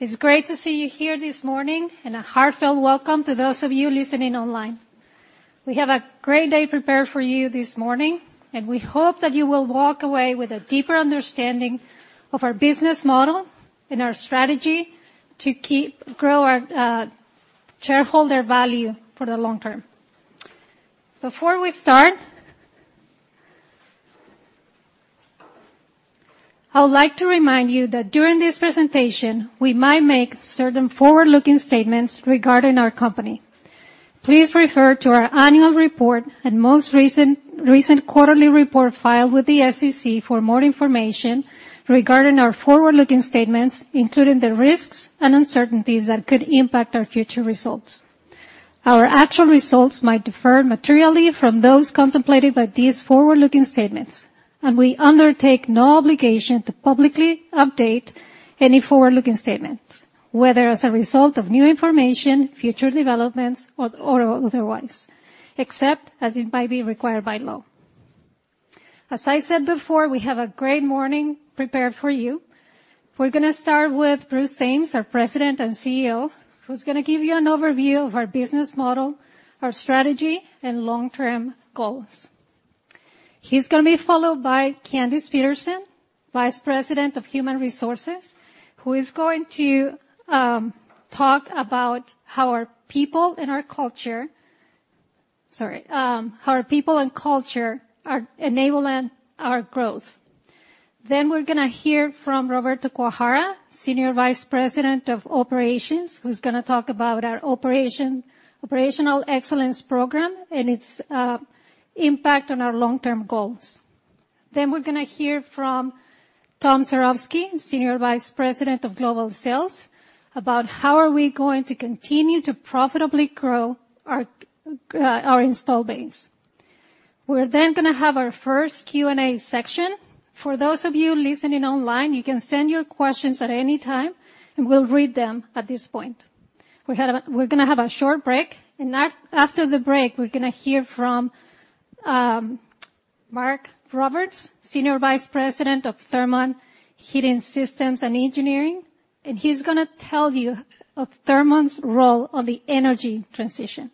It's great to see you here this morning, and a heartfelt welcome to those of you listening online. We have a great day prepared for you this morning, and we hope that you will walk away with a deeper understanding of our business model and our strategy to grow our shareholder value for the long term. Before we start, I would like to remind you that during this presentation, we might make certain forward-looking statements regarding our company. Please refer to our annual report and most recent quarterly report filed with the SEC for more information regarding our forward-looking statements, including the risks and uncertainties that could impact our future results. Our actual results might differ materially from those contemplated by these forward-looking statements, and we undertake no obligation to publicly update any forward-looking statements, whether as a result of new information, future developments, or otherwise, except as it might be required by law. As I said before, we have a great morning prepared for you. We're gonna start with Bruce Thames, our President and CEO, who's gonna give you an overview of our business model, our strategy, and long-term goals. He's gonna be followed by Candace Peterson, Vice President of Human Resources, who is going to talk about how our people and our culture are enabling our growth. Then we're gonna hear from Roberto Kuahara, Senior Vice President of Operations, who's gonna talk about our operational excellence program and its impact on our long-term goals. Then we're gonna hear from Tom Cerovski, Senior Vice President of Global Sales, about how we are going to continue to profitably grow our our install base. We're then gonna have our first Q&A section. For those of you listening online, you can send your questions at any time, and we'll read them at this point. We're gonna have a short break, and after the break, we're gonna hear from Mark Roberts, Senior Vice President of Thermon Heating Systems and Engineering, and he's gonna tell you of Thermon's role on the energy transition.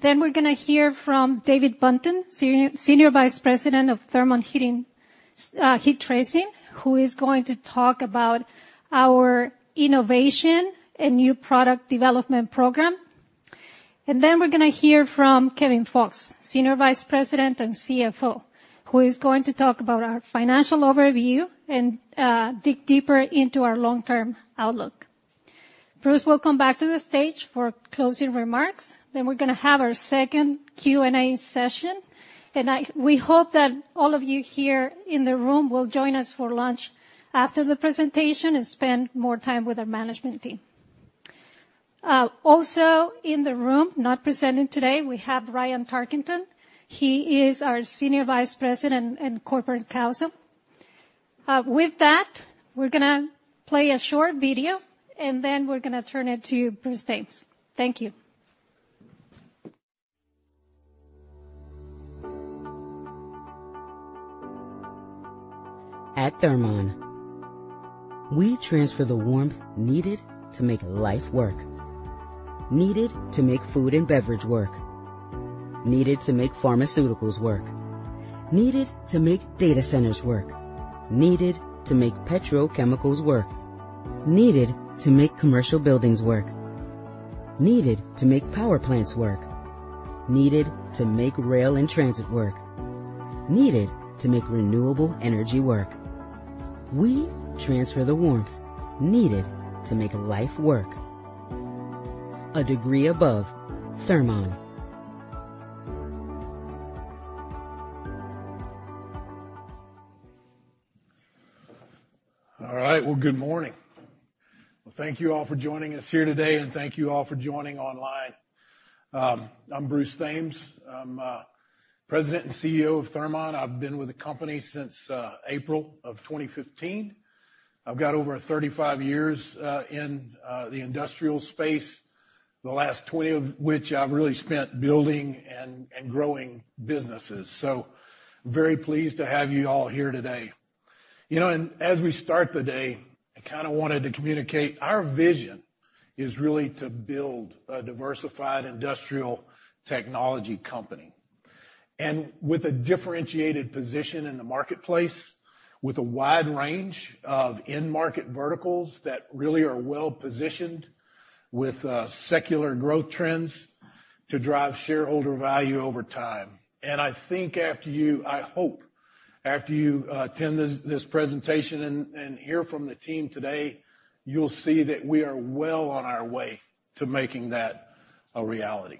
Then we're gonna hear from David Buntin, Senior Vice President of Thermon Heat Tracing, who is going to talk about our innovation and new product development program. And then we're gonna hear from Kevin Fox, Senior Vice President and CFO, who is going to talk about our financial overview and dig deeper into our long-term outlook. Bruce will come back to the stage for closing remarks, then we're gonna have our second Q&A session. We hope that all of you here in the room will join us for lunch after the presentation and spend more time with our management team. Also in the room, not presenting today, we have Ryan Tarkington. He is our Senior Vice President and Corporate Counsel. With that, we're gonna play a short video, and then we're gonna turn it to Bruce Thames. Thank you. At Thermon, we transfer the warmth needed to make life work, needed to make food and beverage work, needed to make pharmaceuticals work, needed to make data centers work, needed to make petrochemicals work, needed to make commercial buildings work, needed to make power plants work, needed to make rail and transit work, needed to make renewable energy work. We transfer the warmth needed to make life work. A degree above, Thermon. All right. Well, good morning. Well, thank you all for joining us here today, and thank you all for joining online. I'm Bruce Thames. I'm President and CEO of Thermon. I've been with the company since April of 2015. I've got over 35 years in the industrial space, the last 20 of which I've really spent building and growing businesses. So very pleased to have you all here today. You know, and as we start the day, I kinda wanted to communicate, our vision is really to build a diversified industrial technology company, and with a differentiated position in the marketplace, with a wide range of end market verticals that really are well positioned with secular growth trends to drive shareholder value over time. I think after you, I hope after you attend this presentation and hear from the team today, you'll see that we are well on our way to making that a reality.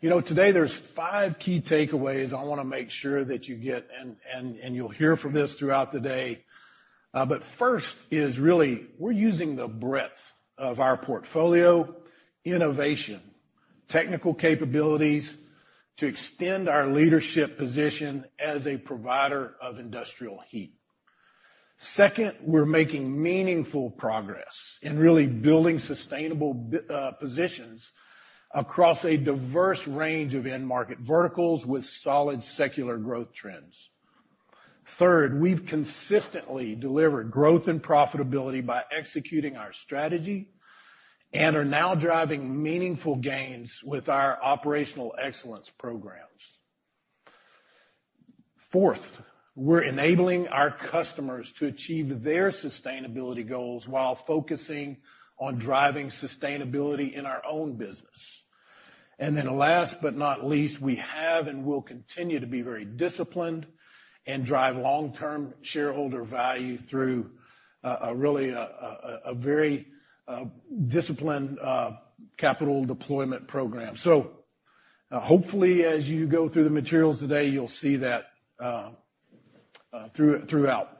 You know, today there's five key takeaways I wanna make sure that you get, and you'll hear from this throughout the day. But first is really, we're using the breadth of our portfolio, innovation, technical capabilities to extend our leadership position as a provider of industrial heat. Second, we're making meaningful progress in really building sustainable positions across a diverse range of end market verticals with solid secular growth trends. Third, we've consistently delivered growth and profitability by executing our strategy, and are now driving meaningful gains with our operational excellence programs. Fourth, we're enabling our customers to achieve their sustainability goals while focusing on driving sustainability in our own business. Then last but not least, we have and will continue to be very disciplined and drive long-term shareholder value through a really very disciplined capital deployment program. So, hopefully, as you go through the materials today, you'll see that throughout.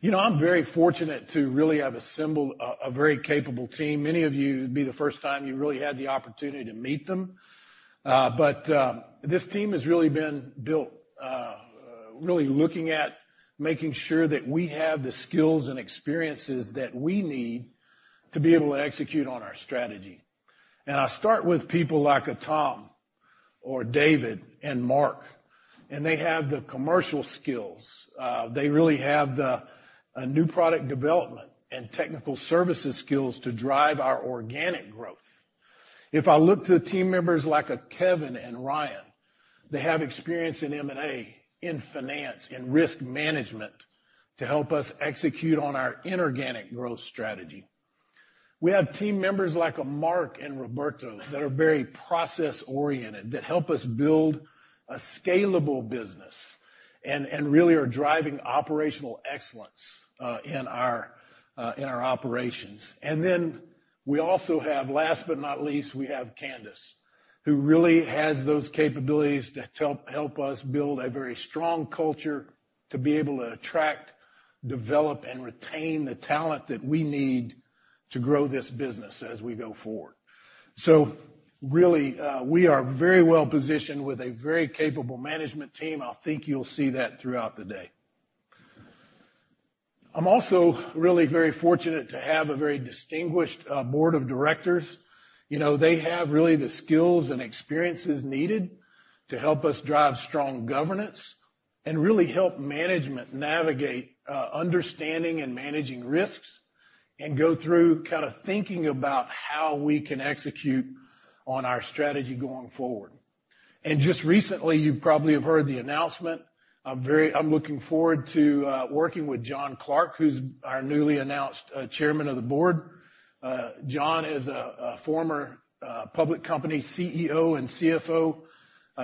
You know, I'm very fortunate to really have assembled a very capable team. Many of you, it'd be the first time you really had the opportunity to meet them. But this team has really been built really looking at making sure that we have the skills and experiences that we need to be able to execute on our strategy. And I'll start with people like Tom or David and Mark, and they have the commercial skills. They really have the new product development and technical services skills to drive our organic growth. If I look to team members like Kevin and Ryan, they have experience in M&A, in finance, in risk management to help us execute on our inorganic growth strategy. We have team members like Mark and Roberto that are very process-oriented, that help us build a scalable business and really are driving operational excellence in our operations. And then we also have, last but not least, we have Candace, who really has those capabilities to help us build a very strong culture to be able to attract, develop, and retain the talent that we need to grow this business as we go forward. So really, we are very well-positioned with a very capable management team. I think you'll see that throughout the day. I'm also really very fortunate to have a very distinguished board of directors. You know, they have really the skills and experiences needed to help us drive strong governance and really help management navigate understanding and managing risks, and go through kinda thinking about how we can execute on our strategy going forward. And just recently, you probably have heard the announcement. I'm very-- I'm looking forward to working with Jon Clarke, who's our newly announced Chairman of the Board. Jon is a, a former public company CEO and CFO.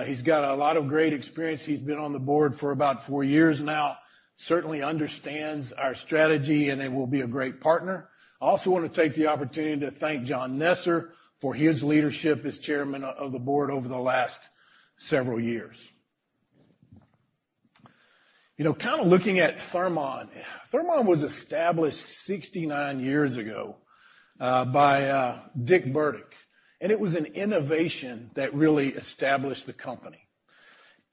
He's got a lot of great experience. He's been on the board for about four years now. Certainly understands our strategy, and he will be a great partner. I also want to take the opportunity to thank John Nesser for his leadership as Chairman of the Board over the last several years. You know, kinda looking at Thermon. Thermon was established 69 years ago by Dick Burdick, and it was an innovation that really established the company.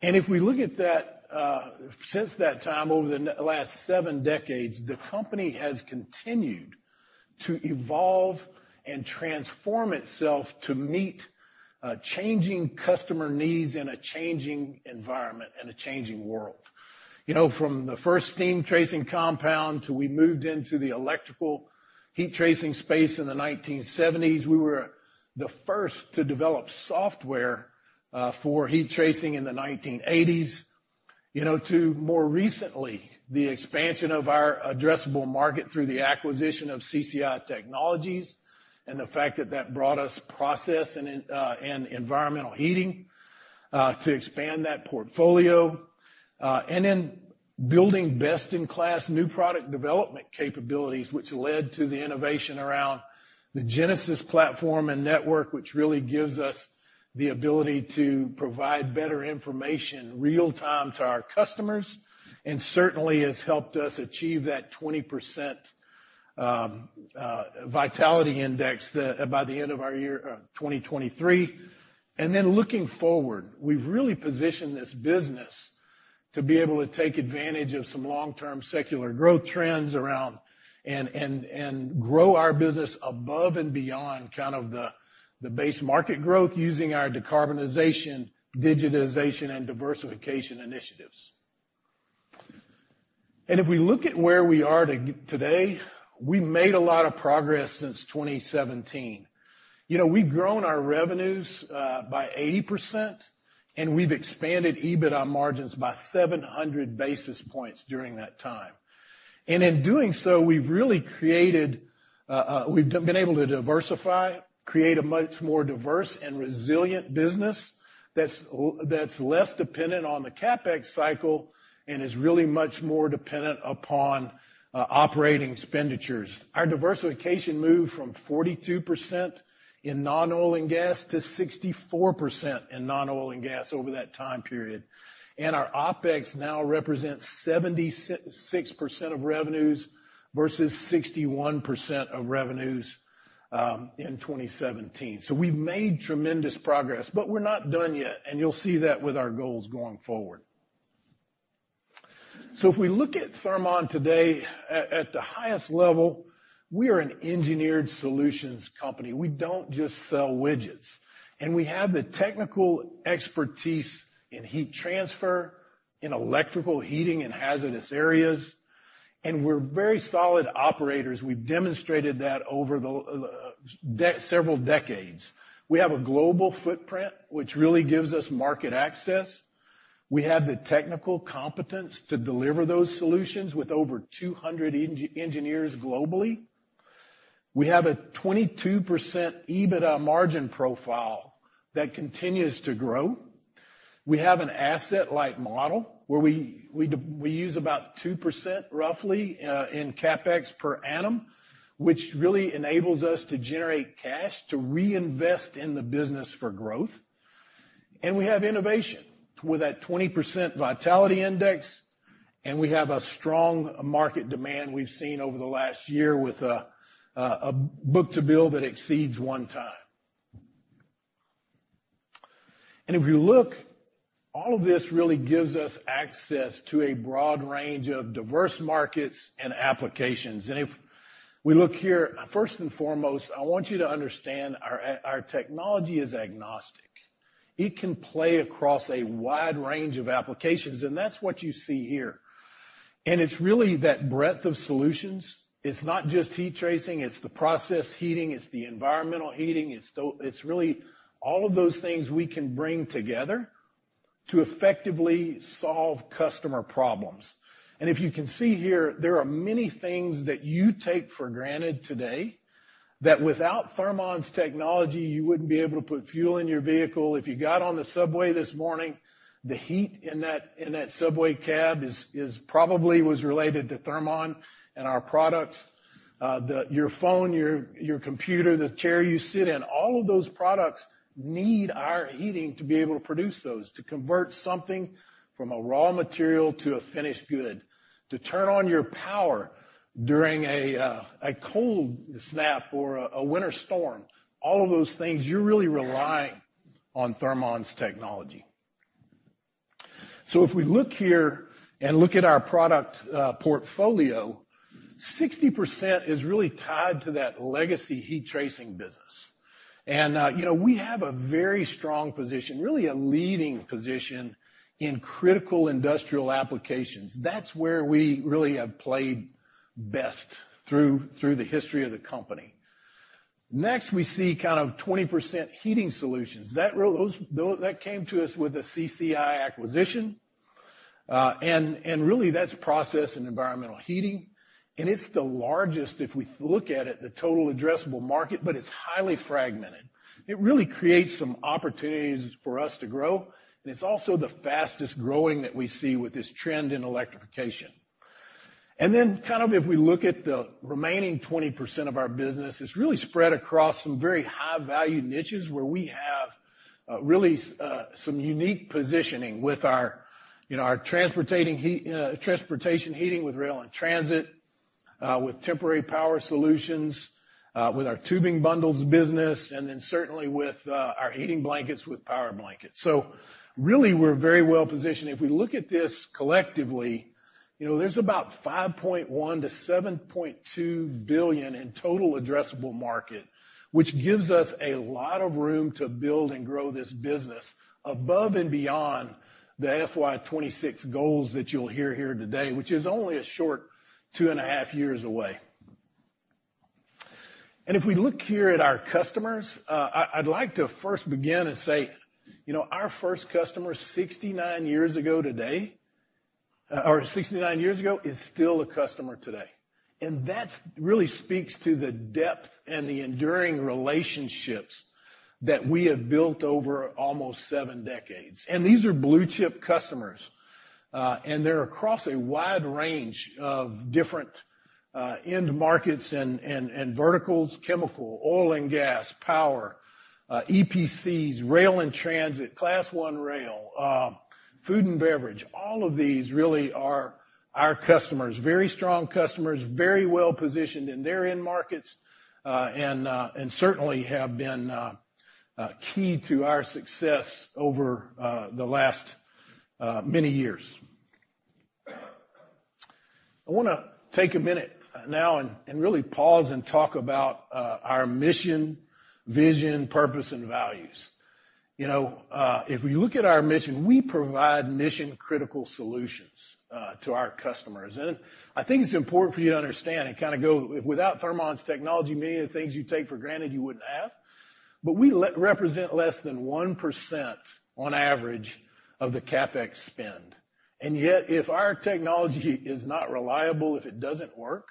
And if we look at that, since that time, over the last seven decades, the company has continued to evolve and transform itself to meet changing customer needs in a changing environment and a changing world. You know, from the first steam tracing compound till we moved into the electrical heat tracing space in the 1970s, we were the first to develop software for heat tracing in the 1980s, you know, to more recently, the expansion of our addressable market through the acquisition of CCI Technologies, and the fact that that brought us process and and environmental heating to expand that portfolio. And then building best-in-class new product development capabilities, which led to the innovation around the Genesis platform and network, which really gives us the ability to provide better information real time to our customers, and certainly has helped us achieve that 20% Vitality Index the by the end of our year 2023. Then looking forward, we've really positioned this business to be able to take advantage of some long-term secular growth trends around and grow our business above and beyond kind of the base market growth, using our decarbonization, digitization, and diversification initiatives. If we look at where we are today, we made a lot of progress since 2017. You know, we've grown our revenues by 80%, and we've expanded EBITDA margins by 700 basis points during that time. In doing so, we've really created, we've been able to diversify, create a much more diverse and resilient business that's that's less dependent on the CapEx cycle and is really much more dependent upon operating expenditures. Our diversification moved from 42% in non-oil and gas to 64% in non-oil and gas over that time period. Our OpEx now represents 76% of revenues versus 61% of revenues in 2017. We've made tremendous progress, but we're not done yet, and you'll see that with our goals going forward. So if we look at Thermon today at the highest level, we are an engineered solutions company. We don't just sell widgets, and we have the technical expertise in heat transfer in electrical heating and hazardous areas, and we're very solid operators. We've demonstrated that over the several decades. We have a global footprint, which really gives us market access. We have the technical competence to deliver those solutions with over 200 engineers globally. We have a 22% EBITDA margin profile that continues to grow. We have an asset-light model, where we use about 2% roughly in CapEx per annum, which really enables us to generate cash to reinvest in the business for growth. We have innovation with that 20% vitality index, and we have a strong market demand we've seen over the last year with a book-to-bill that exceeds 1x. If you look, all of this really gives us access to a broad range of diverse markets and applications. If we look here, first and foremost, I want you to understand our technology is agnostic. It can play across a wide range of applications, and that's what you see here. It's really that breadth of solutions. It's not just heat tracing, it's the process heating, it's the environmental heating. It's really all of those things we can bring together to effectively solve customer problems. And if you can see here, there are many things that you take for granted today that without Thermon's technology, you wouldn't be able to put fuel in your vehicle. If you got on the subway this morning, the heat in that subway cab is probably related to Thermon and our products. Your phone, your computer, the chair you sit in, all of those products need our heating to be able to produce those, to convert something from a raw material to a finished good. To turn on your power during a cold snap or a winter storm. All of those things, you really rely on Thermon's technology. So if we look here and look at our product portfolio, 60% is really tied to that legacy heat tracing business. And, you know, we have a very strong position, really a leading position, in critical industrial applications. That's where we really have played best through the history of the company. Next, we see kind of 20% heating solutions. That really came to us with the CCI acquisition. And, and really, that's process and environmental heating, and it's the largest, if we look at it, the total addressable market, but it's highly fragmented. It really creates some opportunities for us to grow, and it's also the fastest-growing that we see with this trend in electrification. And then kind of if we look at the remaining 20% of our business, it's really spread across some very high-value niches where we have, really, some unique positioning with our, you know, our transportation heating with rail and transit, with temporary power solutions, with our tubing bundles business, and then certainly with, our heating blankets, with Powerblanket. So really, we're very well positioned. If we look at this collectively, you know, there's about $5.1 billion-$7.2 billion in total addressable market, which gives us a lot of room to build and grow this business above and beyond the FY 2026 goals that you'll hear here today, which is only a short two and a half years away. If we look here at our customers, I'd like to first begin and say, you know, our first customer, 69 years ago today, or 69 years ago, is still a customer today. And that really speaks to the depth and the enduring relationships that we have built over almost seven decades. And these are blue-chip customers, and they're across a wide range of different end markets and verticals, chemical, oil and gas, power, EPCs, rail and transit, Class I rail, food and beverage. All of these really are our customers, very strong customers, very well-positioned in their end markets, and certainly have been key to our success over the last many years. I wanna take a minute now and really pause and talk about our mission, vision, purpose, and values. You know, if we look at our mission, we provide mission-critical solutions to our customers. And I think it's important for you to understand and kinda go without Thermon's technology, many of the things you take for granted, you wouldn't have. But we represent less than 1% on average of the CapEx spend. And yet, if our technology is not reliable, if it doesn't work,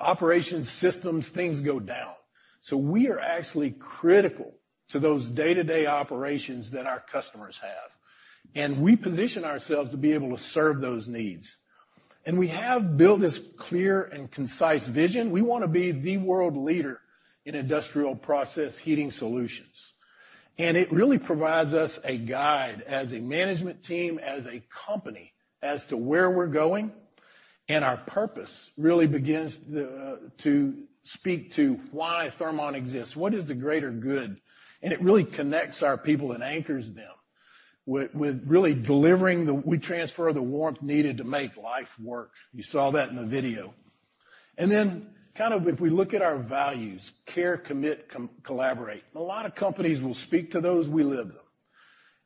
operations, systems, things go down. So we are actually critical to those day-to-day operations that our customers have, and we position ourselves to be able to serve those needs. And we have built this clear and concise vision. We wanna be the world leader in industrial process heating solutions. It really provides us a guide as a management team, as a company, as to where we're going, and our purpose really begins to speak to why Thermon exists, what is the greater good? And it really connects our people and anchors them with really delivering the, we transfer the warmth needed to make life work. You saw that in the video. And then kind of if we look at our values: care, commit, collaborate. A lot of companies will speak to those, we live them.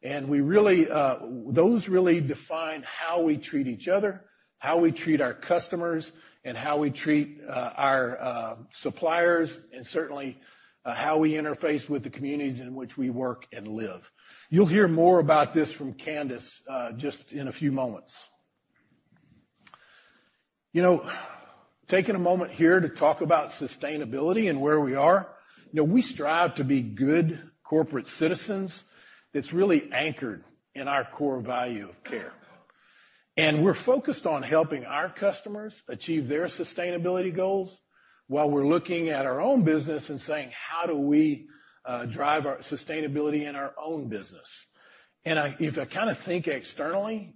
And we really, those really define how we treat each other, how we treat our customers, and how we treat our suppliers, and certainly how we interface with the communities in which we work and live. You'll hear more about this from Candace just in a few moments. You know, taking a moment here to talk about sustainability and where we are. You know, we strive to be good corporate citizens. It's really anchored in our core value of care. And we're focused on helping our customers achieve their sustainability goals, while we're looking at our own business and saying: How do we drive our sustainability in our own business? And if I kinda think externally,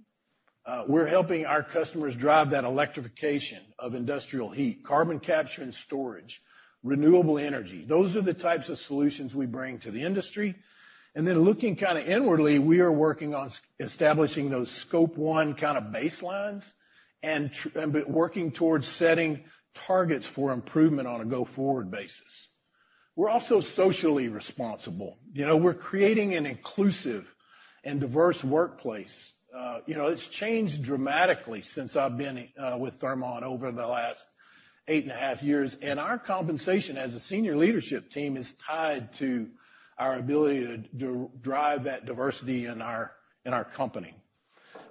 we're helping our customers drive that electrification of industrial heat, carbon capture and storage, renewable energy. Those are the types of solutions we bring to the industry. And then looking kinda inwardly, we are working on establishing those Scope 1 kinda baselines, and working towards setting targets for improvement on a go-forward basis. We're also socially responsible. You know, we're creating an inclusive and diverse workplace. You know, it's changed dramatically since I've been with Thermon over the last 8.5 years, and our compensation as a senior leadership team is tied to our ability to drive that diversity in our, in our company.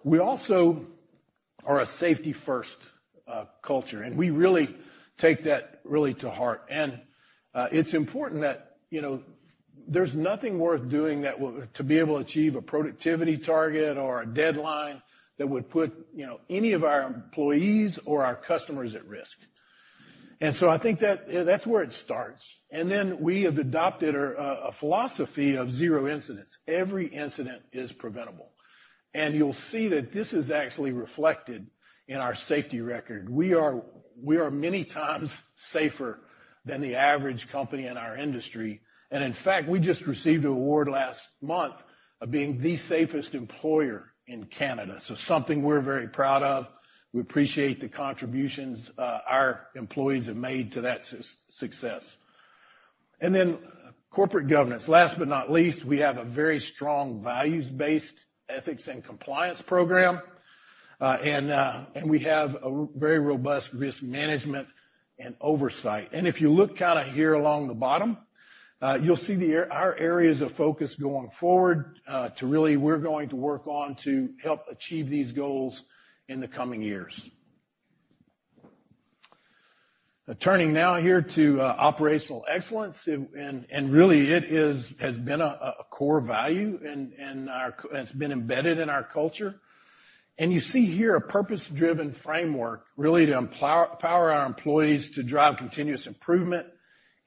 We also are a safety-first culture, and we really take that really to heart. It's important that, you know, there's nothing worth doing that to be able to achieve a productivity target or a deadline that would put, you know, any of our employees or our customers at risk. So I think that that's where it starts. Then we have adopted a philosophy of zero incidents. Every incident is preventable. You'll see that this is actually reflected in our safety record. We are, we are many times safer than the average company in our industry, and in fact, we just received an award last month of being the safest employer in Canada. So something we're very proud of. We appreciate the contributions our employees have made to that success. And then corporate governance. Last but not least, we have a very strong values-based ethics and compliance program, and we have a very robust risk management and oversight. And if you look kinda here along the bottom, you'll see our areas of focus going forward, to really we're going to work on to help achieve these goals in the coming years. Turning now here to operational excellence, and really it has been a core value and it's been embedded in our culture. You see here a purpose-driven framework, really to empower our employees to drive continuous improvement,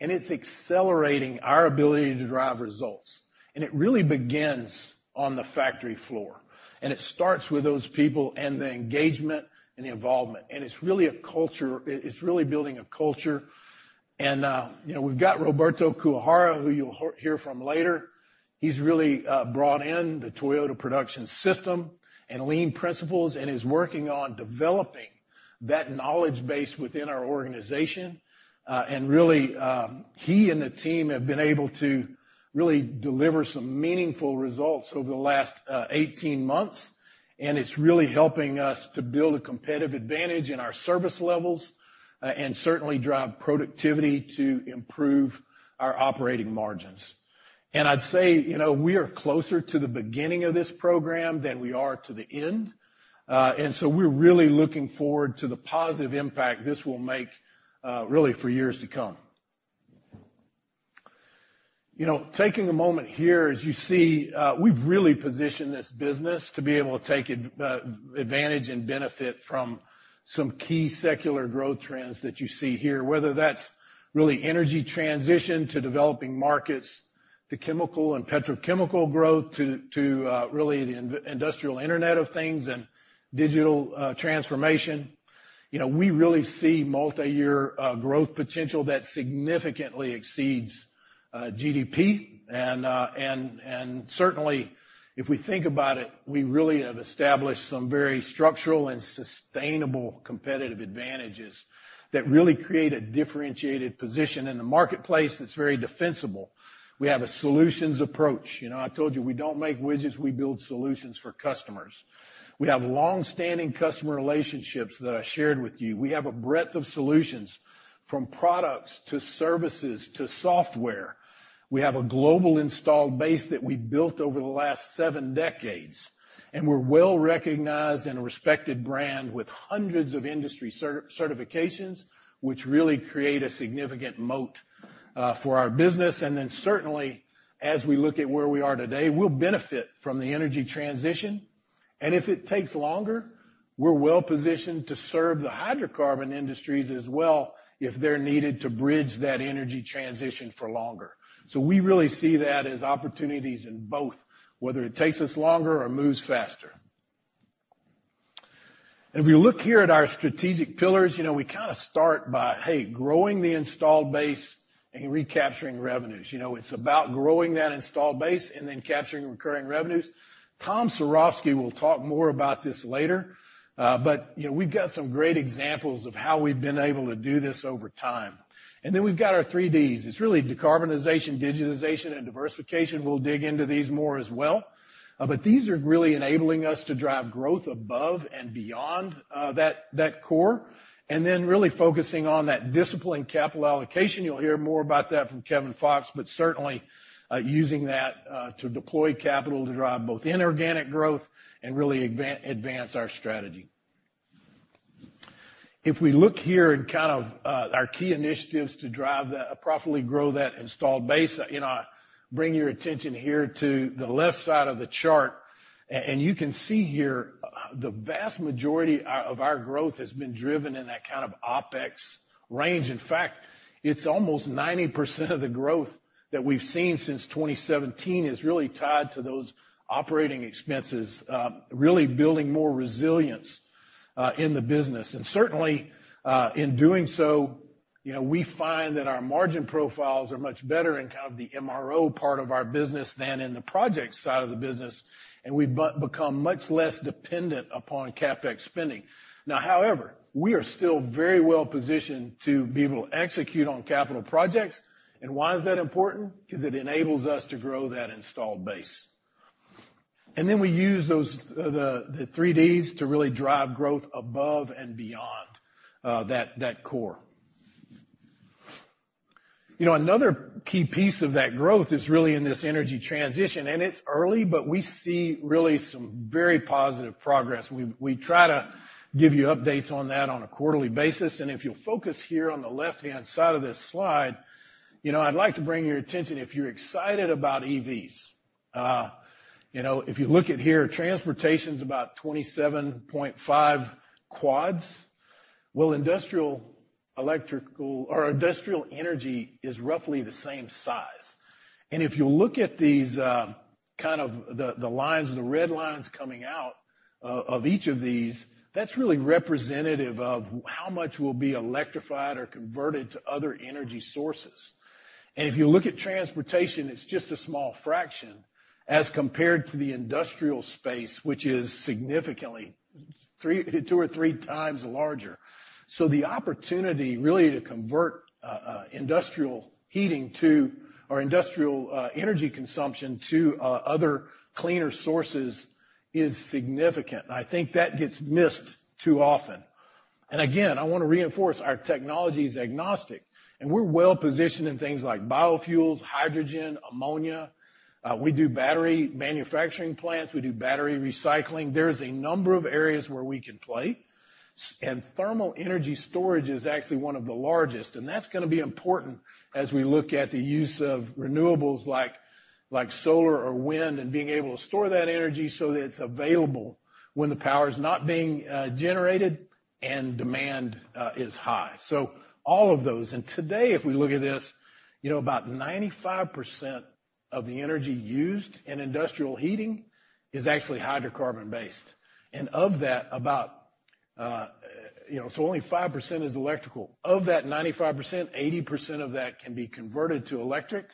and it's accelerating our ability to drive results. It really begins on the factory floor, and it starts with those people and the engagement and the involvement. It's really a culture, it's really building a culture. You know, we've got Roberto Kuahara, who you'll hear from later. He's really brought in the Toyota Production System and Lean principles, and is working on developing that knowledge base within our organization. And really, he and the team have been able to really deliver some meaningful results over the last 18 months, and it's really helping us to build a competitive advantage in our service levels, and certainly drive productivity to improve our operating margins. I'd say, you know, we are closer to the beginning of this program than we are to the end, and so we're really looking forward to the positive impact this will make, really for years to come. You know, taking a moment here, as you see, we've really positioned this business to be able to take advantage and benefit from some key secular growth trends that you see here, whether that's really energy transition to developing markets, to chemical and petrochemical growth, to really the industrial internet of things and digital transformation. You know, we really see multiyear growth potential that significantly exceeds GDP. Certainly, if we think about it, we really have established some very structural and sustainable competitive advantages that really create a differentiated position in the marketplace that's very defensible. We have a solutions approach. You know, I told you, we don't make widgets, we build solutions for customers. We have longstanding customer relationships that I shared with you. We have a breadth of solutions, from products, to services, to software. We have a global installed base that we built over the last seven decades, and we're well recognized and a respected brand with hundreds of industry certifications, which really create a significant moat for our business. And then certainly, as we look at where we are today, we'll benefit from the energy transition. And if it takes longer, we're well positioned to serve the hydrocarbon industries as well, if they're needed to bridge that energy transition for longer. So we really see that as opportunities in both, whether it takes us longer or moves faster. If you look here at our strategic pillars, you know, we kinda start by, hey, growing the installed base and recapturing revenues. You know, it's about growing that installed base and then capturing recurring revenues. Tom Cerovski will talk more about this later, but, you know, we've got some great examples of how we've been able to do this over time. And then we've got our three Ds. It's really decarbonization, digitization, and diversification. We'll dig into these more as well, but these are really enabling us to drive growth above and beyond that core, and then really focusing on that disciplined capital allocation. You'll hear more about that from Kevin Fox, but certainly using that to deploy capital to drive both inorganic growth and really advance our strategy. If we look here at kind of our key initiatives to drive that profitability grow that installed base, you know, I bring your attention here to the left side of the chart. And you can see here, the vast majority of our growth has been driven in that kind of OpEx range. In fact, it's almost 90% of the growth that we've seen since 2017 is really tied to those operating expenses, really building more resilience in the business. And certainly, in doing so, you know, we find that our margin profiles are much better in kind of the MRO part of our business than in the project side of the business, and we've but become much less dependent upon CapEx spending. Now, however, we are still very well positioned to be able to execute on capital projects. Why is that important? Because it enables us to grow that installed base. Then we use those, the three Ds to really drive growth above and beyond, that core. You know, another key piece of that growth is really in this energy transition, and it's early, but we see really some very positive progress. We try to give you updates on that on a quarterly basis, and if you'll focus here on the left-hand side of this slide, you know, I'd like to bring your attention, if you're excited about EVs. You know, if you look at here, transportation's about 27.5 quads. Well, industrial, electrical or industrial energy is roughly the same size. And if you look at these, kind of the lines, the red lines coming out of each of these, that's really representative of how much will be electrified or converted to other energy sources. And if you look at transportation, it's just a small fraction as compared to the industrial space, which is significantly three, two or three times larger. So the opportunity really to convert industrial heating to, or industrial energy consumption to other cleaner sources is significant. I think that gets missed too often. And again, I wanna reinforce our technology is agnostic, and we're well positioned in things like biofuels, hydrogen, ammonia. We do battery manufacturing plants. We do battery recycling. There is a number of areas where we can play, and thermal energy storage is actually one of the largest, and that's gonna be important as we look at the use of renewables like, like solar or wind, and being able to store that energy so that it's available when the power is not being generated and demand is high. So all of those, and today, if we look at this, you know, about 95% of the energy used in industrial heating is actually hydrocarbon-based. And of that, about, you know, so only 5% is electrical. Of that 95%, 80% of that can be converted to electric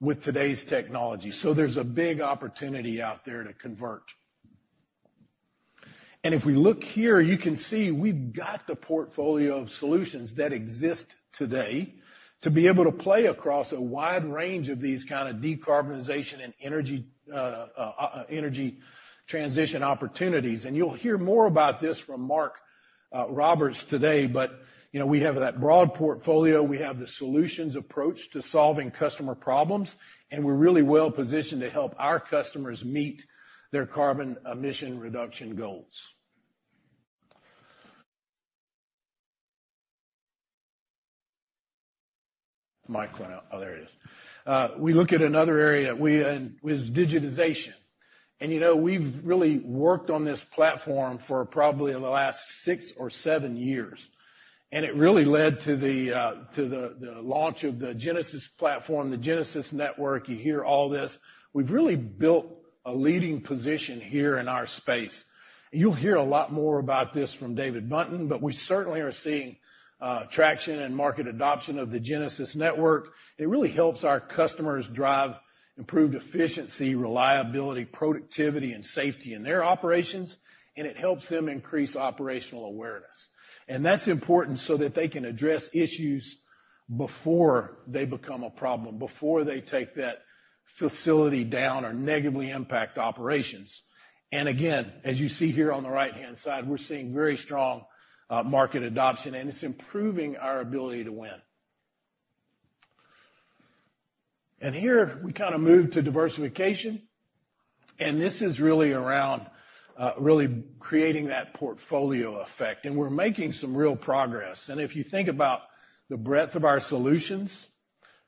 with today's technology. So there's a big opportunity out there to convert. And if we look here, you can see we've got the portfolio of solutions that exist today to be able to play across a wide range of these kind of decarbonization and energy, energy transition opportunities. And you'll hear more about this from Mark Roberts today, but, you know, we have that broad portfolio. We have the solutions approach to solving customer problems, and we're really well positioned to help our customers meet their carbon emission reduction goals. Mic went out. Oh, there it is. We look at another area, and is digitization. And, you know, we've really worked on this platform for probably the last six or seven years, and it really led to the, to the, the launch of the Genesis platform, the Genesis Network. You hear all this. We've really built a leading position here in our space. You'll hear a lot more about this from David Buntin, but we certainly are seeing traction and market adoption of the Genesis Network. It really helps our customers drive improved efficiency, reliability, productivity, and safety in their operations, and it helps them increase operational awareness. That's important so that they can address issues before they become a problem, before they take that facility down or negatively impact operations. Again, as you see here on the right-hand side, we're seeing very strong market adoption, and it's improving our ability to win. Here, we kinda move to diversification, and this is really around really creating that portfolio effect, and we're making some real progress. And if you think about the breadth of our solutions,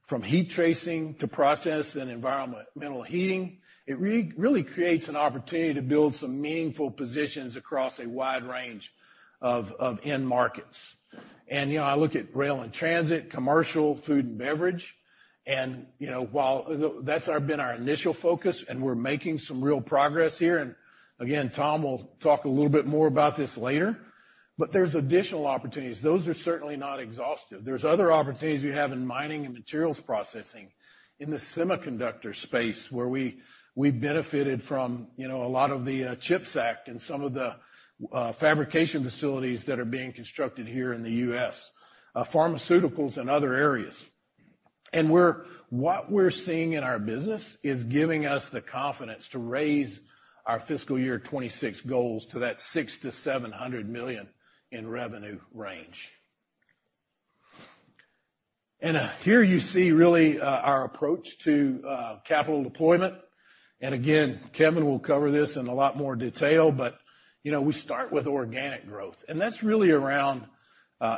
from heat tracing to process and environmental heating, it really creates an opportunity to build some meaningful positions across a wide range of end markets. And, you know, I look at rail and transit, commercial, food and beverage.... And, you know, while that's been our initial focus, and we're making some real progress here, and again, Tom will talk a little bit more about this later. But there's additional opportunities. Those are certainly not exhaustive. There's other opportunities we have in mining and materials processing, in the semiconductor space, where we benefited from, you know, a lot of the CHIPS Act and some of the fabrication facilities that are being constructed here in the U.S., pharmaceuticals and other areas. What we're seeing in our business is giving us the confidence to raise our fiscal year 2026 goals to that $600 million-$700 million in revenue range. And here you see really our approach to capital deployment, and again, Kevin will cover this in a lot more detail, but you know, we start with organic growth, and that's really around.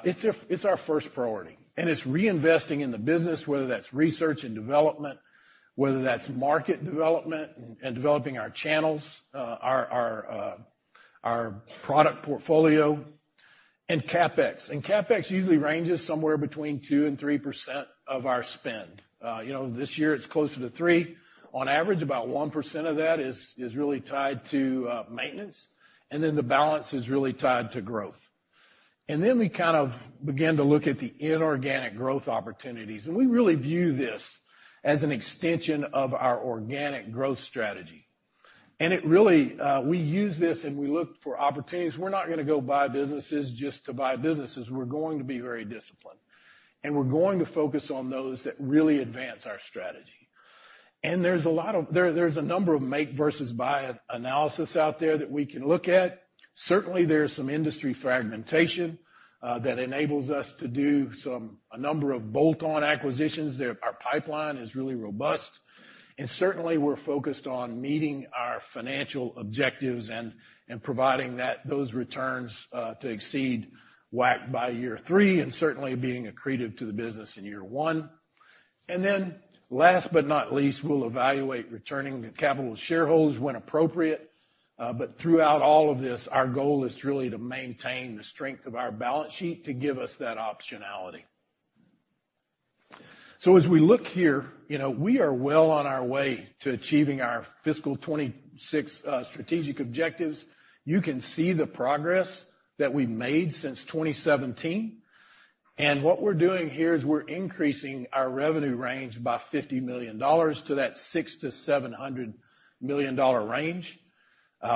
It's our first priority, and it's reinvesting in the business, whether that's research and development, whether that's market development and developing our channels, our product portfolio and CapEx. And CapEx usually ranges somewhere between 2%-3% of our spend. You know, this year it's closer to 3%. On average, about 1% of that is really tied to maintenance, and then the balance is really tied to growth. And then we kind of begin to look at the inorganic growth opportunities, and we really view this as an extension of our organic growth strategy. And it really, we use this, and we look for opportunities. We're not gonna go buy businesses just to buy businesses. We're going to be very disciplined, and we're going to focus on those that really advance our strategy. And there's a lot of, there's a number of make versus buy analysis out there that we can look at. Certainly, there's some industry fragmentation that enables us to do some, a number of bolt-on acquisitions there. Our pipeline is really robust, and certainly, we're focused on meeting our financial objectives and providing those returns to exceed WACC by year three and certainly being accretive to the business in year one. And then last but not least, we'll evaluate returning the capital to shareholders when appropriate, but throughout all of this, our goal is really to maintain the strength of our balance sheet to give us that optionality. So as we look here, you know, we are well on our way to achieving our fiscal 2026 strategic objectives. You can see the progress that we've made since 2017, and what we're doing here is we're increasing our revenue range by $50 million to that $600 million-$700 million range.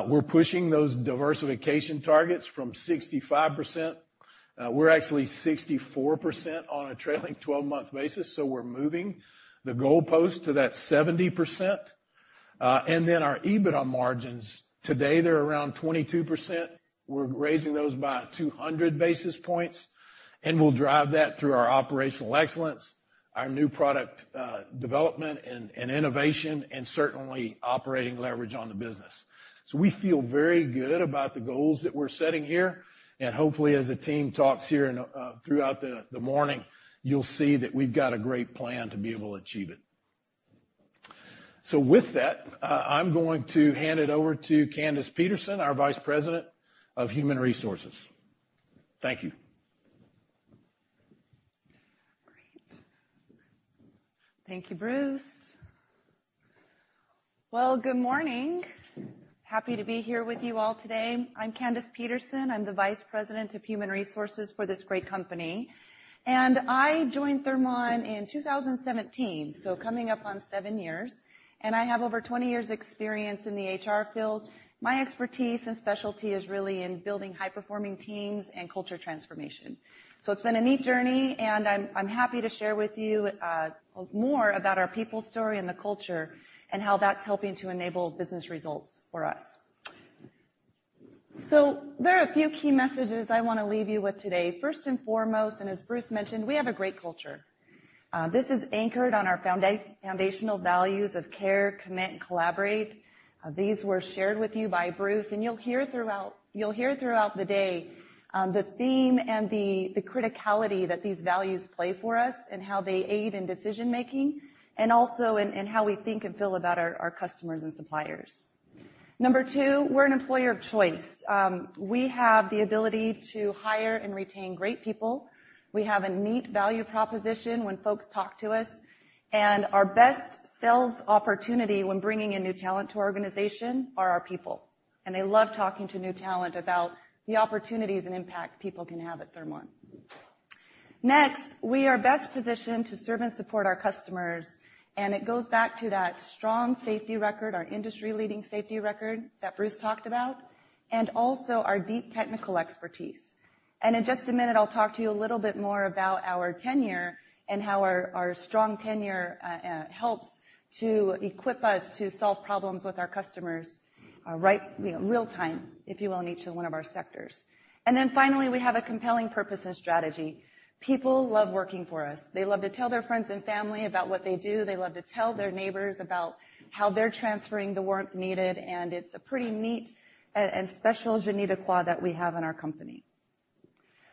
We're pushing those diversification targets from 65%. We're actually 64% on a trailing 12-month basis, so we're moving the goalpost to that 70%. And then our EBITDA margins, today they're around 22%. We're raising those by 200 basis points, and we'll drive that through our operational excellence, our new product development and innovation, and certainly operating leverage on the business. So we feel very good about the goals that we're setting here, and hopefully, as the team talks here and throughout the morning, you'll see that we've got a great plan to be able to achieve it. So with that, I'm going to hand it over to Candace Peterson, our Vice President of Human Resources. Thank you. Great. Thank you, Bruce. Well, good morning. Happy to be here with you all today. I'm Candace Peterson. I'm the Vice President of Human Resources for this great company, and I joined Thermon in 2017, so coming up on seven years, and I have over 20 years' experience in the HR field. My expertise and specialty is really in building high-performing teams and culture transformation. So it's been a neat journey, and I'm happy to share with you more about our people story and the culture and how that's helping to enable business results for us. So there are a few key messages I want to leave you with today. First and foremost, and as Bruce mentioned, we have a great culture. This is anchored on our foundational values of care, commit, and collaborate. These were shared with you by Bruce, and you'll hear throughout the day the theme and the criticality that these values play for us and how they aid in decision-making and also in how we think and feel about our customers and suppliers. Number two, we're an employer of choice. We have the ability to hire and retain great people. We have a neat value proposition when folks talk to us, and our best sales opportunity when bringing in new talent to our organization are our people, and they love talking to new talent about the opportunities and impact people can have at Thermon. Next, we are best positioned to serve and support our customers, and it goes back to that strong safety record, our industry-leading safety record that Bruce talked about, and also our deep technical expertise. And in just a minute, I'll talk to you a little bit more about our tenure and how our strong tenure helps to equip us to solve problems with our customers, right, you know, real time, if you will, in each one of our sectors. And then finally, we have a compelling purpose and strategy. People love working for us. They love to tell their friends and family about what they do. They love to tell their neighbors about how they're transferring the warmth needed, and it's a pretty neat and special je ne sais quoi that we have in our company.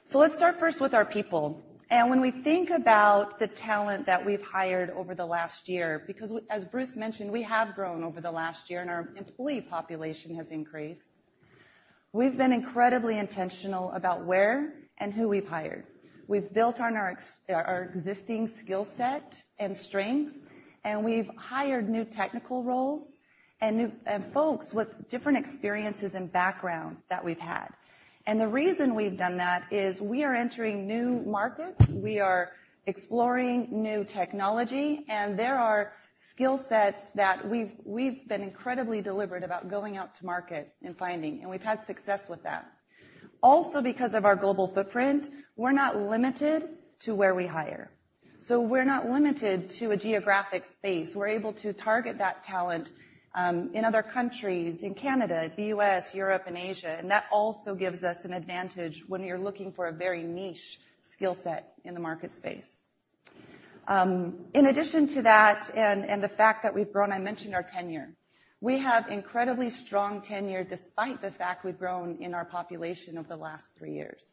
So let's start first with our people, and when we think about the talent that we've hired over the last year, because as Bruce mentioned, we have grown over the last year, and our employee population has increased. We've been incredibly intentional about where and who we've hired. We've built on our existing skill set and strengths, and we've hired new technical roles and new folks with different experiences and background that we've had. And the reason we've done that is we are entering new markets, we are exploring new technology, and there are skill sets that we've, we've been incredibly deliberate about going out to market and finding, and we've had success with that. Also, because of our global footprint, we're not limited to where we hire, so we're not limited to a geographic space. We're able to target that talent in other countries, in Canada, the U.S., Europe and Asia, and that also gives us an advantage when you're looking for a very niche skill set in the market space. In addition to that, and the fact that we've grown, I mentioned our tenure. We have incredibly strong tenure, despite the fact we've grown in our population over the last three years.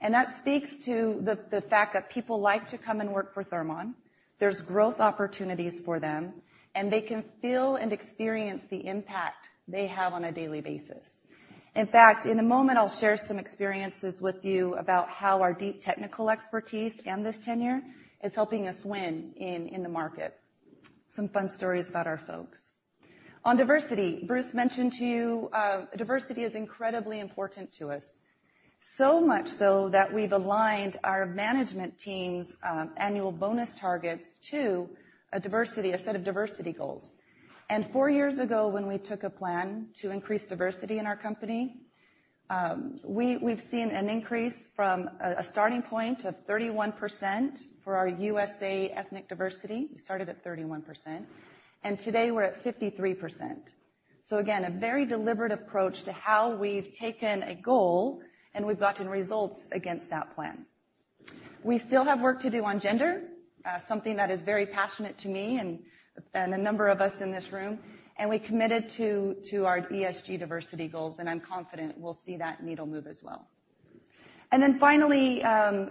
That speaks to the fact that people like to come and work for Thermon. There's growth opportunities for them, and they can feel and experience the impact they have on a daily basis. In fact, in a moment, I'll share some experiences with you about how our deep technical expertise and this tenure is helping us win in the market. Some fun stories about our folks. On diversity, Bruce mentioned to you, diversity is incredibly important to us, so much so that we've aligned our management team's annual bonus targets to a set of diversity goals. Four years ago, when we took a plan to increase diversity in our company, we've seen an increase from a starting point of 31% for our USA ethnic diversity. We started at 31%, and today we're at 53%. Again, a very deliberate approach to how we've taken a goal, and we've gotten results against that plan. We still have work to do on gender, something that is very passionate to me and a number of us in this room, and we're committed to our ESG diversity goals, and I'm confident we'll see that needle move as well. Then finally,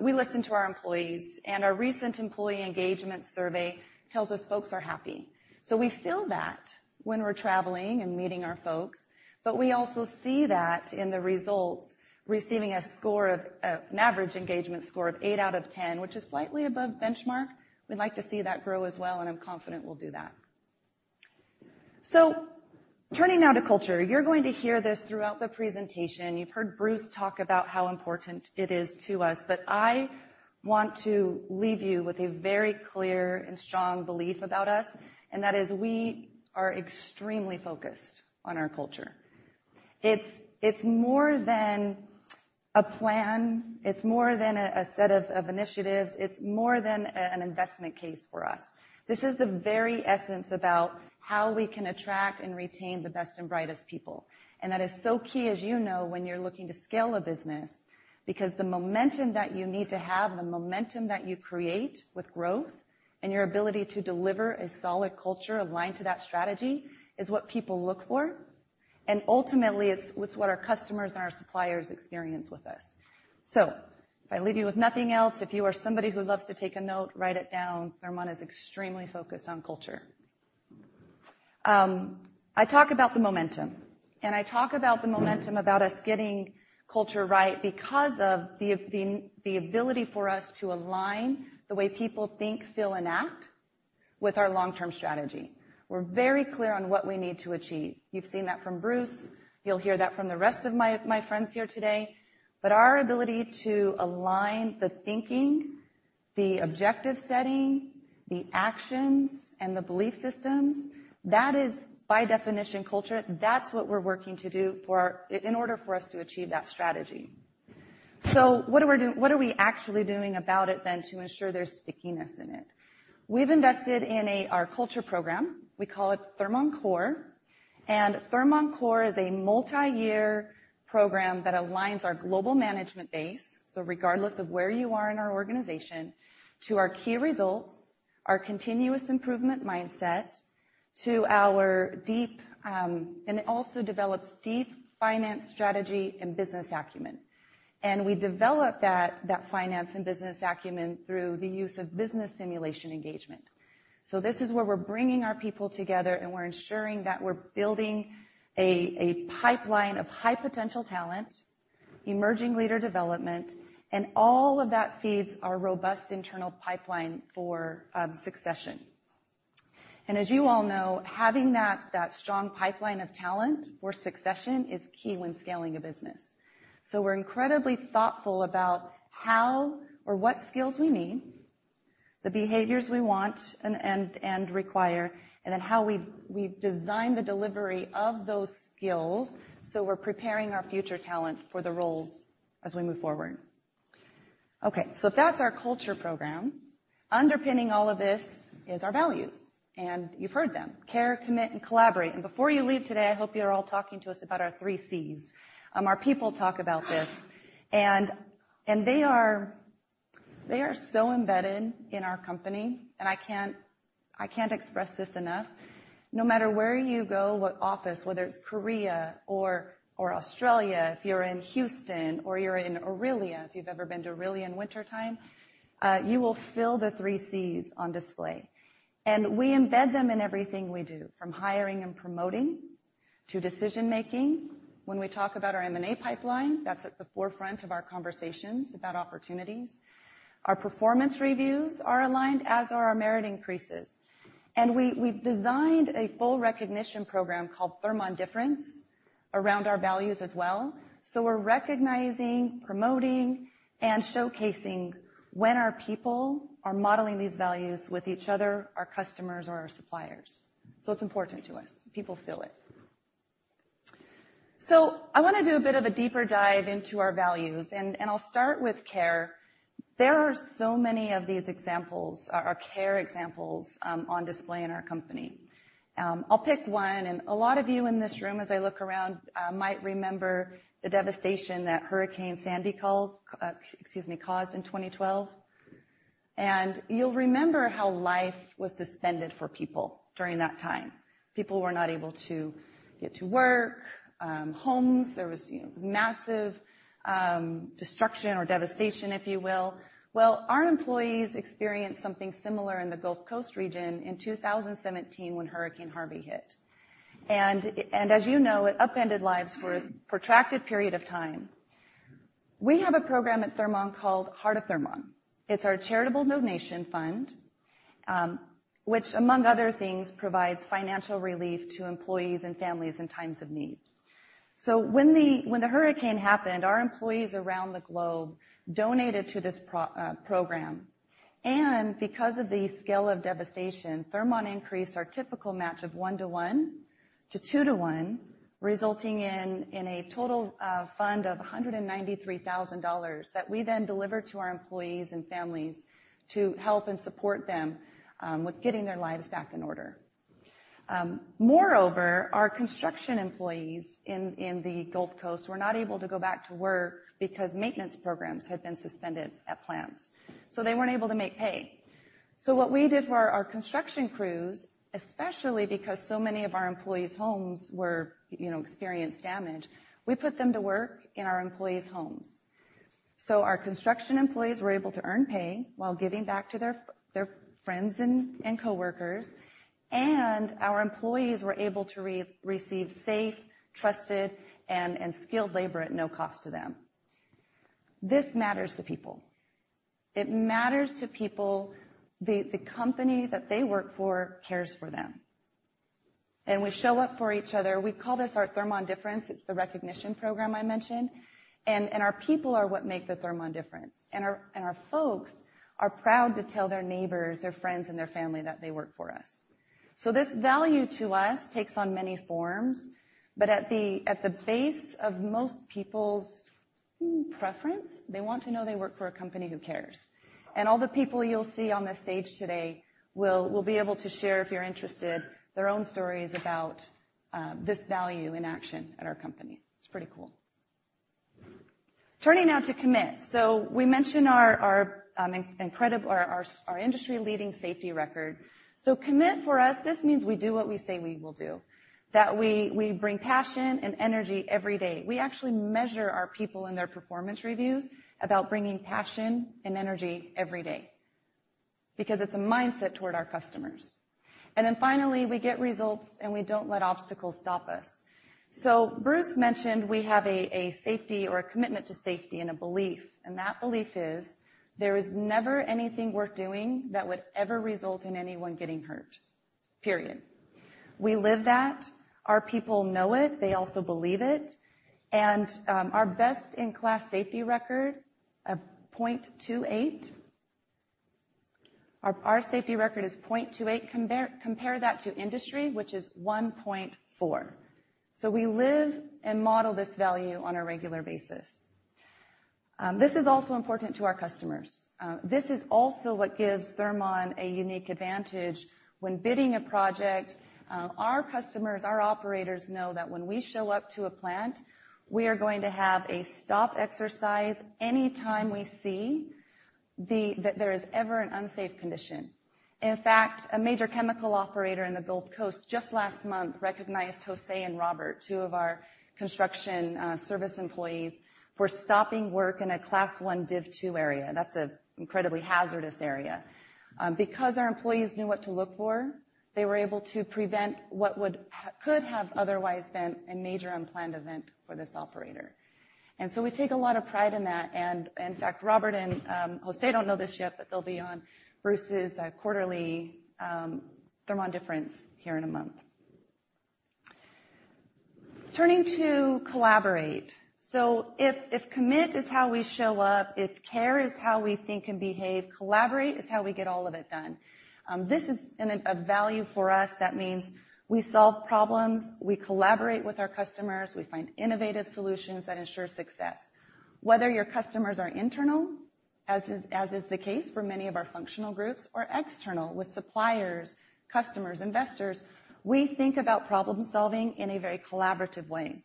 we listen to our employees, and our recent employee engagement survey tells us folks are happy. So we feel that when we're traveling and meeting our folks, but we also see that in the results, receiving a score of an average engagement score of 8 out of 10, which is slightly above benchmark. We'd like to see that grow as well, and I'm confident we'll do that. Turning now to culture, you're going to hear this throughout the presentation. You've heard Bruce talk about how important it is to us, but I want to leave you with a very clear and strong belief about us, and that is we are extremely focused on our culture. It's more than a plan, it's more than a set of initiatives, it's more than an investment case for us. This is the very essence about how we can attract and retain the best and brightest people. And that is so key, as you know, when you're looking to scale a business, because the momentum that you need to have, the momentum that you create with growth and your ability to deliver a solid culture aligned to that strategy, is what people look for. And ultimately, it's what our customers and our suppliers experience with us. So if I leave you with nothing else, if you are somebody who loves to take a note, write it down. Thermon is extremely focused on culture. I talk about the momentum, and I talk about the momentum about us getting culture right because of the ability for us to align the way people think, feel, and act with our long-term strategy. We're very clear on what we need to achieve. You've seen that from Bruce. You'll hear that from the rest of my, my friends here today, but our ability to align the thinking, the objective setting, the actions, and the belief systems, that is by definition, culture. That's what we're working to do in order for us to achieve that strategy. So what are we actually doing about it then, to ensure there's stickiness in it? We've invested in our culture program. We call it Thermon Core, and Thermon Core is a multi-year program that aligns our global management base, so regardless of where you are in our organization, to our key results, our continuous improvement mindset, to our deep, And it also develops deep finance strategy and business acumen. We develop that finance and business acumen through the use of business simulation engagement. So this is where we're bringing our people together, and we're ensuring that we're building a pipeline of high-potential talent, emerging leader development, and all of that feeds our robust internal pipeline for succession. As you all know, having that strong pipeline of talent for succession is key when scaling a business. So we're incredibly thoughtful about how or what skills we need, the behaviors we want and require, and then how we design the delivery of those skills, so we're preparing our future talent for the roles as we move forward. Okay, so that's our culture program. Underpinning all of this is our values, and you've heard them: care, commit, and collaborate. Before you leave today, I hope you're all talking to us about our three Cs. Our people talk about this, and they are so embedded in our company, and I can't express this enough. No matter where you go, what office, whether it's Korea or Australia, if you're in Houston or you're in Orillia, if you've ever been to Orillia in wintertime, you will feel the three Cs on display. We embed them in everything we do, from hiring and promoting to decision-making. When we talk about our M&A pipeline, that's at the forefront of our conversations about opportunities. Our performance reviews are aligned, as are our merit increases, and we've designed a full recognition program called Thermon Difference around our values as well. So we're recognizing, promoting, and showcasing when our people are modeling these values with each other, our customers, or our suppliers. So it's important to us. People feel it. So I wanna do a bit of a deeper dive into our values, and I'll start with care. There are so many of these examples, our care examples, on display in our company. I'll pick one, and a lot of you in this room, as I look around, might remember the devastation that Hurricane Sandy caused in 2012. You'll remember how life was suspended for people during that time. People were not able to get to work, homes. There was massive destruction or devastation, if you will. Well, our employees experienced something similar in the Gulf Coast region in 2017 when Hurricane Harvey hit. As you know, it upended lives for a protracted period of time. We have a program at Thermon called Heart of Thermon. It's our charitable donation fund, which, among other things, provides financial relief to employees and families in times of need. So when the hurricane happened, our employees around the globe donated to this program, and because of the scale of devastation, Thermon increased our typical match of 1-to-1 to 2-to-1, resulting in a total fund of $193,000 that we then delivered to our employees and families to help and support them with getting their lives back in order. Moreover, our construction employees in the Gulf Coast were not able to go back to work because maintenance programs had been suspended at plants, so they weren't able to make pay. So what we did for our construction crews, especially because so many of our employees' homes were, you know, experienced damage, we put them to work in our employees' homes. So our construction employees were able to earn pay while giving back to their friends and coworkers, and our employees were able to receive safe, trusted, and skilled labor at no cost to them. This matters to people. It matters to people, the company that they work for cares for them, and we show up for each other. We call this our Thermon Difference. It's the recognition program I mentioned, and our people are what make the Thermon Difference. Our folks are proud to tell their neighbors, their friends, and their family that they work for us. So this value to us takes on many forms, but at the base of most people's preference, they want to know they work for a company who cares. All the people you'll see on this stage today will be able to share, if you're interested, their own stories about this value in action at our company. It's pretty cool. Turning now to commit. So we mentioned our industry-leading safety record. So commit for us, this means we do what we say we will do, that we bring passion and energy every day. We actually measure our people in their performance reviews about bringing passion and energy every day because it's a mindset toward our customers. And then finally, we get results, and we don't let obstacles stop us. So Bruce mentioned we have a safety or a commitment to safety and a belief, and that belief is there is never anything worth doing that would ever result in anyone getting hurt, period. We live that, our people know it, they also believe it, and our best-in-class safety record of 0.28. Our safety record is 0.28. Compare that to industry, which is 1.4. So we live and model this value on a regular basis. This is also important to our customers. This is also what gives Thermon a unique advantage when bidding a project. Our customers, our operators, know that when we show up to a plant, we are going to have a stop exercise anytime we see that there is ever an unsafe condition. In fact, a major chemical operator in the Gulf Coast, just last month, recognized Jose and Robert, two of our construction service employees, for stopping work in a Class I, Div 2 area. That's an incredibly hazardous area. Because our employees knew what to look for, they were able to prevent what could have otherwise been a major unplanned event for this operator. And so we take a lot of pride in that. In fact, Robert and Jose don't know this yet, but they'll be on Bruce's quarterly Thermon Difference here in a month. Turning to collaborate. So if commit is how we show up, if care is how we think and behave, collaborate is how we get all of it done. This is a value for us that means we solve problems, we collaborate with our customers, we find innovative solutions that ensure success. Whether your customers are internal, as is the case for many of our functional groups, or external with suppliers, customers, investors, we think about problem-solving in a very collaborative way.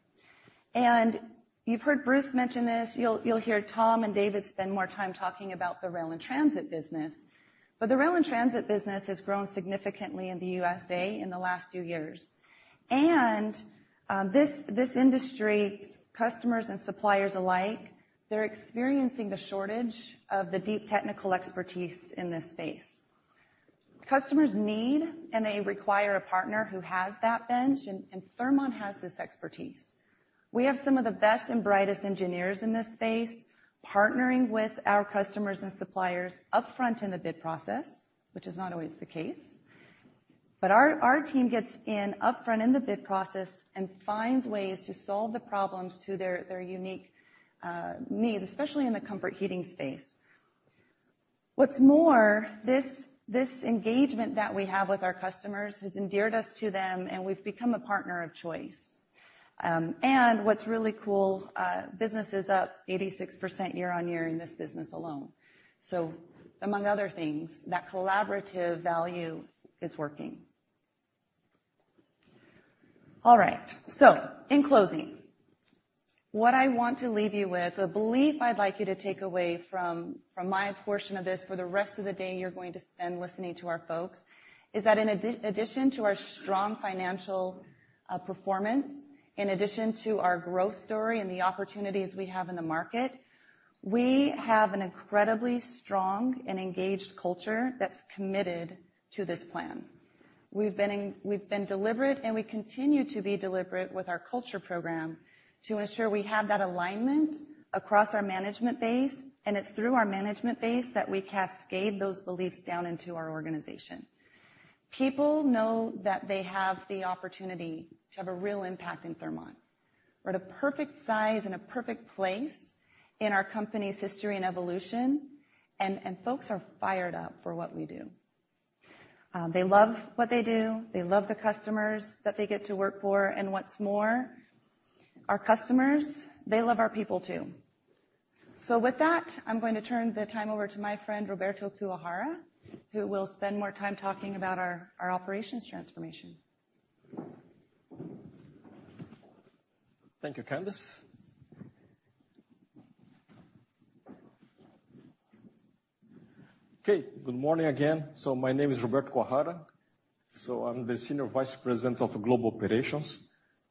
And you've heard Bruce mention this, you'll hear Tom and David spend more time talking about the rail and transit business. But the rail and transit business has grown significantly in the USA in the last few years. And this industry, customers and suppliers alike, they're experiencing the shortage of the deep technical expertise in this space. Customers need, and they require a partner who has that bench, and Thermon has this expertise. We have some of the best and brightest engineers in this space, partnering with our customers and suppliers upfront in the bid process, which is not always the case. But our team gets in upfront in the bid process and finds ways to solve the problems to their unique needs, especially in the comfort heating space. What's more, this engagement that we have with our customers has endeared us to them, and we've become a partner of choice. And what's really cool, business is up 86% year-on-year in this business alone. So among other things, that collaborative value is working. All right, so in closing, what I want to leave you with, a belief I'd like you to take away from my portion of this for the rest of the day you're going to spend listening to our folks, is that in addition to our strong financial performance, in addition to our growth story and the opportunities we have in the market, we have an incredibly strong and engaged culture that's committed to this plan. We've been deliberate, and we continue to be deliberate with our culture program to ensure we have that alignment across our management base, and it's through our management base that we cascade those beliefs down into our organization. People know that they have the opportunity to have a real impact in Thermon. We're at a perfect size and a perfect place in our company's history and evolution, and folks are fired up for what we do. They love what they do, they love the customers that they get to work for, and what's more, our customers, they love our people, too. So with that, I'm going to turn the time over to my friend, Roberto Kuwahara, who will spend more time talking about our operations transformation. Thank you, Candace. Okay, good morning again. So my name is Roberto Kuwahara. So I'm the Senior Vice President of Global Operations.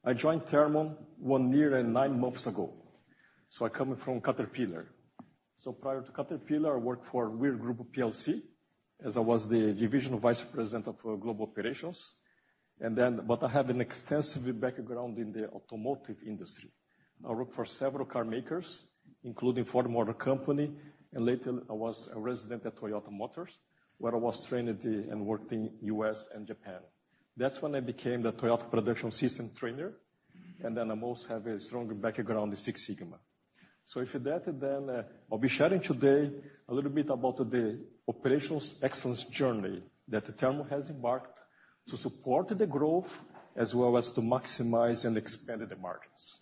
I joined Thermon 1 year and 9 months ago, so I coming from Caterpillar. So prior to Caterpillar, I worked for Weir Group PLC, as I was the Divisional Vice President of Global Operations. And then, but I have an extensive background in the automotive industry. I worked for several car makers, including Ford Motor Company, and later I was a resident at Toyota Motors, where I was trained at the... And worked in U.S. and Japan. That's when I became the Toyota Production System trainer, and then I also have a strong background in Six Sigma. So with that, then, I'll be sharing today a little bit about the operational excellence journey that Thermon has embarked to support the growth as well as to maximize and expand the markets.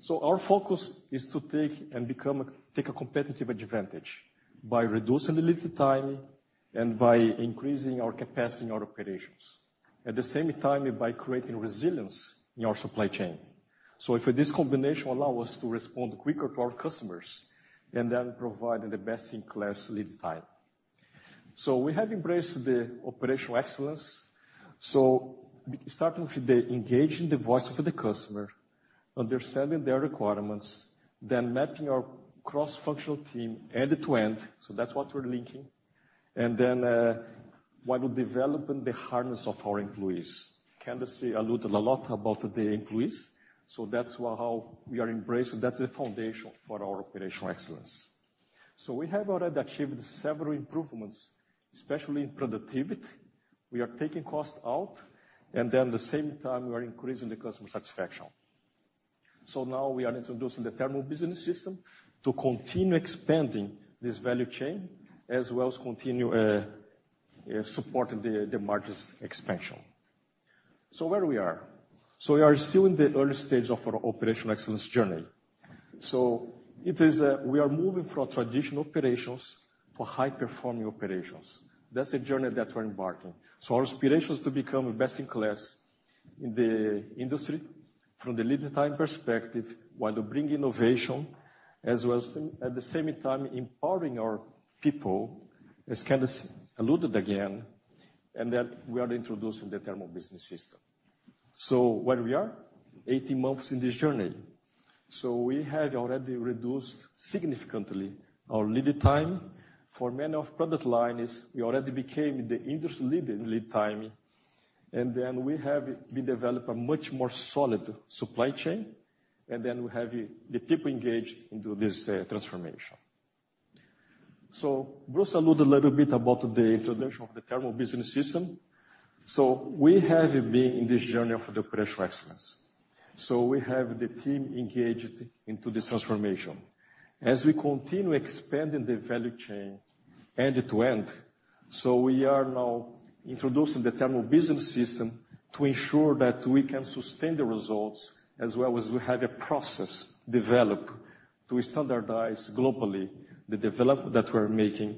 So our focus is to take and become a, take a competitive advantage by reducing the lead time and by increasing our capacity in our operations, at the same time, by creating resilience in our supply chain. So if this combination allow us to respond quicker to our customers, and then provide the best-in-class lead time. So we have embraced the operational excellence. So starting with engaging the voice of the customer, understanding their requirements, then mapping our cross-functional team end-to-end, so that's what we're linking. And then, while developing the harness of our employees. Candace alluded a lot about the employees, so that's how we are embracing, that's the foundation for our operational excellence. So we have already achieved several improvements, especially in productivity. We are taking costs out, and then at the same time, we are increasing the customer satisfaction. So now we are introducing the Thermon Business System to continue expanding this value chain, as well as continue supporting the margins expansion. So where we are? So we are still in the early stages of our operational excellence journey. So it is, we are moving from traditional operations to high-performing operations. That's the journey that we're embarking. So our inspiration is to become best in class in the industry from the lead time perspective, while to bring innovation, as well as at the same time, empowering our people, as Candace alluded again, and then we are introducing the Thermon Business System. So where we are? 18 months in this journey. So we have already reduced significantly our lead time. For many of product lines, we already became the industry lead in lead time, and then we have, we developed a much more solid supply chain, and then we have the people engaged into this transformation. So Bruce alluded a little bit about the introduction of the Thermon Business System. So we have been in this journey of the operational excellence. So we have the team engaged into this transformation. As we continue expanding the value chain end-to-end, so we are now introducing the Thermon Business System to ensure that we can sustain the results as well as we have a process developed to standardize globally the development that we're making.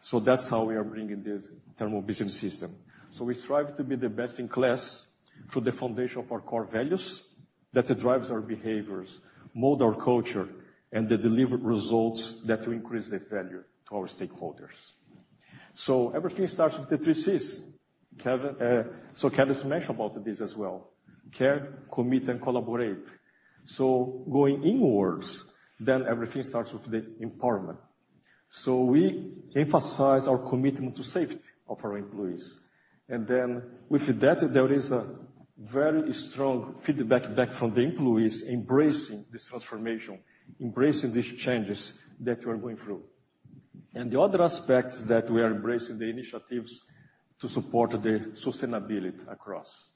So that's how we are bringing this Thermon Business System. So we strive to be the best in class through the foundation of our core values, that drives our behaviors, mold our culture, and they deliver results that will increase the value to our stakeholders. So everything starts with the three Cs... Kevin, so Kevin mentioned about this as well. Care, commit, and collaborate. So going inwards, then everything starts with the empowerment. So we emphasize our commitment to safety of our employees, and then with that, there is a very strong feedback back from the employees embracing this transformation, embracing these changes that we're going through. The other aspect is that we are embracing the initiatives to support the sustainability across.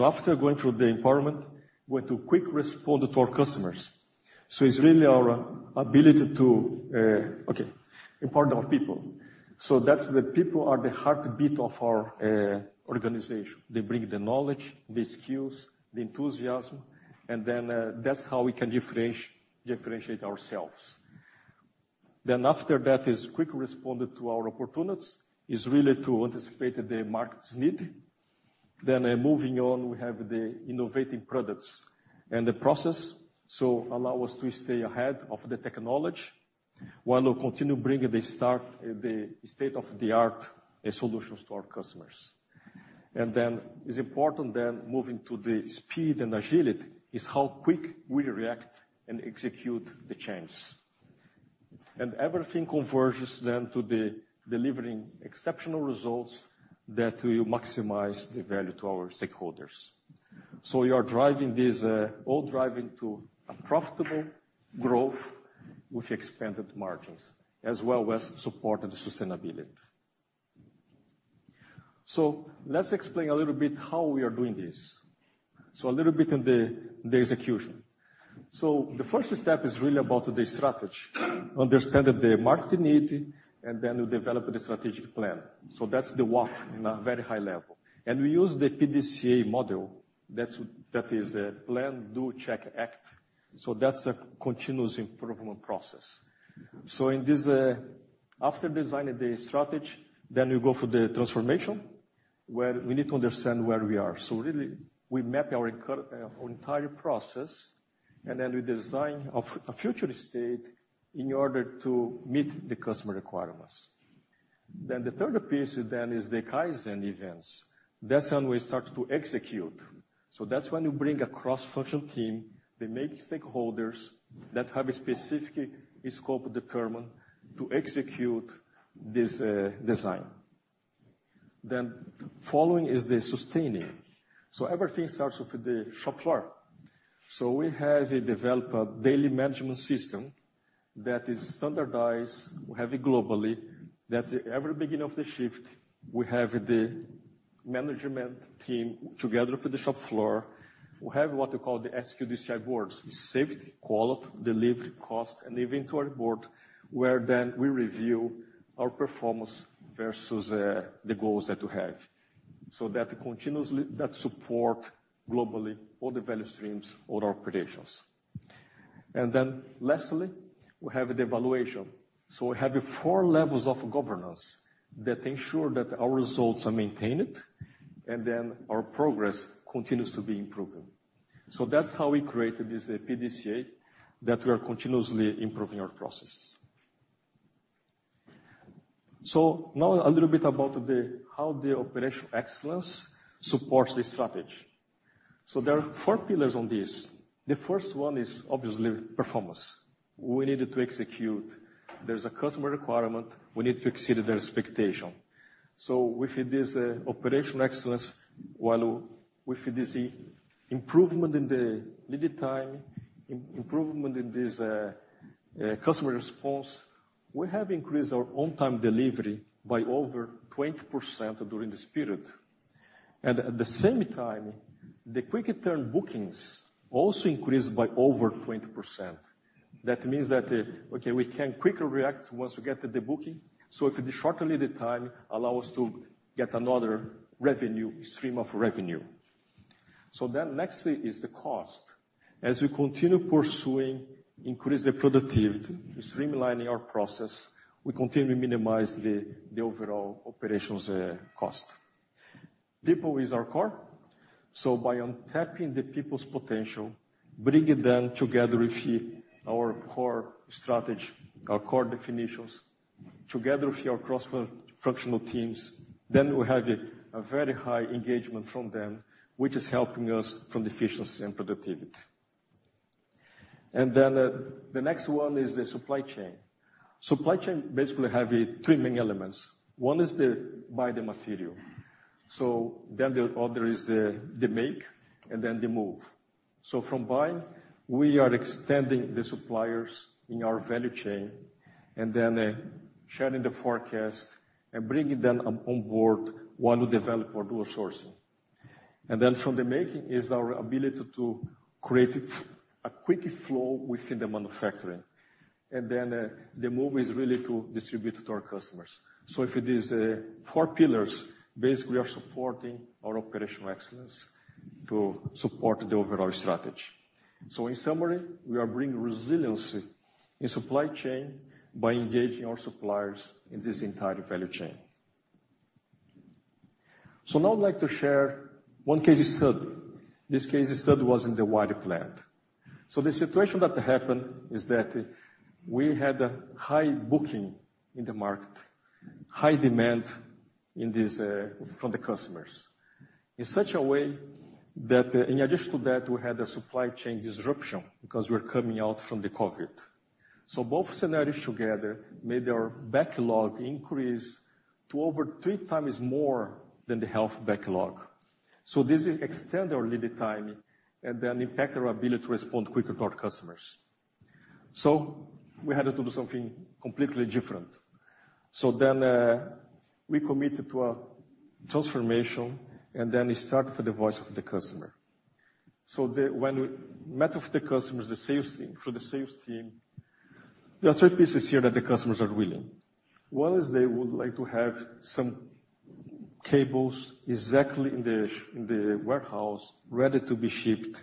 After going through the empowerment, we went to quick respond to our customers. It's really our ability to empower our people. That's the people are the heartbeat of our organization. They bring the knowledge, the skills, the enthusiasm, and then that's how we can differentiate ourselves. Then after that is quick responded to our opportunities, is really to anticipate the market's need. Then moving on, we have the innovative products and the process, so allow us to stay ahead of the technology, while we continue bringing the state-of-the-art solutions to our customers. And then it's important then, moving to the speed and agility, is how quick we react and execute the changes. Everything converges then to the delivering exceptional results that will maximize the value to our stakeholders. So we are driving this, all driving to a profitable growth with expanded margins, as well as supporting the sustainability. So let's explain a little bit how we are doing this. So a little bit on the execution. So the first step is really about the strategy. Understanding the market need, and then we develop the strategic plan. So that's the what in a very high level. We use the PDCA model. That's, that is, plan, do, check, act. So that's a continuous improvement process. So in this, after designing the strategy, then we go for the transformation, where we need to understand where we are. So really, we map our our entire process, and then we design a future state in order to meet the customer requirements. Then the third piece then is the Kaizen events. That's when we start to execute. So that's when you bring a cross-functional team, the main stakeholders, that have a specific scope determined to execute this design. Then following is the sustaining. So everything starts with the shop floor. So we have developed a daily management system that is standardized, we have it globally, that at every beginning of the shift, we have the management team together for the shop floor. We have what we call the SQDC boards, safety, quality, delivery, cost, and inventory board, where then we review our performance versus the goals that we have. So that continuously, that support globally all the value streams, all our predictions. And then lastly, we have the evaluation. So we have the four levels of governance that ensure that our results are maintained, and then our progress continues to be improving. So that's how we created this PDCA, that we are continuously improving our processes. So now a little bit about how the operational excellence supports the strategy. So there are four pillars on this. The first one is obviously performance. We need it to execute. There's a customer requirement. We need to exceed their expectation. So with this operational excellence, while with this improvement in the lead time, improvement in this customer response, we have increased our on-time delivery by over 20% during this period. And at the same time, the quick return bookings also increased by over 20%. That means that, okay, we can quickly react once we get the booking, so if the shorter lead time allow us to get another revenue stream of revenue. So then next is the cost. As we continue pursuing increase the productivity, streamlining our process, we continue to minimize the overall operations cost. People is our core, so by untapping the people's potential, bringing them together with our core strategy, our core definitions, together with your cross-functional teams, then we have a very high engagement from them, which is helping us from the efficiency and productivity. And then the next one is the supply chain. Supply chain basically have three main elements. One is the buy the material, so then the other is the make, and then the move. So from buying, we are extending the suppliers in our value chain, and then sharing the forecast and bringing them on board while we develop our dual sourcing. And then from the making is our ability to create a quick flow within the manufacturing. And then the move is really to distribute to our customers. So if it is four pillars, basically are supporting our operational excellence to support the overall strategy. So in summary, we are bringing resiliency in supply chain by engaging our suppliers in this entire value chain. So now I'd like to share one case study. This case study was in the Thailand plant. So the situation that happened is that we had a high booking in the market, high demand in this from the customers. In such a way that, in addition to that, we had a supply chain disruption, because we're coming out from the COVID. So both scenarios together made our backlog increase to over three times more than the healthy backlog. So this extend our lead time and then impact our ability to respond quickly to our customers. So we had to do something completely different. So then, we committed to a transformation, and then we started for the voice of the customer. So when we met with the customers, the sales team, for the sales team, the three pieces here that the customers are willing. One is they would like to have some cables exactly in the warehouse, ready to be shipped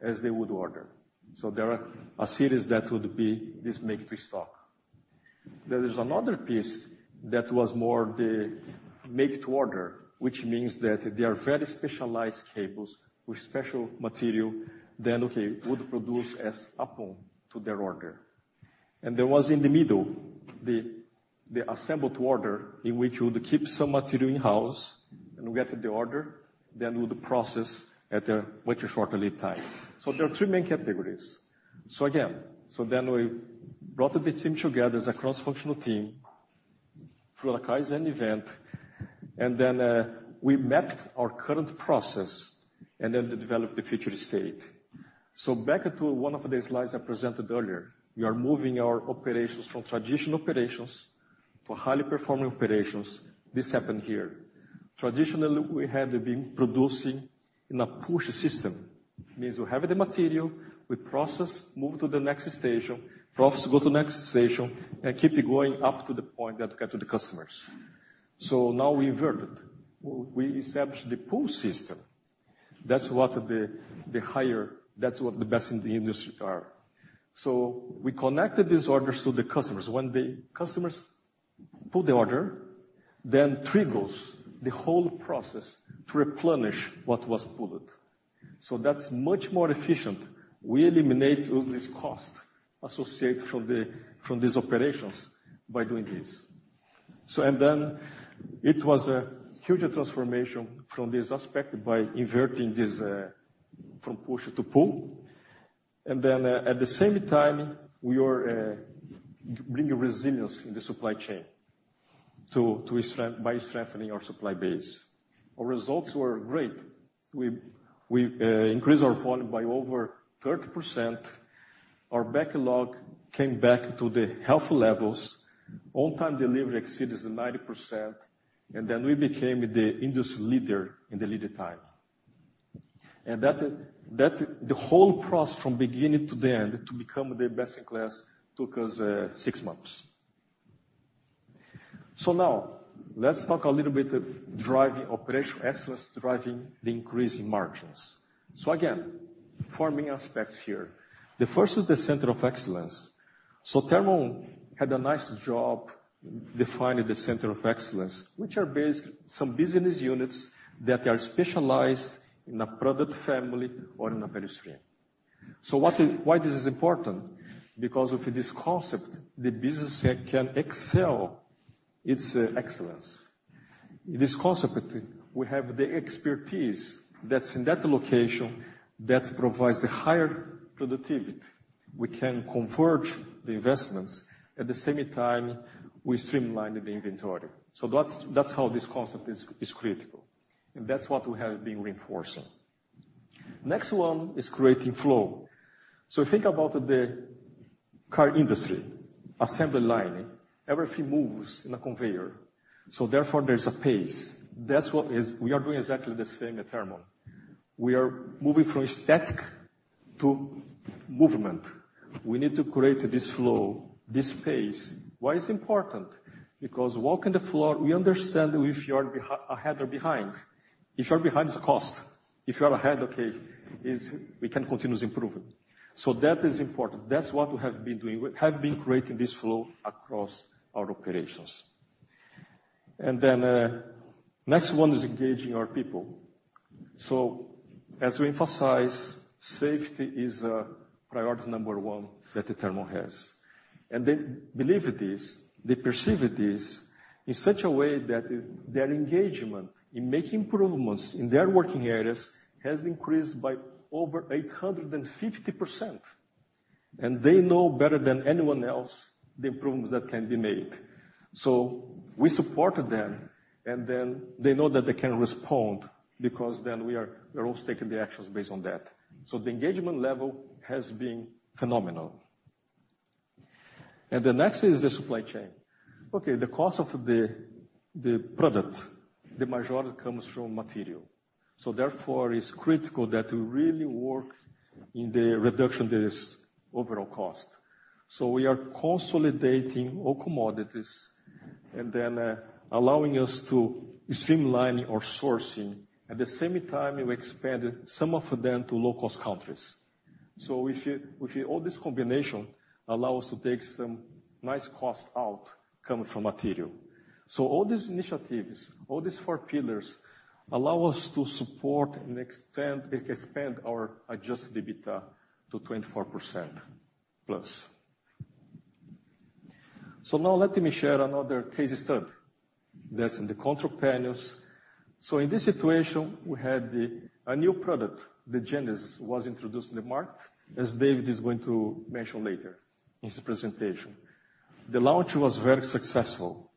as they would order. So there are a series that would be this Make to Stock. There is another piece that was more the Make to Order, which means that they are very specialized cables with special material. Then okay would produce as upon to their order. There was in the middle, the Assemble to Order, in which you would keep some material in-house and get the order, then do the process at a much shorter lead time. There are three main categories. Again, then we brought the team together as a cross-functional team for a Kaizen event, and then we mapped our current process and then developed the future state. Back to one of the slides I presented earlier, we are moving our operations from traditional operations to highly performing operations. This happened here. Traditionally, we had been producing in a Push System. means we have the material, we process, move to the next station, process, go to the next station, and keep it going up to the point that get to the customers. So now we invert it. We establish the Pull System. That's what the best in the industry are. So we connected these orders to the customers. When the customers pull the order, then triggers the whole process to replenish what was pulled. So that's much more efficient. We eliminate all this cost associated from the, from these operations by doing this. So and then it was a huge transformation from this aspect by inverting this, from push to pull. And then, at the same time, we are bringing resilience in the supply chain to by strengthening our supply base. Our results were great. We increased our volume by over 30%. Our backlog came back to the healthy levels. On-time delivery exceeds the 90%, and then we became the industry leader in the lead time. And that - the whole process from beginning to the end, to become the best in class, took us six months. So now, let's talk a little bit of driving operational excellence, driving the increase in margins. So again, four main aspects here. The first is the center of excellence. So Thermon had a nice job defining the center of excellence, which are basically some business units that are specialized in a product family or in a value stream. So why this is important? Because of this concept, the business can excel its excellence. This concept, we have the expertise that's in that location, that provides the higher productivity. We can converge the investments, at the same time, we streamline the inventory. So that's how this concept is critical, and that's what we have been reinforcing. Next one is creating flow. So think about the car industry, assembly line, everything moves in a conveyor, so therefore, there's a pace. That's what we are doing exactly the same at Thermon. We are moving from static to movement. We need to create this flow, this pace. Why it's important? Because walking the floor, we understand if you are ahead or behind. If you are behind, it's cost. If you are ahead, okay, is we can continue to improve it. So that is important. That's what we have been doing. We have been creating this flow across our operations. And then, next one is engaging our people. So as we emphasize, safety is, priority number one that Thermon has. And they believe this, they perceive this in such a way that their engagement in making improvements in their working areas has increased by over 850%, and they know better than anyone else, the improvements that can be made. So we supported them, and then they know that they can respond because then we are, we're all taking the actions based on that. So the engagement level has been phenomenal. And the next is the supply chain. Okay, the cost of the, the product, the majority comes from material. So therefore, it's critical that we really work in the reduction this overall cost. So we are consolidating all commodities, and then, allowing us to streamline our sourcing. At the same time, we expanded some of them to low-cost countries. So with all this combination, allow us to take some nice cost out coming from material. So all these initiatives, all these four pillars, allow us to support and extend, expand our adjusted EBITDA to 24%+. So now let me share another case study that's in the control panels. So in this situation, we had a new product, the Genesis, was introduced in the market, as David is going to mention later in his presentation. The launch was very successful.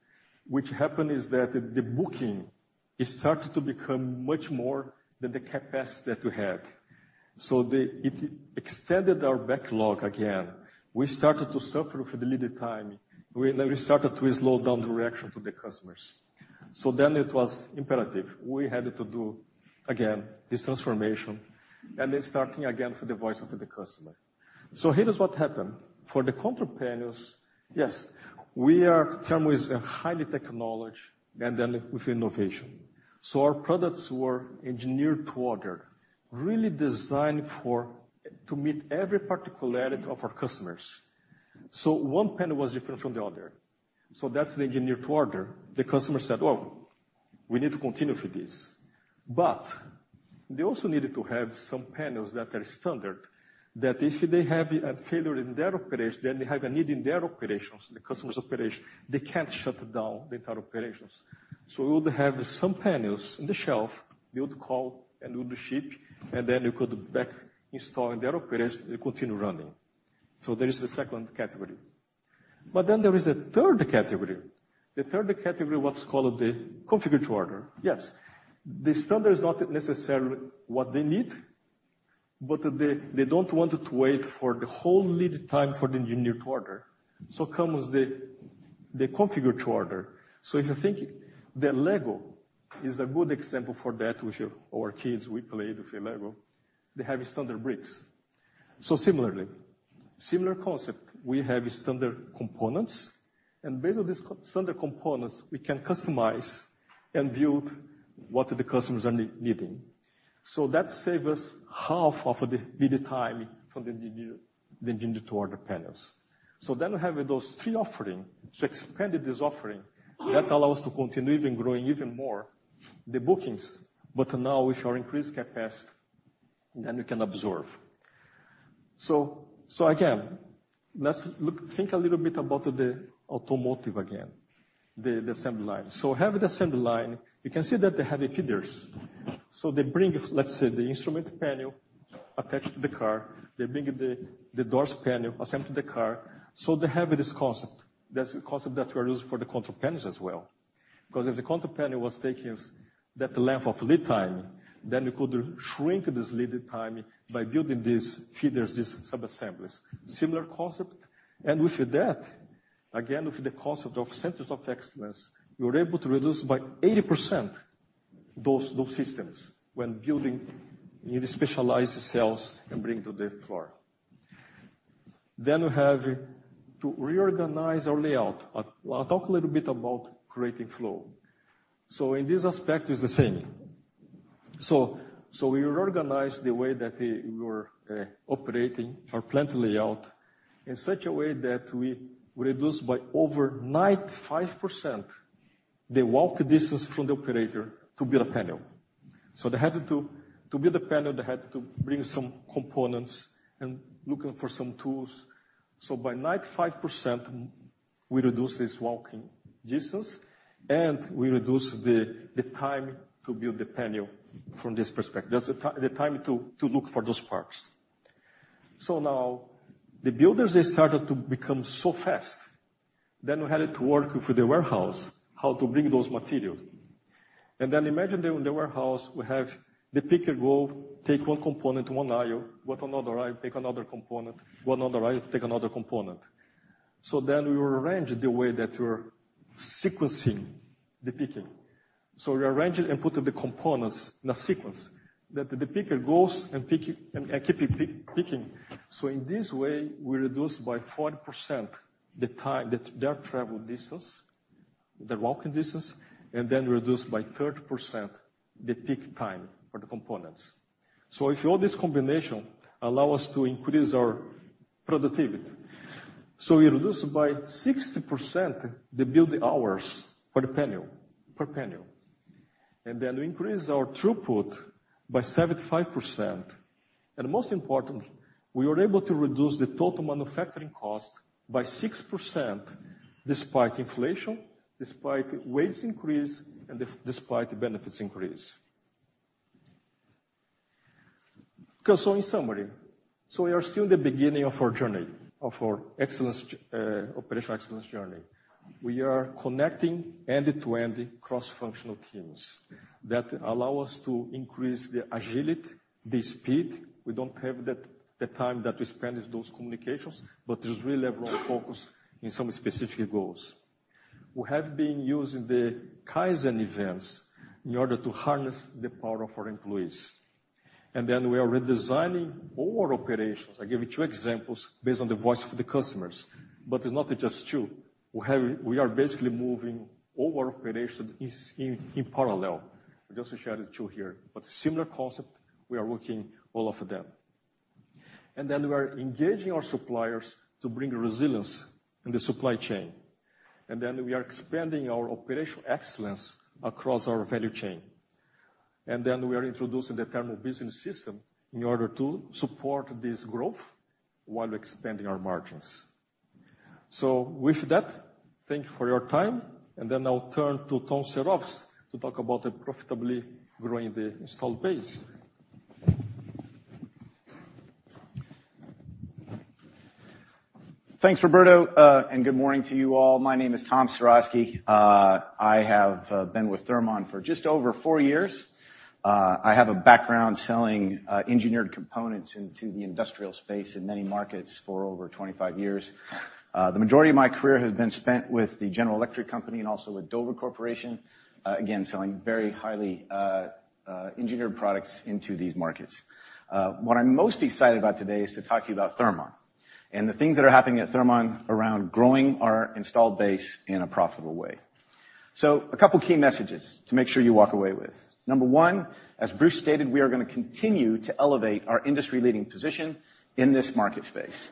What happened is that the booking, it started to become much more than the capacity that we had. So it extended our backlog again. We started to suffer for the lead time. Then we started to slow down the reaction to the customers. So then it was imperative. We had to do, again, this transformation, and then starting again for the voice of the customer. So here is what happened. For the control panels, yes, we were known for high technology and then with innovation. So our products were Engineered to Order, really designed for, to meet every particularity of our customers. So one panel was different from the other. So that's the Engineered to Order. The customer said, "Well, we need to continue for this." But they also needed to have some panels that are standard, that if they have a failure in their operations, then they have a need in their operations, the customer's operation, they can't shut down the entire operations. So we would have some panels in the shelf, we would call and we would ship, and then you could back install in their operations, it continue running. So there is the second category. But then there is a third category. The third category, what's called the Configure to Order. Yes, the standard is not necessarily what they need, but they don't want to wait for the whole lead time for the engineered order. So comes the Configure to rder. So if you think, the LEGO is a good example for that, which our kids, we played with LEGO. They have standard bricks. So similarly, similar concept, we have standard components, and based on these standard components, we can customize and build what the customers are needing. So that save us half of the lead time for the engineered to order panels. So then we have those three offerings, so expanded this offering, that allows us to continue even growing even more the bookings, but now with our increased capacity, then we can absorb. So, so again, let's think a little bit about the automotive again, the, the assembly line. So have the assembly line, you can see that they have the feeders. So they bring, let's say, the instrument panel attached to the car, they bring the, the doors panel, attached to the car. So they have this concept. That's the concept that we are using for the control panels as well. Because if the control panel was taking that length of lead time, then we could shrink this lead time by building these feeders, these subassemblies. Similar concept, and with that, again, with the concept of centers of excellence, we were able to reduce by 80% those systems when building in the specialized cells and bring to the floor. Then we have to reorganize our layout. I, I'll talk a little bit about creating flow. So in this aspect, it's the same. So we organize the way that we were operating our plant layout in such a way that we reduced by over 95% the walking distance from the operator to build a panel. So they had to build a panel, they had to bring some components and looking for some tools. So by 95%, we reduce this walking distance, and we reduce the time to build the panel from this perspective. That's the time to look for those parts. So now, the builders, they started to become so fast, then we had to work with the warehouse, how to bring those materials. And then imagine the warehouse, we have the picker go, take one component, one aisle, go to another aisle, take another component, one other aisle, take another component. So then we arranged the way that we were sequencing the picking. So we arranged it and put the components in a sequence that the picker goes and pick it, and, and keep pick-picking. So in this way, we reduced by 40% the time, that their travel distance, the walking distance, and then reduced by 30% the pick time for the components. So if all this combination allow us to increase our productivity, so we reduce by 60% the build hours for the panel, per panel, and then we increase our throughput by 75%. Most importantly, we were able to reduce the total manufacturing cost by 6%, despite inflation, despite wage increase, and despite benefits increase. Okay, so in summary, we are still in the beginning of our journey, of our operational excellence journey. We are connecting end-to-end cross-functional teams that allow us to increase the agility, the speed. We don't have that, the time that we spend those communications, but there's really a lot of focus in some specific goals. We have been using the Kaizen events in order to harness the power of our employees. And then we are redesigning all our operations. I gave you two examples based on the voice of the customers, but it's not just two. We are basically moving all our operations in parallel. I just shared the two here, but similar concept, we are working all of them. Then we are engaging our suppliers to bring resilience in the supply chain. Then we are expanding our operational excellence across our value chain... and then we are introducing the Thermon Business System in order to support this growth while expanding our margins. So with that, thank you for your time, and then I'll turn to Tom Cerovski to talk about profitably growing the installed base. Thanks, Roberto, and good morning to you all. My name is Tom Cerovski. I have been with Thermon for just over 4 years. I have a background selling engineered components into the industrial space in many markets for over 25 years. The majority of my career has been spent with the General Electric Company and also with Dover Corporation, again, selling very highly engineered products into these markets. What I'm most excited about today is to talk to you about Thermon and the things that are happening at Thermon around growing our installed base in a profitable way. So a couple of key messages to make sure you walk away with. Number 1, as Bruce stated, we are gonna continue to elevate our industry-leading position in this market space.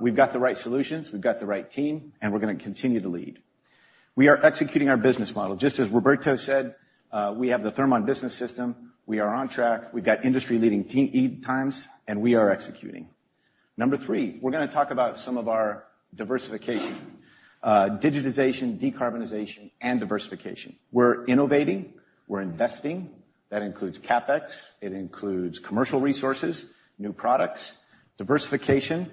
We've got the right solutions, we've got the right team, and we're gonna continue to lead. We are executing our business model. Just as Roberto said, we have the Thermon Business System, we are on track, we've got industry-leading team lead times, and we are executing. Number three, we're gonna talk about some of our diversification, digitization, decarbonization, and diversification. We're innovating, we're investing. That includes CapEx, it includes commercial resources, new products. Diversification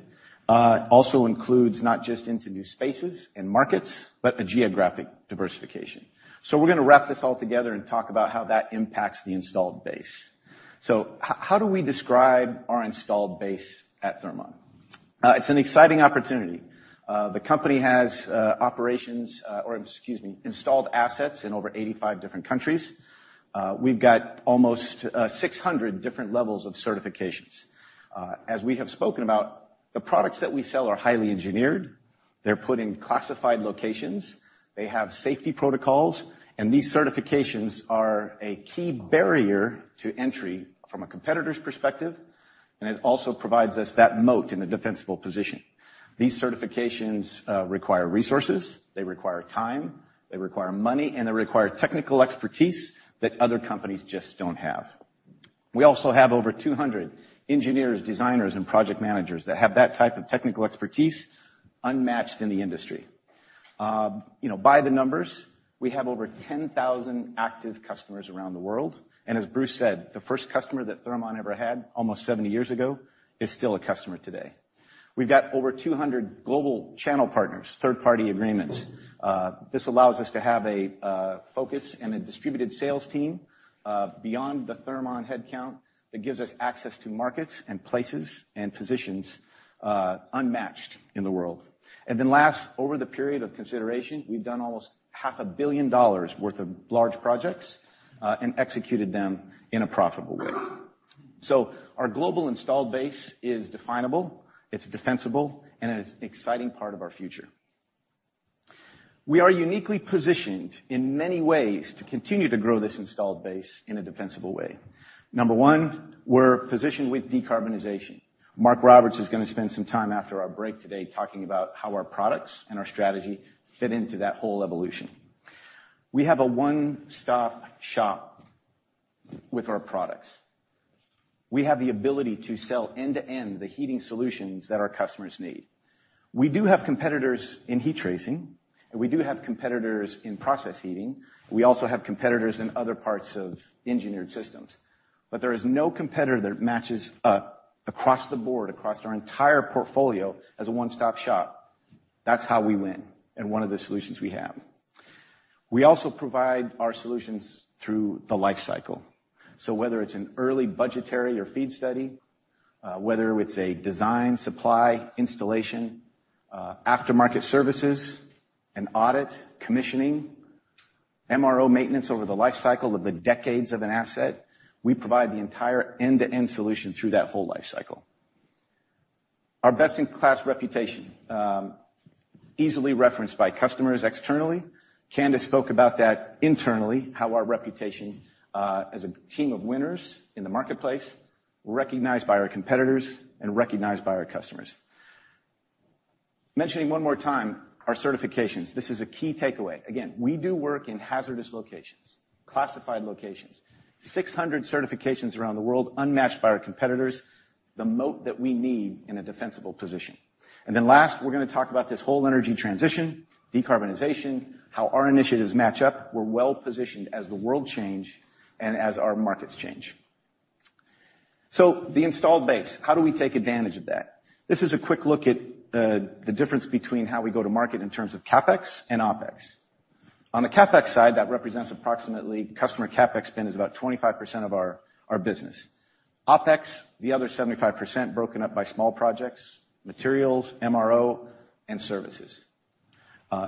also includes not just into new spaces and markets, but a geographic diversification. So we're gonna wrap this all together and talk about how that impacts the installed base. So how do we describe our installed base at Thermon? It's an exciting opportunity. The company has operations, or excuse me, installed assets in over 85 different countries. We've got almost 600 different levels of certifications. As we have spoken about, the products that we sell are highly engineered. They're put in classified locations, they have safety protocols, and these certifications are a key barrier to entry from a competitor's perspective, and it also provides us that moat in a defensible position. These certifications require resources, they require time, they require money, and they require technical expertise that other companies just don't have. We also have over 200 engineers, designers, and project managers that have that type of technical expertise, unmatched in the industry. You know, by the numbers, we have over 10,000 active customers around the world, and as Bruce said, the first customer that Thermon ever had, almost 70 years ago, is still a customer today. We've got over 200 global channel partners, third-party agreements. This allows us to have a focus and a distributed sales team beyond the Thermon headcount that gives us access to markets and places and positions unmatched in the world. And then last, over the period of consideration, we've done almost $500 million worth of large projects and executed them in a profitable way. So our global installed base is definable, it's defensible, and it is an exciting part of our future. We are uniquely positioned in many ways to continue to grow this installed base in a defensible way. Number one, we're positioned with decarbonization. Mark Roberts is gonna spend some time after our break today talking about how our products and our strategy fit into that whole evolution. We have a one-stop shop with our products. We have the ability to sell end-to-end the heating solutions that our customers need. We do have competitors in Heat Tracing, and we do have competitors in process heating. We also have competitors in other parts of engineered systems, but there is no competitor that matches us across the board, across our entire portfolio as a one-stop shop. That's how we win and one of the solutions we have. We also provide our solutions through the life cycle. So whether it's an early budgetary or FEED study, whether it's a design, supply, installation, aftermarket services, an audit, commissioning, MRO maintenance over the life cycle of the decades of an asset, we provide the entire end-to-end solution through that whole life cycle. Our best-in-class reputation, easily referenced by customers externally. Candace spoke about that internally, how our reputation, as a team of winners in the marketplace, recognized by our competitors and recognized by our customers. Mentioning one more time, our certifications. This is a key takeaway. Again, we do work in hazardous locations, classified locations. 600 certifications around the world, unmatched by our competitors, the moat that we need in a defensible position. And then last, we're gonna talk about this whole energy transition, decarbonization, how our initiatives match up. We're well positioned as the world change and as our markets change. So the installed base, how do we take advantage of that? This is a quick look at the difference between how we go to market in terms of CapEx and OpEx. On the CapEx side, that represents approximately customer CapEx spend is about 25% of our business. OpEx, the other 75%, broken up by small projects, materials, MRO, and services.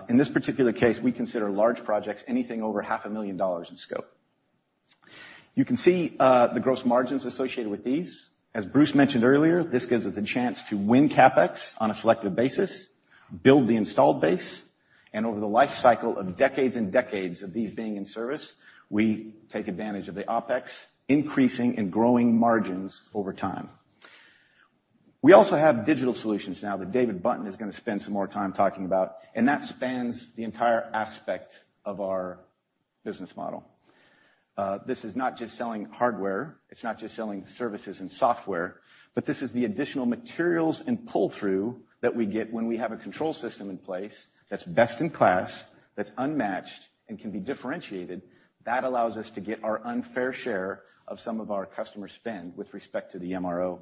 In this particular case, we consider large projects anything over $500,000 in scope. You can see, the gross margins associated with these. As Bruce mentioned earlier, this gives us a chance to win CapEx on a selective basis, build the installed base, and over the life cycle of decades and decades of these being in service, we take advantage of the OpEx, increasing and growing margins over time. We also have digital solutions now that David Buntin is going to spend some more time talking about, and that spans the entire aspect of our business model. This is not just selling hardware, it's not just selling services and software, but this is the additional materials and pull-through that we get when we have a control system in place that's best in class, that's unmatched and can be differentiated. That allows us to get our unfair share of some of our customer spend with respect to the MRO.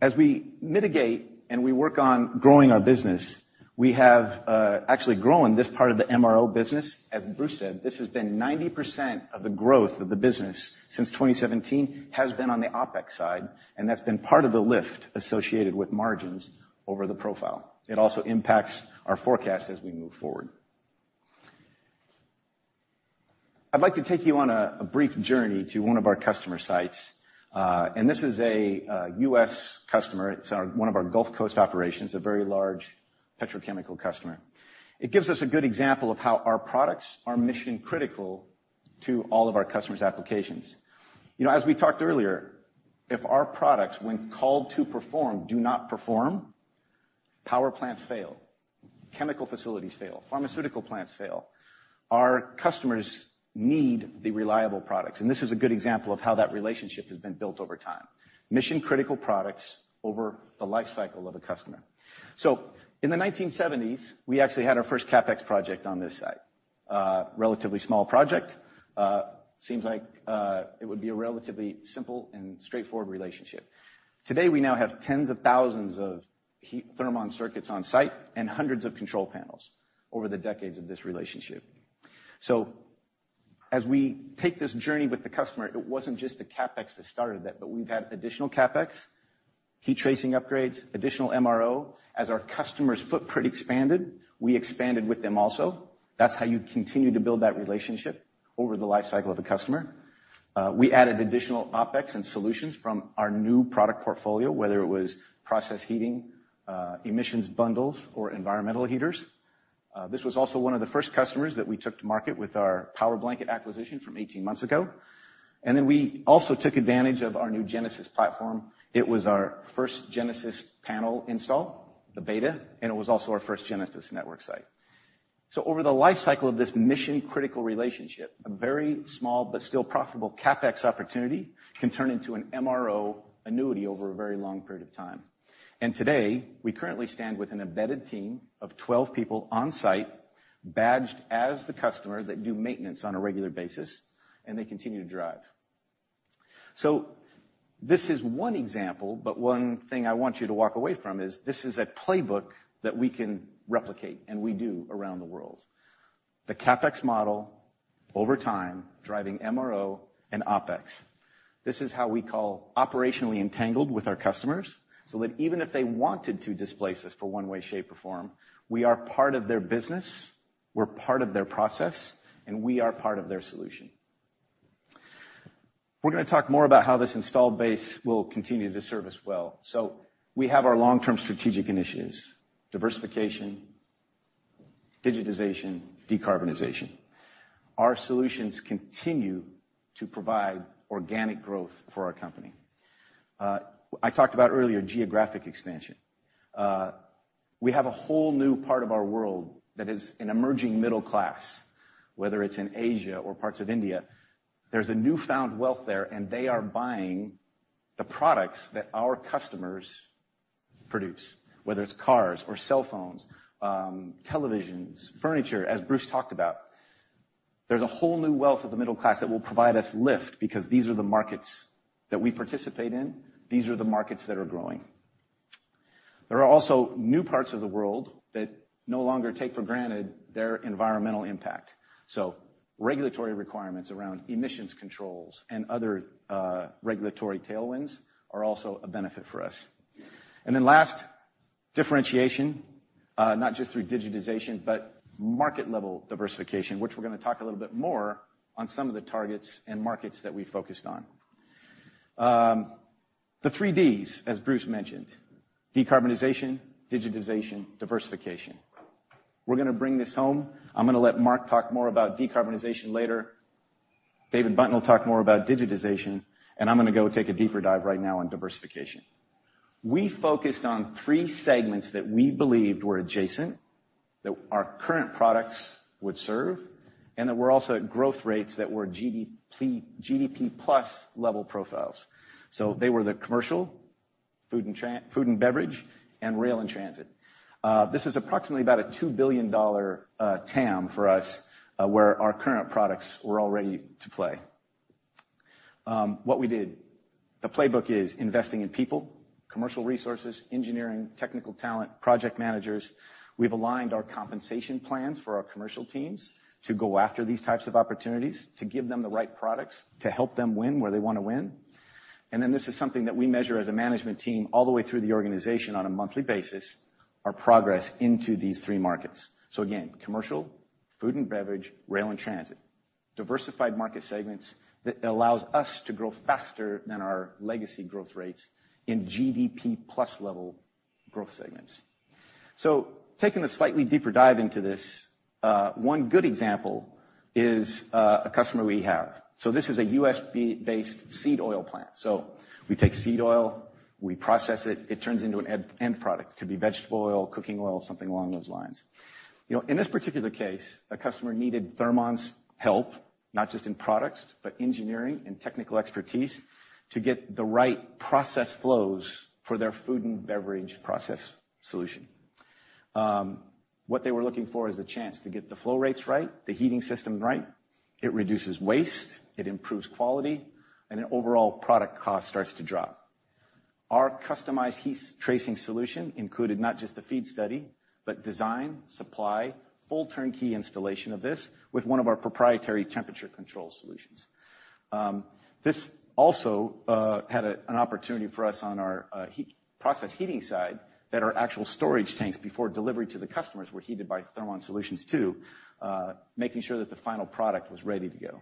As we mitigate and we work on growing our business, we have actually grown this part of the MRO business. As Bruce said, this has been 90% of the growth of the business since 2017, has been on the OpEx side, and that's been part of the lift associated with margins over the profile. It also impacts our forecast as we move forward. I'd like to take you on a brief journey to one of our customer sites, and this is a U.S. customer. It's one of our Gulf Coast operations, a very large petrochemical customer. It gives us a good example of how our products are mission-critical to all of our customers' applications. You know, as we talked earlier, if our products, when called to perform, do not perform, power plants fail, chemical facilities fail, pharmaceutical plants fail. Our customers need the reliable products, and this is a good example of how that relationship has been built over time. Mission-critical products over the life cycle of a customer. So in the 1970s, we actually had our first CapEx project on this site. Relatively small project. Seems like, it would be a relatively simple and straightforward relationship. Today, we now have tens of thousands of heat Thermon circuits on site and hundreds of control panels over the decades of this relationship. So as we take this journey with the customer, it wasn't just the CapEx that started it, but we've had additional CapEx, heat tracing upgrades, additional MRO. As our customer's footprint expanded, we expanded with them also. That's how you continue to build that relationship over the life cycle of a customer. We added additional OpEx and solutions from our new product portfolio, whether it was process heating, emissions bundles, or environmental heaters. This was also one of the first customers that we took to market with our Powerblanket acquisition from 18 months ago. And then we also took advantage of our new Genesis platform. It was our first Genesis panel install, the beta, and it was also our first Genesis network site. So over the life cycle of this mission-critical relationship, a very small but still profitable CapEx opportunity can turn into an MRO annuity over a very long period of time. And today, we currently stand with an embedded team of 12 people on site, badged as the customer, that do maintenance on a regular basis, and they continue to drive. So this is one example, but one thing I want you to walk away from is this is a playbook that we can replicate, and we do around the world. The CapEx model over time, driving MRO and OpEx. This is how we call operationally entangled with our customers, so that even if they wanted to displace us for one way, shape, or form, we are part of their business, we're part of their process, and we are part of their solution. We're gonna talk more about how this installed base will continue to serve us well. So we have our long-term strategic initiatives, diversification, digitization, decarbonization. Our solutions continue to provide organic growth for our company. I talked about earlier, geographic expansion. We have a whole new part of our world that is an emerging middle class, whether it's in Asia or parts of India. There's a newfound wealth there, and they are buying the products that our customers produce, whether it's cars or cell phones, televisions, furniture, as Bruce talked about. There's a whole new wealth of the middle class that will provide us lift because these are the markets that we participate in. These are the markets that are growing. There are also new parts of the world that no longer take for granted their environmental impact. So regulatory requirements around emissions controls and other, regulatory tailwinds are also a benefit for us. And then last, differentiation, not just through digitization, but market-level diversification, which we're gonna talk a little bit more on some of the targets and markets that we focused on. The three Ds, as Bruce mentioned, decarbonization, digitization, diversification. We're gonna bring this home. I'm gonna let Mark talk more about decarbonization later. David Buntin will talk more about digitization, and I'm gonna go take a deeper dive right now on diversification. We focused on three segments that we believed were adjacent, that our current products would serve, and that were also at growth rates that were GDP, GDP plus level profiles. So they were the commercial, food and beverage, and rail and transit. This is approximately about a $2 billion TAM for us, where our current products were all ready to play. What we did, the playbook is investing in people, commercial resources, engineering, technical talent, project managers. We've aligned our compensation plans for our commercial teams to go after these types of opportunities, to give them the right products, to help them win where they want to win. And then this is something that we measure as a management team all the way through the organization on a monthly basis, our progress into these three markets. So again, commercial, food and beverage, rail and transit. Diversified market segments that allows us to grow faster than our legacy growth rates in GDP plus level growth segments. So taking a slightly deeper dive into this, one good example is, a customer we have. So this is a U.S.-based seed oil plant. So we take seed oil, we process it, it turns into an end product. Could be vegetable oil, cooking oil, something along those lines. You know, in this particular case, a customer needed Thermon's help, not just in products, but engineering and technical expertise, to get the right process flows for their food and beverage process solution. What they were looking for is a chance to get the flow rates right, the heating system right. It reduces waste, it improves quality, and overall product cost starts to drop. Our customized heat tracing solution included not just the FEED study, but design, supply, full turnkey installation of this with one of our proprietary temperature control solutions. This also had an opportunity for us on our process heating side, that our actual storage tanks, before delivery to the customers, were heated by Thermon solutions, too, making sure that the final product was ready to go.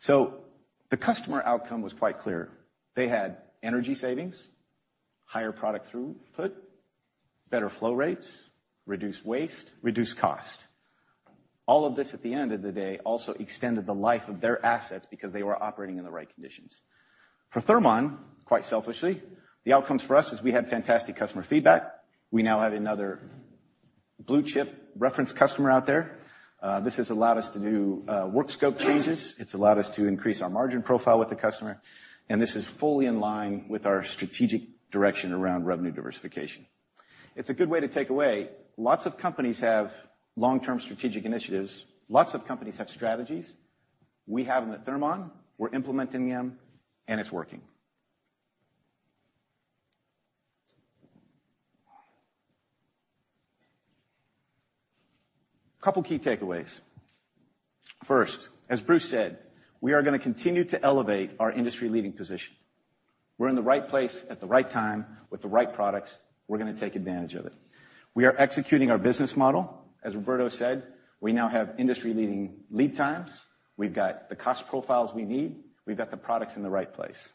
So the customer outcome was quite clear. They had energy savings, higher product throughput, better flow rates, reduced waste, reduced cost. All of this, at the end of the day, also extended the life of their assets because they were operating in the right conditions. For Thermon, quite selfishly, the outcomes for us is we had fantastic customer feedback. We now have another blue chip reference customer out there. This has allowed us to do work scope changes. It's allowed us to increase our margin profile with the customer, and this is fully in line with our strategic direction around revenue diversification. It's a good way to take away. Lots of companies have long-term strategic initiatives. Lots of companies have strategies. We have them at Thermon, we're implementing them, and it's working. Couple key takeaways. First, as Bruce said, we are gonna continue to elevate our industry-leading position. We're in the right place at the right time with the right products. We're gonna take advantage of it. We are executing our business model. As Roberto said, we now have industry-leading lead times, we've got the cost profiles we need, we've got the products in the right place.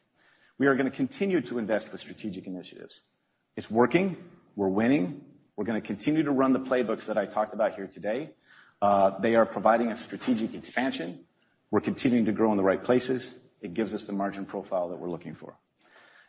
We are gonna continue to invest with strategic initiatives. It's working. We're winning. We're gonna continue to run the playbooks that I talked about here today. They are providing a strategic expansion. We're continuing to grow in the right places. It gives us the margin profile that we're looking for.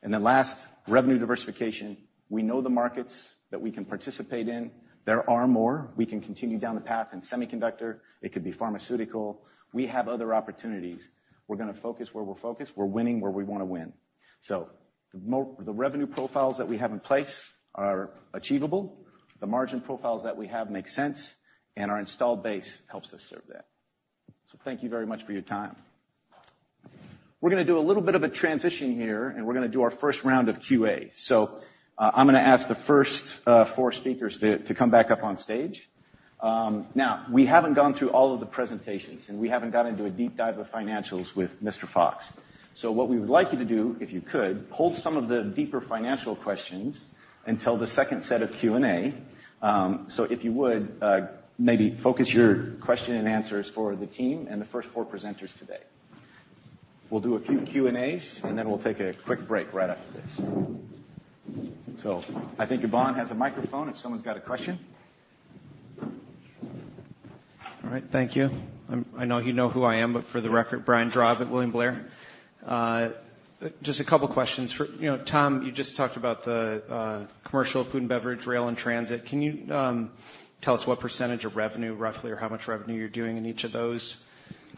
And then last, revenue diversification. We know the markets that we can participate in. There are more. We can continue down the path in semiconductor. It could be pharmaceutical. We have other opportunities. We're gonna focus where we're focused. We're winning where we wanna win. So the revenue profiles that we have in place are achievable, the margin profiles that we have make sense, and our installed base helps us serve that. So thank you very much for your time. We're gonna do a little bit of a transition here, and we're gonna do our first round of QA. So, I'm gonna ask the first four speakers to come back up on stage. Now, we haven't gone through all of the presentations, and we haven't gotten into a deep dive of financials with Mr. Fox. So what we would like you to do, if you could, hold some of the deeper financial questions until the second set of Q&A. So if you would, maybe focus your question and answers for the team and the first four presenters today. We'll do a few Q&As, and then we'll take a quick break right after this. So I think Ivonne has a microphone if someone's got a question. All right, thank you. I know you know who I am, but for the record, Brian Drab at William Blair. Just a couple questions. You know, Tom, you just talked about the commercial food and beverage, rail, and transit. Can you tell us what percentage of revenue, roughly, or how much revenue you're doing in each of those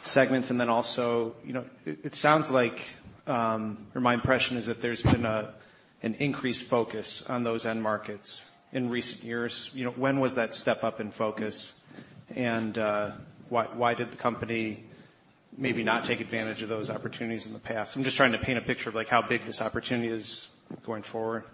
segments? And then also, you know, it sounds like, or my impression is that there's been an increased focus on those end markets in recent years. You know, when was that step up in focus, and why did the company maybe not take advantage of those opportunities in the past? I'm just trying to paint a picture of, like, how big this opportunity is going forward.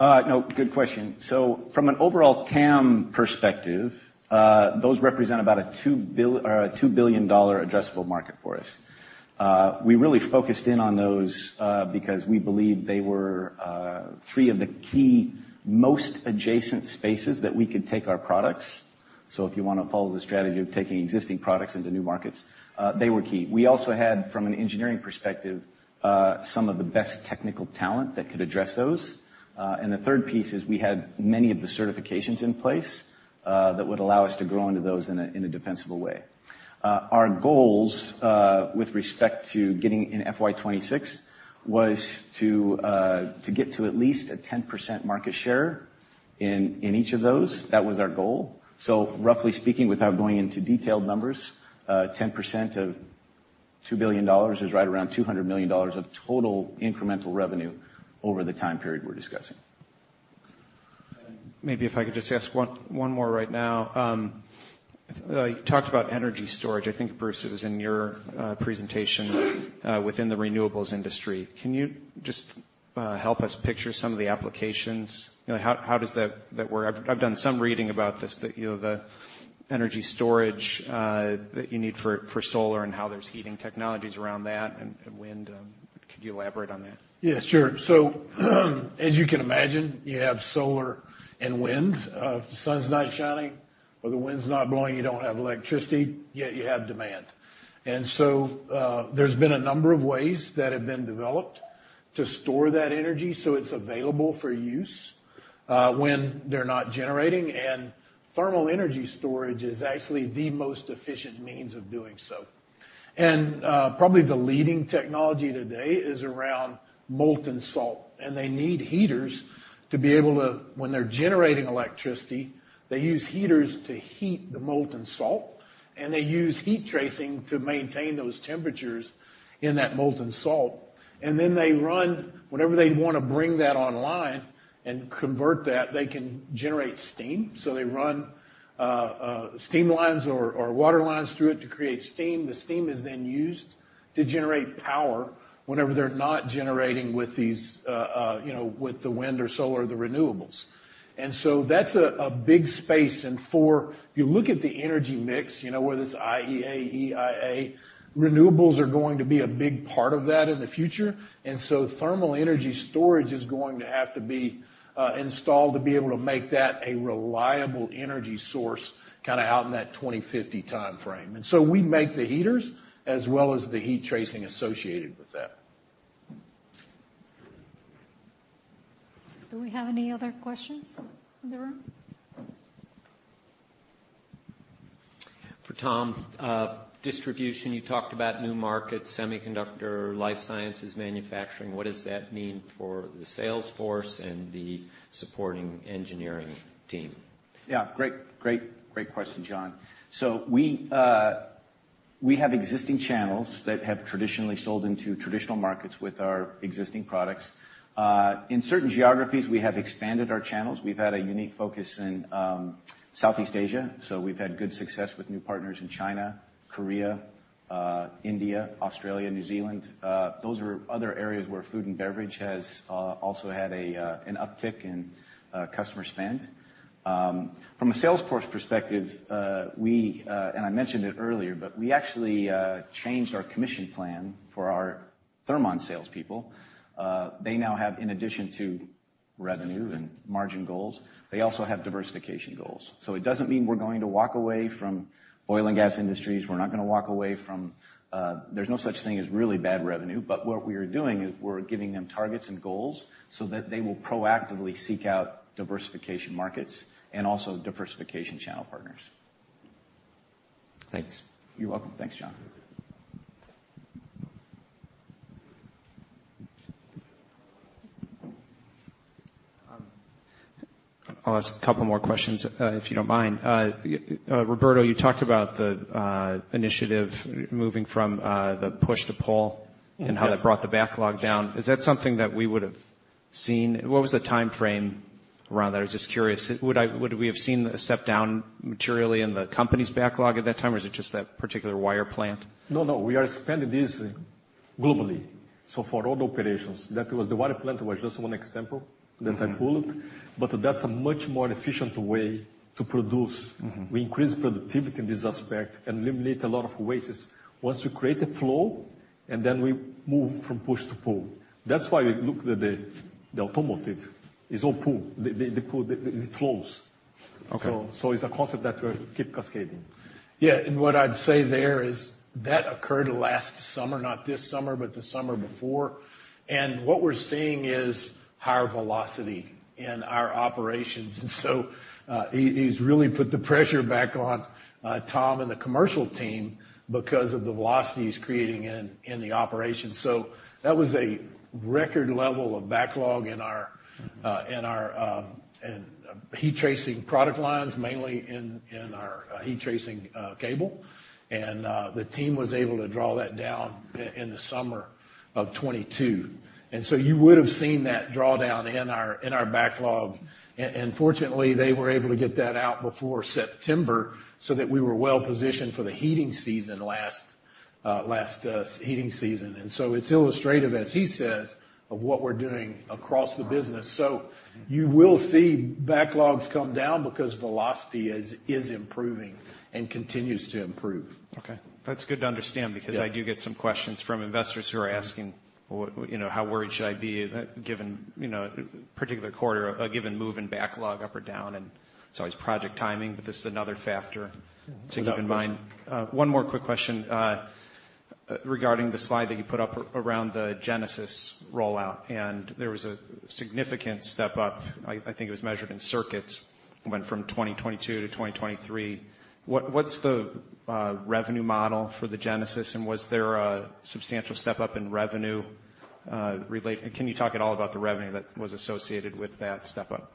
No, good question. So from an overall TAM perspective, those represent about a $2 billion addressable market for us. We really focused in on those, because we believed they were 3 of the key, most adjacent spaces that we could take our products. So if you wanna follow the strategy of taking existing products into new markets, they were key. We also had, from an engineering perspective, some of the best technical talent that could address those. And the third piece is we had many of the certifications in place, that would allow us to grow into those in a defensible way. Our goals, with respect to getting in FY 2026, was to get to at least a 10% market share in each of those. That was our goal. So roughly speaking, without going into detailed numbers, 10% of $2 billion is right around $200 million of total incremental revenue over the time period we're discussing. Maybe if I could just ask one more right now. You talked about energy storage. I think, Bruce, it was in your presentation, within the renewables industry. Can you just help us picture some of the applications? You know, how does that work? I've done some reading about this, that, you know, the energy storage that you need for solar and how there's heating technologies around that and wind. Could you elaborate on that? Yeah, sure. So, as you can imagine, you have solar and wind. If the sun's not shining or the wind's not blowing, you don't have electricity, yet you have demand. And so, there's been a number of ways that have been developed to store that energy, so it's available for use, when they're not generating. And thermal energy storage is actually the most efficient means of doing so. And, probably the leading technology today is around molten salt, and they need heaters to be able to. When they're generating electricity, they use heaters to heat the molten salt, and they use heat tracing to maintain those temperatures in that molten salt. Whenever they want to bring that online and convert that, they can generate steam. So they run, steam lines or water lines through it to create steam. The steam is then used to generate power whenever they're not generating with these, you know, with the wind or solar, the renewables. And so that's a big space. If you look at the energy mix, you know, whether it's IEA, EIA, renewables are going to be a big part of that in the future, and so thermal energy storage is going to have to be installed to be able to make that a reliable energy source, kinda out in that 2050 timeframe. And so we make the heaters as well as the heat tracing associated with that. Do we have any other questions in the room? For Tom, distribution, you talked about new markets, semiconductor, life sciences, manufacturing. What does that mean for the sales force and the supporting engineering team? Yeah, great, great, great question, John. So we have existing channels that have traditionally sold into traditional markets with our existing products. In certain geographies, we have expanded our channels. We've had a unique focus in Southeast Asia, so we've had good success with new partners in China, Korea, India, Australia, New Zealand. Those are other areas where food and beverage has also had an uptick in customer spend. From a sales force perspective, we and I mentioned it earlier, but we actually changed our commission plan for our Thermon salespeople. They now have, in addition to revenue and margin goals, they also have diversification goals. So it doesn't mean we're going to walk away from oil and gas industries. We're not gonna walk away from... There's no such thing as really bad revenue, but what we are doing is we're giving them targets and goals so that they will proactively seek out diversification markets and also diversification channel partners. Thanks. You're welcome. Thanks, Jon. I'll ask a couple more questions, if you don't mind. Roberto, you talked about the initiative moving from the push to pull- Yes. - and how that brought the backlog down. Is that something that we would have seen? What was the time frame around that? I was just curious. Would we have seen a step down materially in the company's backlog at that time, or is it just that particular wire plant? No, no, we are expanding this globally. So for all the operations, that was the wire plant, was just one example that I pulled, but that's a much more efficient way to produce. We increase productivity in this aspect and eliminate a lot of wastes. Once you create the flow, and then we move from push to pull. That's why we look at the automotive. It's all pull. The pull, it flows. Okay. So, it's a concept that will keep cascading. Yeah, and what I'd say there is, that occurred last summer, not this summer, but the summer before. And what we're seeing is higher velocity in our operations. And so, he, he's really put the pressure back on, Tom and the commercial team because of the velocity he's creating in the operations. So that was a record level of backlog in our Heat Tracing product lines, mainly in our Heat Tracing cable. And the team was able to draw that down in the summer of 2022. And so you would have seen that drawdown in our backlog. And fortunately, they were able to get that out before September so that we were well positioned for the heating season last heating season. And so it's illustrative, as he says, of what we're doing across the business. So you will see backlogs come down because velocity is improving and continues to improve. Okay. That's good to understand- Yeah. Because I do get some questions from investors who are asking: "What, you know, how worried should I be, given, you know, particular quarter, a given move in backlog up or down?" It's always project timing, but this is another factor to keep in mind. One more quick question regarding the slide that you put up around the Genesis rollout, and there was a significant step up. I think it was measured in circuits, went from 2022 to 2023. What's the revenue model for the Genesis, and was there a substantial step up in revenue? Can you talk at all about the revenue that was associated with that step up?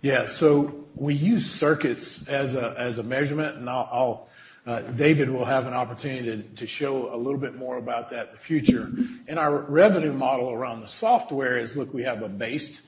Yeah. So we use circuits as a, as a measurement, and I'll, I'll... David will have an opportunity to, to show a little bit more about that in the future. And our revenue model around the software is, look, we have a base, a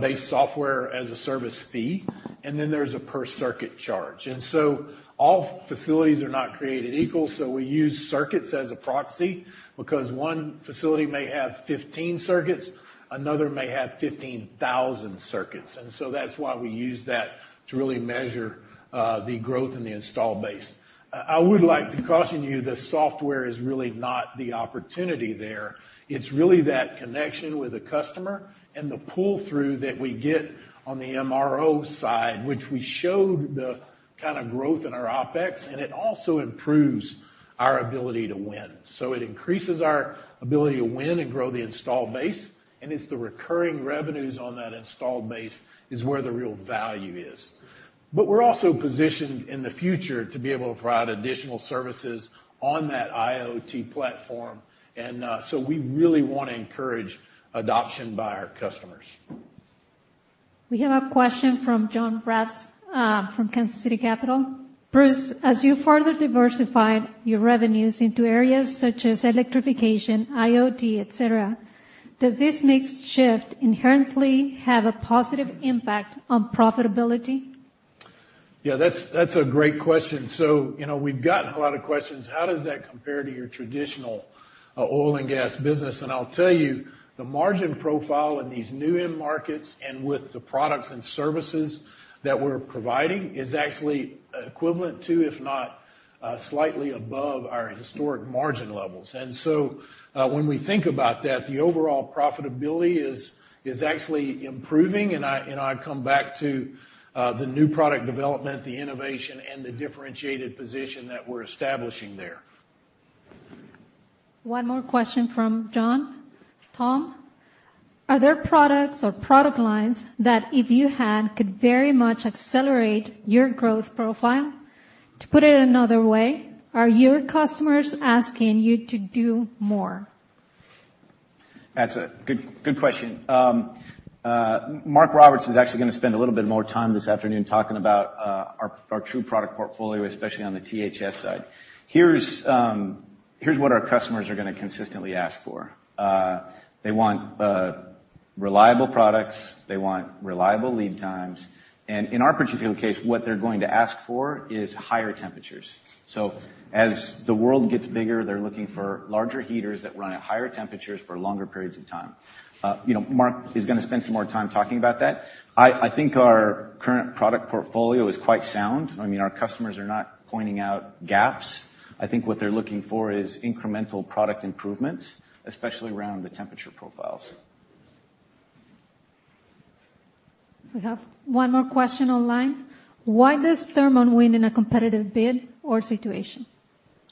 base software as a service fee, and then there's a per circuit charge. And so all facilities are not created equal, so we use circuits as a proxy, because one facility may have 15 circuits, another may have 15,000 circuits, and so that's why we use that to really measure the growth in the install base. I would like to caution you, the software is really not the opportunity there. It's really that connection with the customer and the pull-through that we get on the MRO side, which we showed the kind of growth in our OpEx, and it also improves our ability to win. So it increases our ability to win and grow the installed base, and it's the recurring revenues on that installed base is where the real value is. But we're also positioned in the future to be able to provide additional services on that IoT platform, and so we really want to encourage adoption by our customers. We have a question from Jon Braatz from Kansas City Capital. Bruce, as you further diversify your revenues into areas such as electrification, IoT, et cetera, does this mix shift inherently have a positive impact on profitability? Yeah, that's, that's a great question. So, you know, we've gotten a lot of questions: How does that compare to your traditional, oil and gas business? And I'll tell you, the margin profile in these new end markets, and with the products and services that we're providing, is actually equivalent to, if not, slightly above our historic margin levels. And so, when we think about that, the overall profitability is actually improving, and I come back to, the new product development, the innovation, and the differentiated position that we're establishing there. One more question from John. Tom, are there products or product lines that if you had, could very much accelerate your growth profile? To put it another way, are your customers asking you to do more? That's a good, good question. Mark Roberts is actually gonna spend a little bit more time this afternoon talking about, our, our true product portfolio, especially on the THS side. Here's, here's what our customers are gonna consistently ask for. They want, reliable products, they want reliable lead times, and in our particular case, what they're going to ask for is higher temperatures. So as the world gets bigger, they're looking for larger heaters that run at higher temperatures for longer periods of time. You know, Mark is gonna spend some more time talking about that. I, I think our current product portfolio is quite sound. I mean, our customers are not pointing out gaps. I think what they're looking for is incremental product improvements, especially around the temperature profiles. We have one more question online. Why does Thermon win in a competitive bid or situation?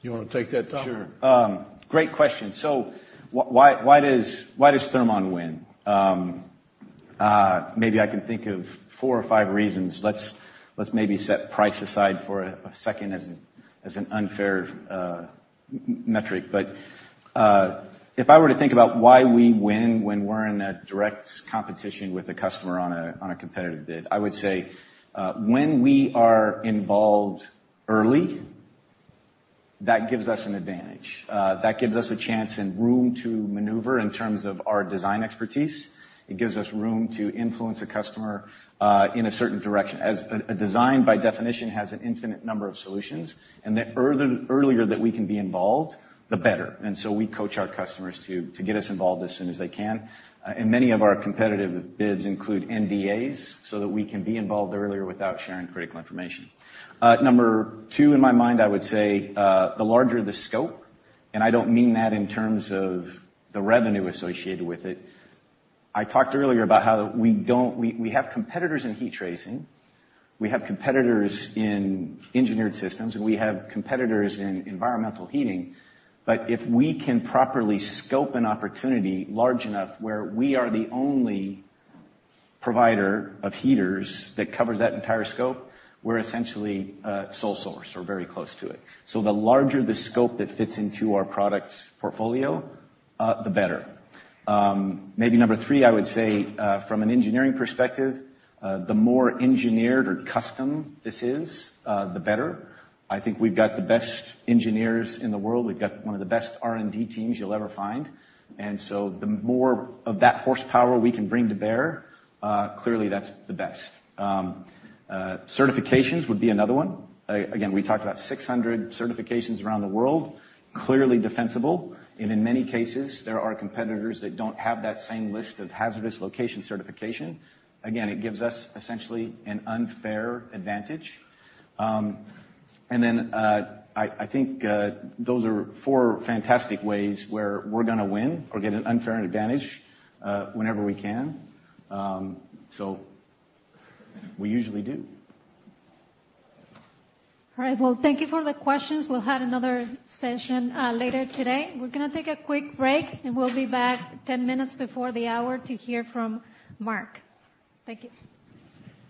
You wanna take that, Tom? Sure. Great question. So why does Thermon win? Maybe I can think of four or five reasons. Let's maybe set price aside for a second as an unfair metric. But if I were to think about why we win when we're in a direct competition with a customer on a competitive bid, I would say when we are involved early, that gives us an advantage. That gives us a chance and room to maneuver in terms of our design expertise. It gives us room to influence a customer in a certain direction. A design, by definition, has an infinite number of solutions, and the earlier that we can be involved, the better. And so we coach our customers to get us involved as soon as they can. And many of our competitive bids include NDAs, so that we can be involved earlier without sharing critical information. Number two, in my mind, I would say, the larger the scope, and I don't mean that in terms of the revenue associated with it. I talked earlier about how we have competitors in heat tracing, we have competitors in engineered systems, and we have competitors in environmental heating, but if we can properly scope an opportunity large enough where we are the only provider of heaters that covers that entire scope, we're essentially sole source or very close to it. So the larger the scope that fits into our product portfolio, the better. Maybe number three, I would say, from an engineering perspective, the more engineered or custom this is, the better. I think we've got the best engineers in the world. We've got one of the best R&D teams you'll ever find. And so the more of that horsepower we can bring to bear, clearly, that's the best. Certifications would be another one. Again, we talked about 600 certifications around the world, clearly defensible, and in many cases, there are competitors that don't have that same list of hazardous location certification. Again, it gives us essentially an unfair advantage. And then, I think, those are four fantastic ways where we're gonna win or get an unfair advantage, whenever we can. So we usually do. All right. Well, thank you for the questions. We'll have another session later today. We're gonna take a quick break, and we'll be back 10 minutes before the hour to hear from Mark. Thank you.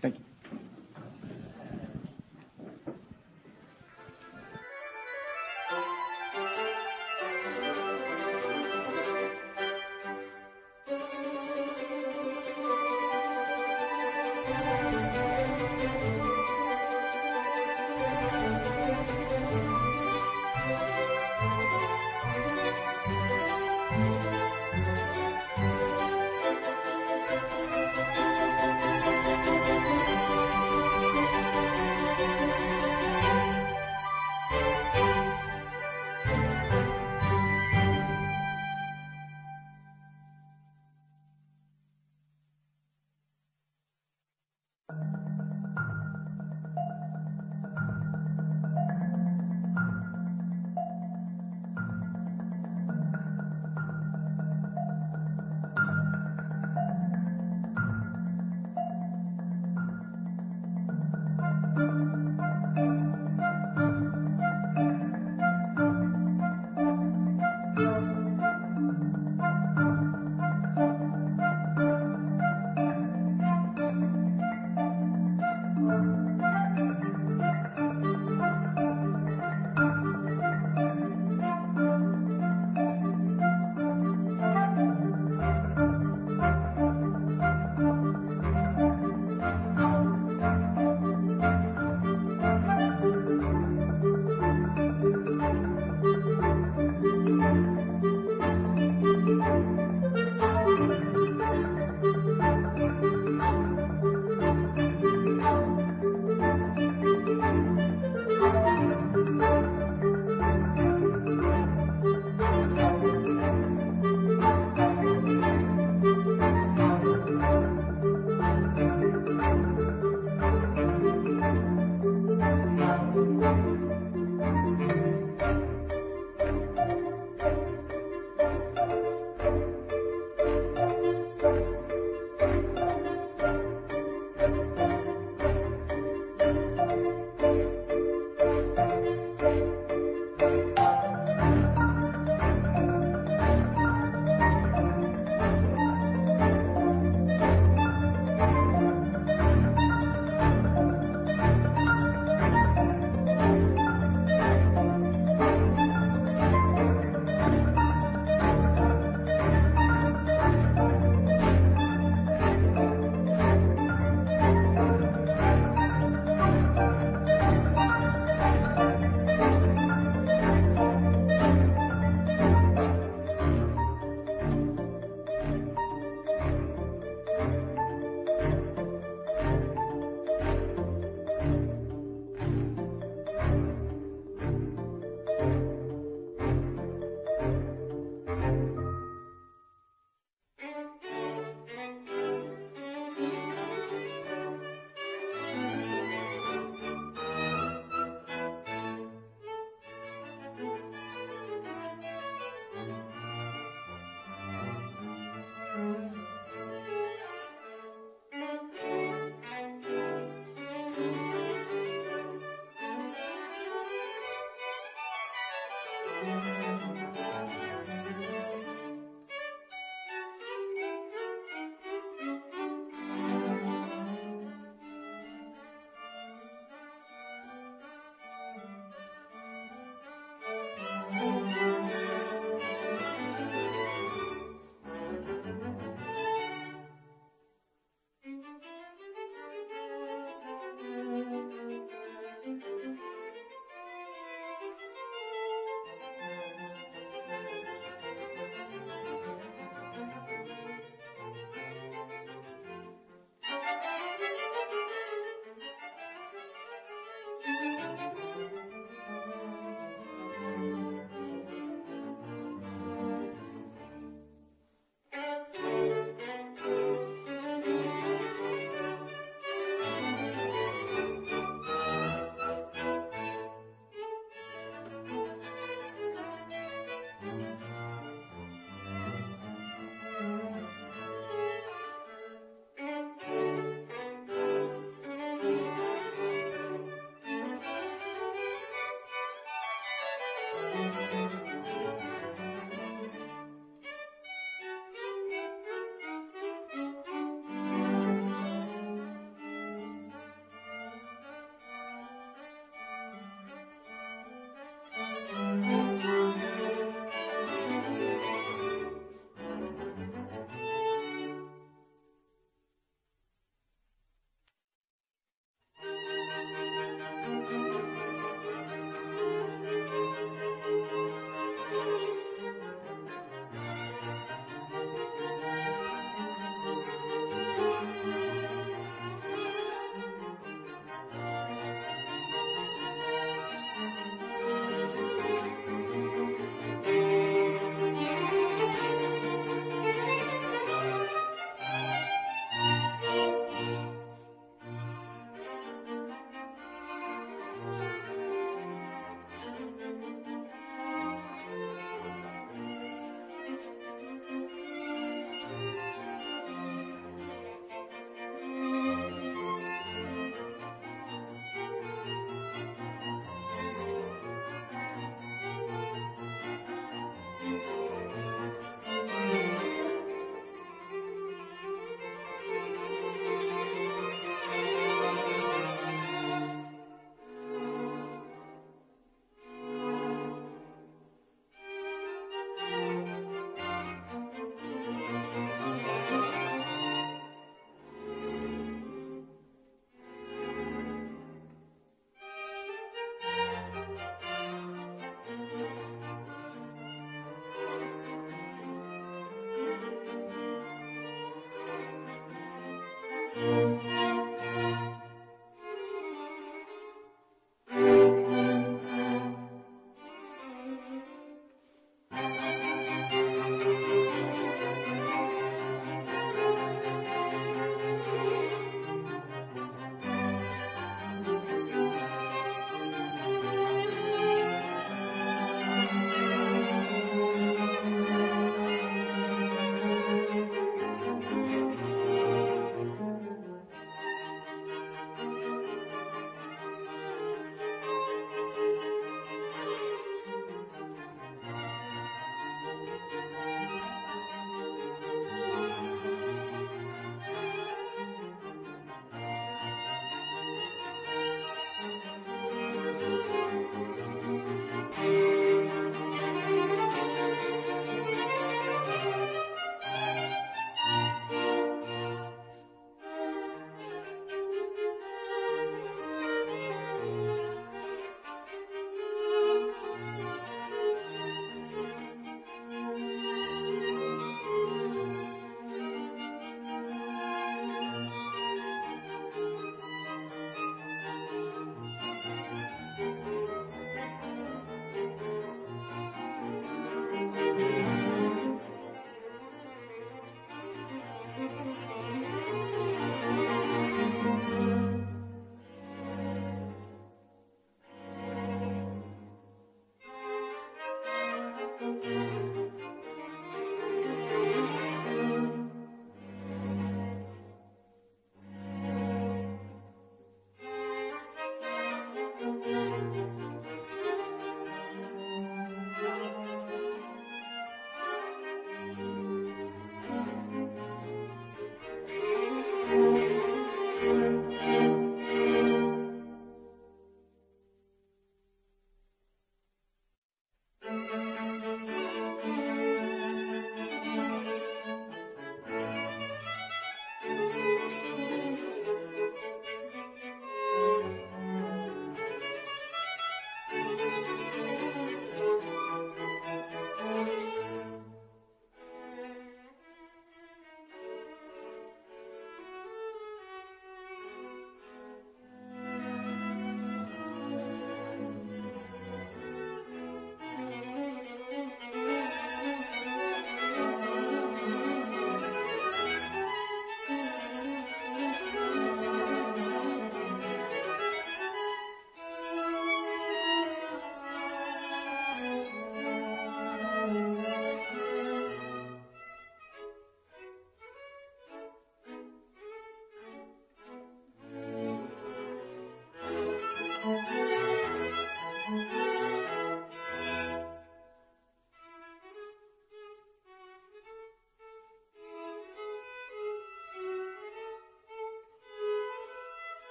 Thank you.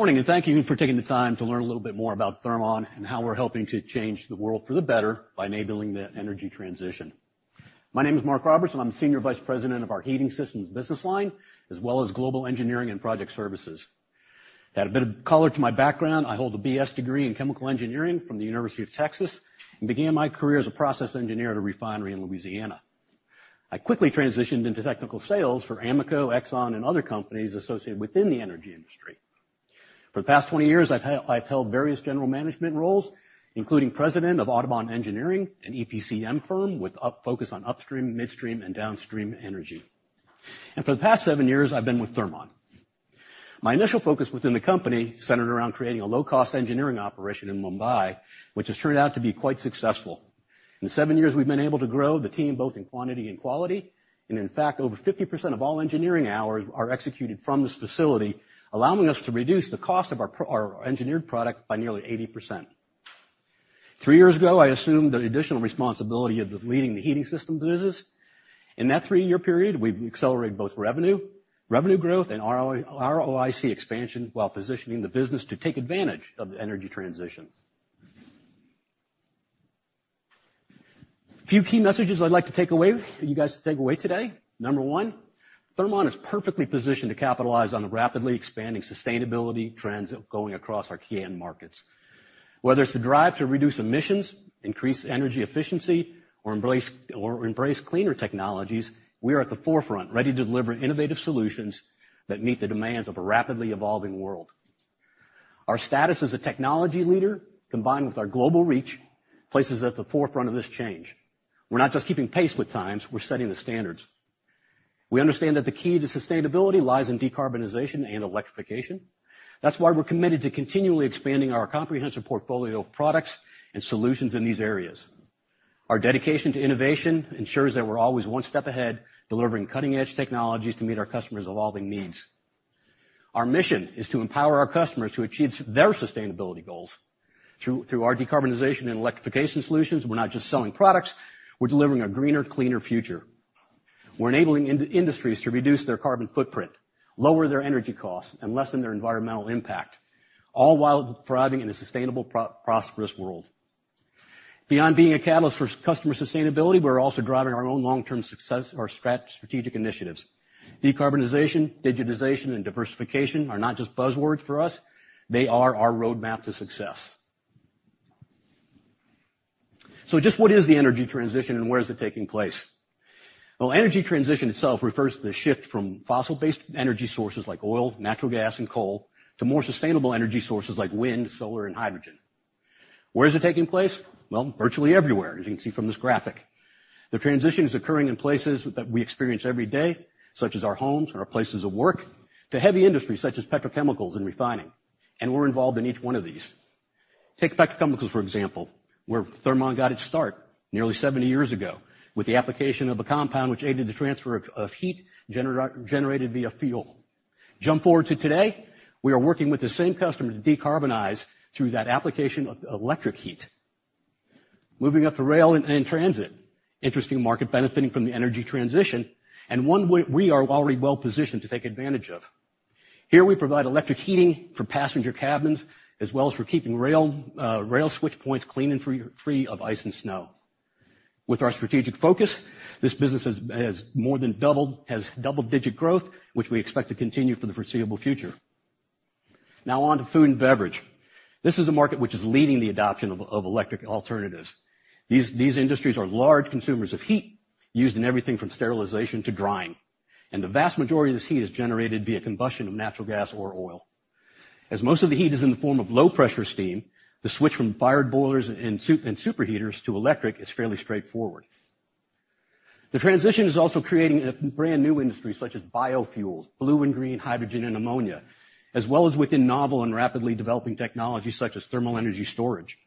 Good morning, and thank you for taking the time to learn a little bit more about Thermon and how we're helping to change the world for the better by enabling the energy transition. My name is Mark Roberts, and I'm Senior Vice President of our Heating Systems business line, as well as Global Engineering and Project Services. To add a bit of color to my background, I hold a BS degree in Chemical Engineering from the University of Texas, and began my career as a process engineer at a refinery in Louisiana. I quickly transitioned into technical sales for Amoco, Exxon, and other companies associated within the energy industry. For the past 20 years, I've held various general management roles, including President of Audubon Engineering, an EPCM firm with a focus on upstream, midstream, and downstream energy. For the past 7 years, I've been with Thermon. My initial focus within the company centered around creating a low-cost engineering operation in Mumbai, which has turned out to be quite successful. In 7 years, we've been able to grow the team, both in quantity and quality, and in fact, over 50% of all engineering hours are executed from this facility, allowing us to reduce the cost of our our engineered product by nearly 80%. 3 years ago, I assumed the additional responsibility of leading the heating system business. In that 3-year period, we've accelerated both revenue, revenue growth, and ROI, ROIC expansion, while positioning the business to take advantage of the energy transition. A few key messages I'd like to take away... For you guys to take away today. Number 1, Thermon is perfectly positioned to capitalize on the rapidly expanding sustainability trends going across our key end markets. Whether it's the drive to reduce emissions, increase energy efficiency, or embrace cleaner technologies, we are at the forefront, ready to deliver innovative solutions that meet the demands of a rapidly evolving world. Our status as a technology leader, combined with our global reach, places us at the forefront of this change. We're not just keeping pace with times, we're setting the standards. We understand that the key to sustainability lies in decarbonization and electrification. That's why we're committed to continually expanding our comprehensive portfolio of products and solutions in these areas. Our dedication to innovation ensures that we're always one step ahead, delivering cutting-edge technologies to meet our customers' evolving needs. Our mission is to empower our customers to achieve their sustainability goals through our decarbonization and electrification solutions. We're not just selling products, we're delivering a greener, cleaner future.... We're enabling industries to reduce their carbon footprint, lower their energy costs, and lessen their environmental impact, all while thriving in a sustainable prosperous world. Beyond being a catalyst for customer sustainability, we're also driving our own long-term success or strategic initiatives. Decarbonization, digitization, and diversification are not just buzzwords for us, they are our roadmap to success. So just what is the energy transition, and where is it taking place? Well, energy transition itself refers to the shift from fossil-based energy sources like oil, natural gas, and coal, to more sustainable energy sources like wind, solar, and hydrogen. Where is it taking place? Well, virtually everywhere, as you can see from this graphic. The transition is occurring in places that we experience every day, such as our homes and our places of work, to heavy industries such as petrochemicals and refining, and we're involved in each one of these. Take petrochemicals, for example, where Thermon got its start nearly 70 years ago with the application of a compound which aided the transfer of heat generated via fuel. Jump forward to today, we are working with the same customer to decarbonize through that application of electric heat. Moving up to rail and transit, interesting market benefiting from the energy transition, and one we are already well-positioned to take advantage of. Here we provide electric heating for passenger cabins, as well as for keeping rail switch points clean and free of ice and snow. With our strategic focus, this business has more than doubled, has double-digit growth, which we expect to continue for the foreseeable future. Now on to food and beverage. This is a market which is leading the adoption of electric alternatives. These industries are large consumers of heat, used in everything from sterilization to drying, and the vast majority of this heat is generated via combustion of natural gas or oil. As most of the heat is in the form of low-pressure steam, the switch from fired boilers and superheaters to electric is fairly straightforward. The transition is also creating a brand-new industry, such as biofuels, blue and green hydrogen and ammonia, as well as within novel and rapidly developing technologies such as thermal energy storage.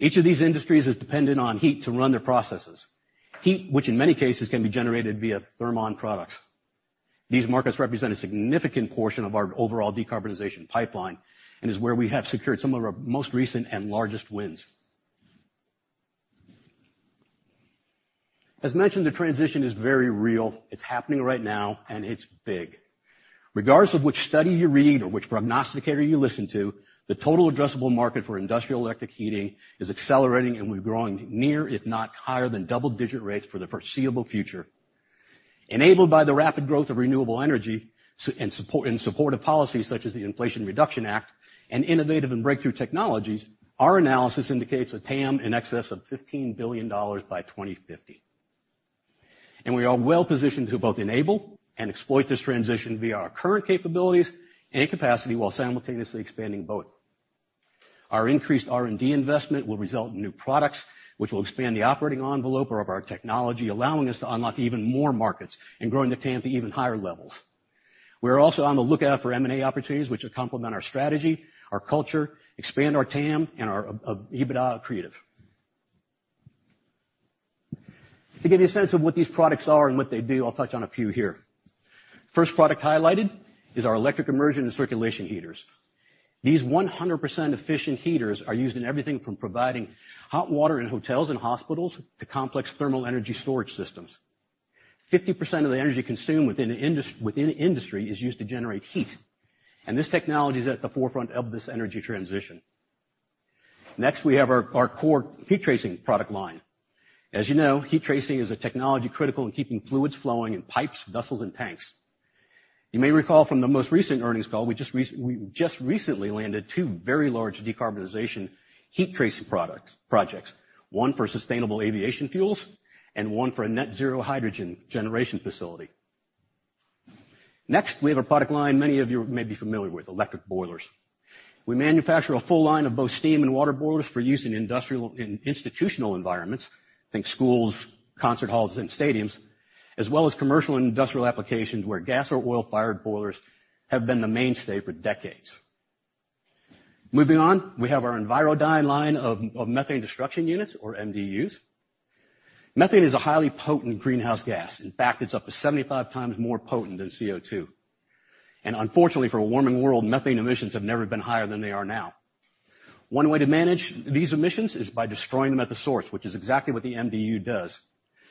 Each of these industries is dependent on heat to run their processes. Heat, which in many cases, can be generated via Thermon products. These markets represent a significant portion of our overall decarbonization pipeline and is where we have secured some of our most recent and largest wins. As mentioned, the transition is very real. It's happening right now, and it's big. Regardless of which study you read or which prognosticator you listen to, the total addressable market for industrial electric heating is accelerating, and we're growing near, if not higher than double-digit rates for the foreseeable future. Enabled by the rapid growth of renewable energy, and support, and supportive policies such as the Inflation Reduction Act and innovative and breakthrough technologies, our analysis indicates a TAM in excess of $15 billion by 2050. And we are well-positioned to both enable and exploit this transition via our current capabilities and capacity, while simultaneously expanding both. Our increased R&D investment will result in new products, which will expand the operating envelope of our technology, allowing us to unlock even more markets and growing the TAM to even higher levels. We're also on the lookout for M&A opportunities, which will complement our strategy, our culture, expand our TAM, and our EBITDA-accretive. To give you a sense of what these products are and what they do, I'll touch on a few here. First product highlighted is our electric immersion and circulation heaters. These 100% efficient heaters are used in everything from providing hot water in hotels and hospitals to complex thermal energy storage systems. 50% of the energy consumed within the industry is used to generate heat, and this technology is at the forefront of this energy transition. Next, we have our core heat tracing product line. As you know, heat tracing is a technology critical in keeping fluids flowing in pipes, vessels, and tanks. You may recall from the most recent earnings call, we just recently landed two very large decarbonization heat tracing products, projects, one for sustainable aviation fuels and one for a net zero hydrogen generation facility. Next, we have a product line many of you may be familiar with, electric boilers. We manufacture a full line of both steam and water boilers for use in industrial and institutional environments, think schools, concert halls, and stadiums, as well as commercial and industrial applications where gas or oil-fired boilers have been the mainstay for decades. Moving on, we have our EnviroDyne line of methane destruction units or MDUs. Methane is a highly potent greenhouse gas. In fact, it's up to 75 times more potent than CO2, and unfortunately for a warming world, methane emissions have never been higher than they are now. One way to manage these emissions is by destroying them at the source, which is exactly what the MDU does,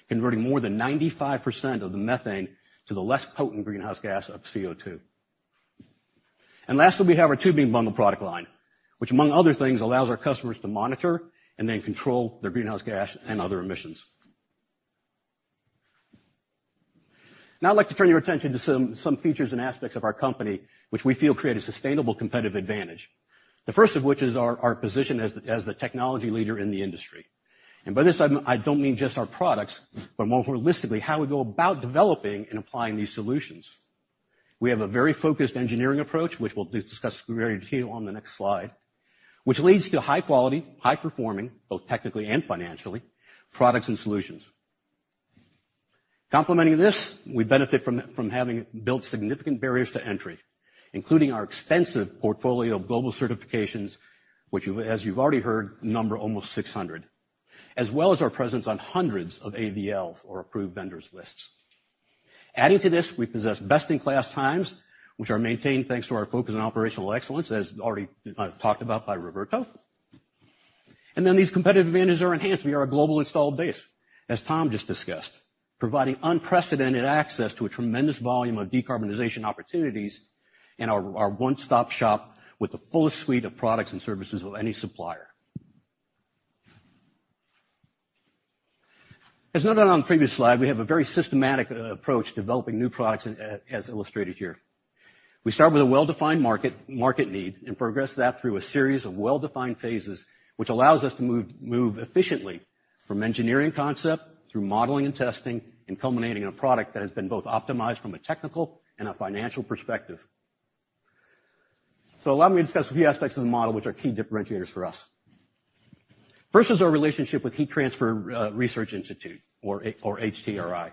converting more than 95% of the methane to the less potent greenhouse gas of CO2. Lastly, we have our Tubing Bundle product line, which, among other things, allows our customers to monitor and then control their greenhouse gas and other emissions. Now, I'd like to turn your attention to some features and aspects of our company which we feel create a sustainable competitive advantage. The first of which is our position as the technology leader in the industry. By this, I don't mean just our products, but more holistically, how we go about developing and applying these solutions. We have a very focused engineering approach, which we'll discuss in greater detail on the next slide, which leads to high quality, high performing, both technically and financially, products and solutions. Complementing this, we benefit from having built significant barriers to entry, including our extensive portfolio of global certifications, which you've as you've already heard, number almost 600, as well as our presence on hundreds of AVL or approved vendors lists. Adding to this, we possess best-in-class times, which are maintained thanks to our focus on operational excellence, as already talked about by Roberto. And then these competitive advantages are enhanced via our global installed base, as Tom just discussed, providing unprecedented access to a tremendous volume of decarbonization opportunities and our one-stop shop with the fullest suite of products and services of any supplier. As noted on the previou slide, we have a very systematic approach to developing new products, as illustrated here. We start with a well-defined market need, and progress that through a series of well-defined phases, which allows us to move efficiently from engineering concept through modeling and testing, and culminating in a product that has been both optimized from a technical and a financial perspective. Allow me to discuss a few aspects of the model, which are key differentiators for us. First is our relationship with Heat Transfer Research Institute, or HTRI.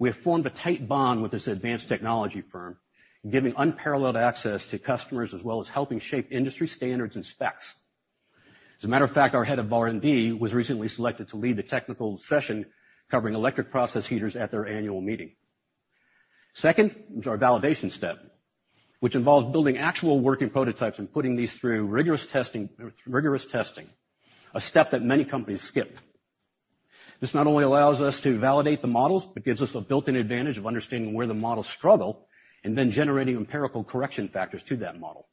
We have formed a tight bond with this advanced technology firm, giving unparalleled access to customers as well as helping shape industry standards and specs. As a matter of fact, our head of R&D was recently selected to lead the technical session covering electric process heaters at their annual meeting. Second, is our validation step, which involves building actual working prototypes and putting these through rigorous testing, a step that many companies skip. This not only allows us to validate the models, but gives us a built-in advantage of understanding where the models struggle, and then generating empirical correction factors to that model.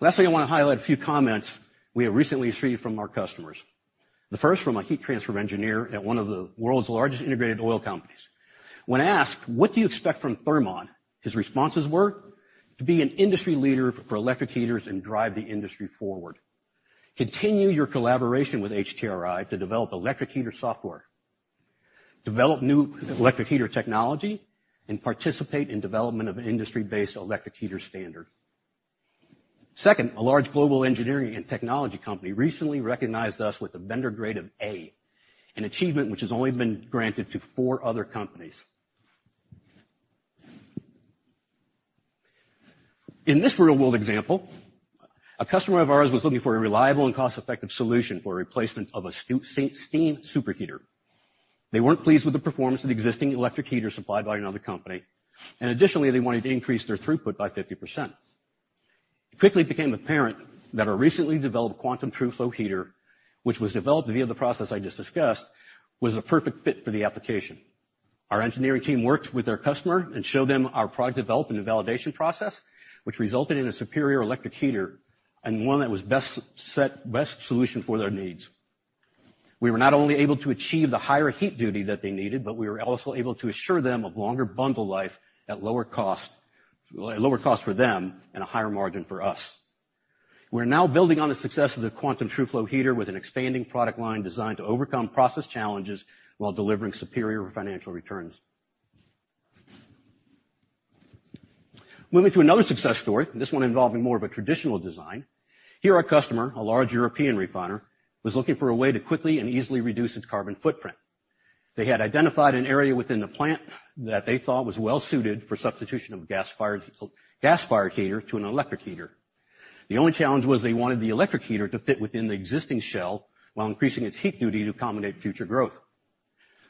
Lastly, I want to highlight a few comments we have recently received from our customers. The first from a heat transfer engineer at one of the world's largest integrated oil companies. When asked, "What do you expect from Thermon?" His responses were: "To be an industry leader for electric heaters and drive the industry forward. Continue your collaboration with HTRI to develop electric heater software, develop new electric heater technology, and participate in development of an industry-based electric heater standard." Second, a large global engineering and technology company recently recognized us with a vendor grade of A, an achievement which has only been granted to four other companies. In this real-world example, a customer of ours was looking for a reliable and cost-effective solution for replacement of a steam superheater. They weren't pleased with the performance of the existing electric heater supplied by another company, and additionally, they wanted to increase their throughput by 50%. It quickly became apparent that our recently developed Quantum TruFlow heater, which was developed via the process I just discussed, was a perfect fit for the application. Our engineering team worked with their customer and showed them our product development and validation process, which resulted in a superior electric heater and one that was best set, best solution for their needs. We were not only able to achieve the higher heat duty that they needed, but we were also able to assure them of longer bundle life at lower cost, lower cost for them and a higher margin for us. We're now building on the success of the Quantum TruFlow heater with an expanding product line designed to overcome process challenges while delivering superior financial returns. Moving to another success story, this one involving more of a traditional design. Here, our customer, a large European refiner, was looking for a way to quickly and easily reduce its carbon footprint. They had identified an area within the plant that they thought was well-suited for substitution of a gas-fired, gas-fired heater to an electric heater. The only challenge was they wanted the electric heater to fit within the existing shell while increasing its heat duty to accommodate future growth.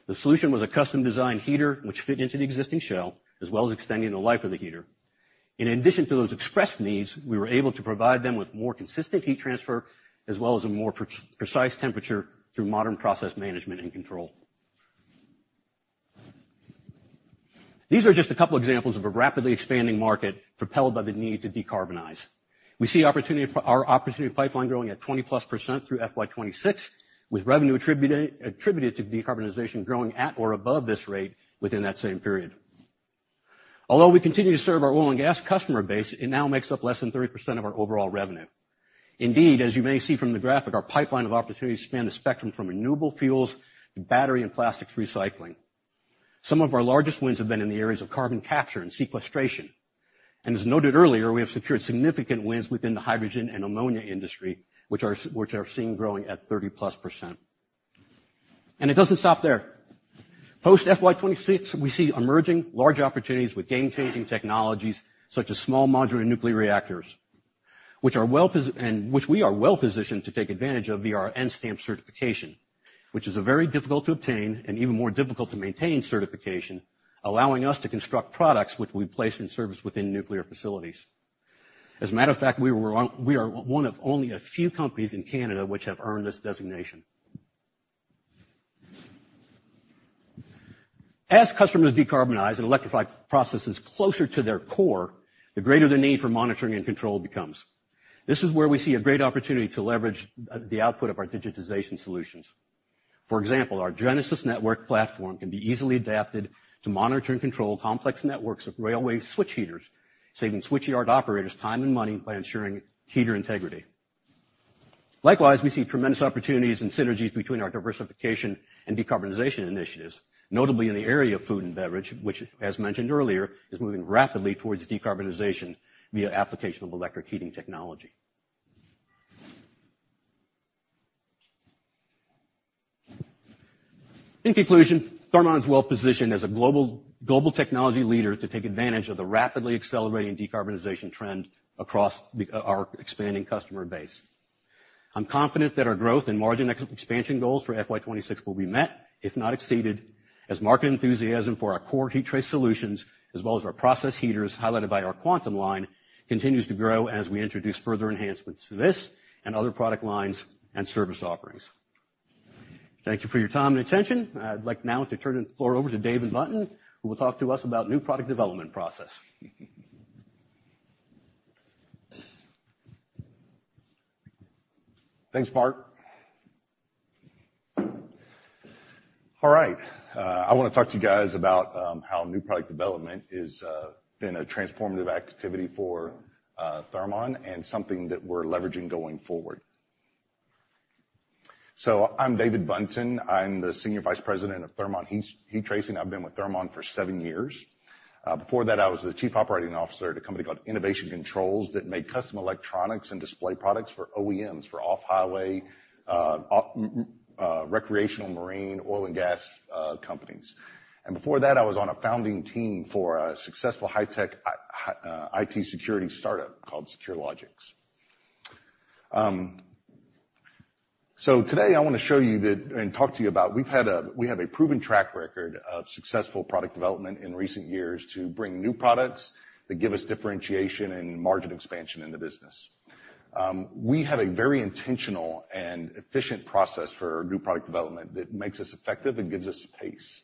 The solution was a custom-designed heater, which fit into the existing shell, as well as extending the life of the heater. In addition to those expressed needs, we were able to provide them with more consistent heat transfer, as well as a more precise temperature through modern process management and control. These are just a couple examples of a rapidly expanding market propelled by the need to decarbonize. We see opportunity for our opportunity pipeline growing at 20%+ through FY 2026, with revenue attributed to decarbonization growing at or above this rate within that same period. Although we continue to serve our oil and gas customer base, it now makes up less than 30% of our overall revenue. Indeed, as you may see from the graphic, our pipeline of opportunities span the spectrum from renewable fuels to battery and plastics recycling. Some of our largest wins have been in the areas of carbon capture and sequestration, and as noted earlier, we have secured significant wins within the hydrogen and ammonia industry, which are, which are seeing growing at 30+%. And it doesn't stop there. Post FY 2026, we see emerging large opportunities with game-changing technologies such as small modular nuclear reactors, which we are well-positioned to take advantage of via our N-Stamp certification, which is a very difficult to obtain and even more difficult to maintain certification, allowing us to construct products which we place in service within nuclear facilities. As a matter of fact, we are one of only a few companies in Canada which have earned this designation. As customers decarbonize and electrify processes closer to their core, the greater the need for monitoring and control becomes. This is where we see a great opportunity to leverage the output of our digitization solutions. For example, our Genesis Network platform can be easily adapted to monitor and control complex networks of railway switch heaters, saving switch yard operators time and money by ensuring heater integrity. Likewise, we see tremendous opportunities and synergies between our diversification and decarbonization initiatives, notably in the area of food and beverage, which, as mentioned earlier, is moving rapidly towards decarbonization via application of electric heating technology. In conclusion, Thermon is well positioned as a global technology leader to take advantage of the rapidly accelerating decarbonization trend across our expanding customer base. I'm confident that our growth and margin expansion goals for FY 2026 will be met, if not exceeded, as market enthusiasm for our core heat trace solutions, as well as our process heaters highlighted by our Quantum line, continues to grow as we introduce further enhancements to this and other product lines and service offerings. Thank you for your time and attention. I'd like now to turn the floor over to David Buntin, who will talk to us about new product development process. Thanks, Mark. All right, I want to talk to you guys about how new product development is been a transformative activity for Thermon, and something that we're leveraging going forward. So I'm David Buntin. I'm the Senior Vice President of Thermon Heat Tracing. I've been with Thermon for seven years. Before that, I was the Chief Operating Officer at a company called Enovation Controls that made custom electronics and display products for OEMs, for off-highway, recreational, marine, oil, and gas companies. And before that, I was on a founding team for a successful high-tech IT security startup called SecureLogix. So today I want to show you that, and talk to you about, we've had a, we have a proven track record of successful product development in recent years to bring new products that give us differentiation and market expansion in the business. We have a very intentional and efficient process for new product development that makes us effective and gives us pace.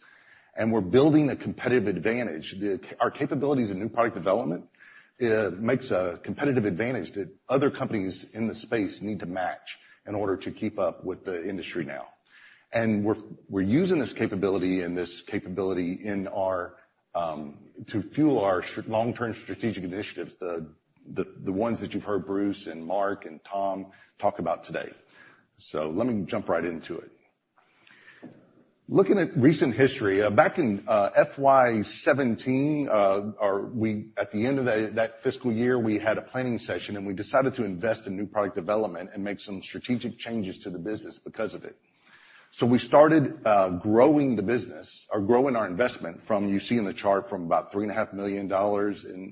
And we're building a competitive advantage, that our capabilities in new product development makes a competitive advantage that other companies in the space need to match in order to keep up with the industry now. And we're using this capability and this capability in our to fuel our long-term strategic initiatives, the ones that you've heard Bruce and Mark, and Tom talk about today. So let me jump right into it. Looking at recent history, back in FY 2017, at the end of that fiscal year, we had a planning session, and we decided to invest in new product development and make some strategic changes to the business because of it. So we started growing the business or growing our investment from, you see in the chart, from about $3.5 million in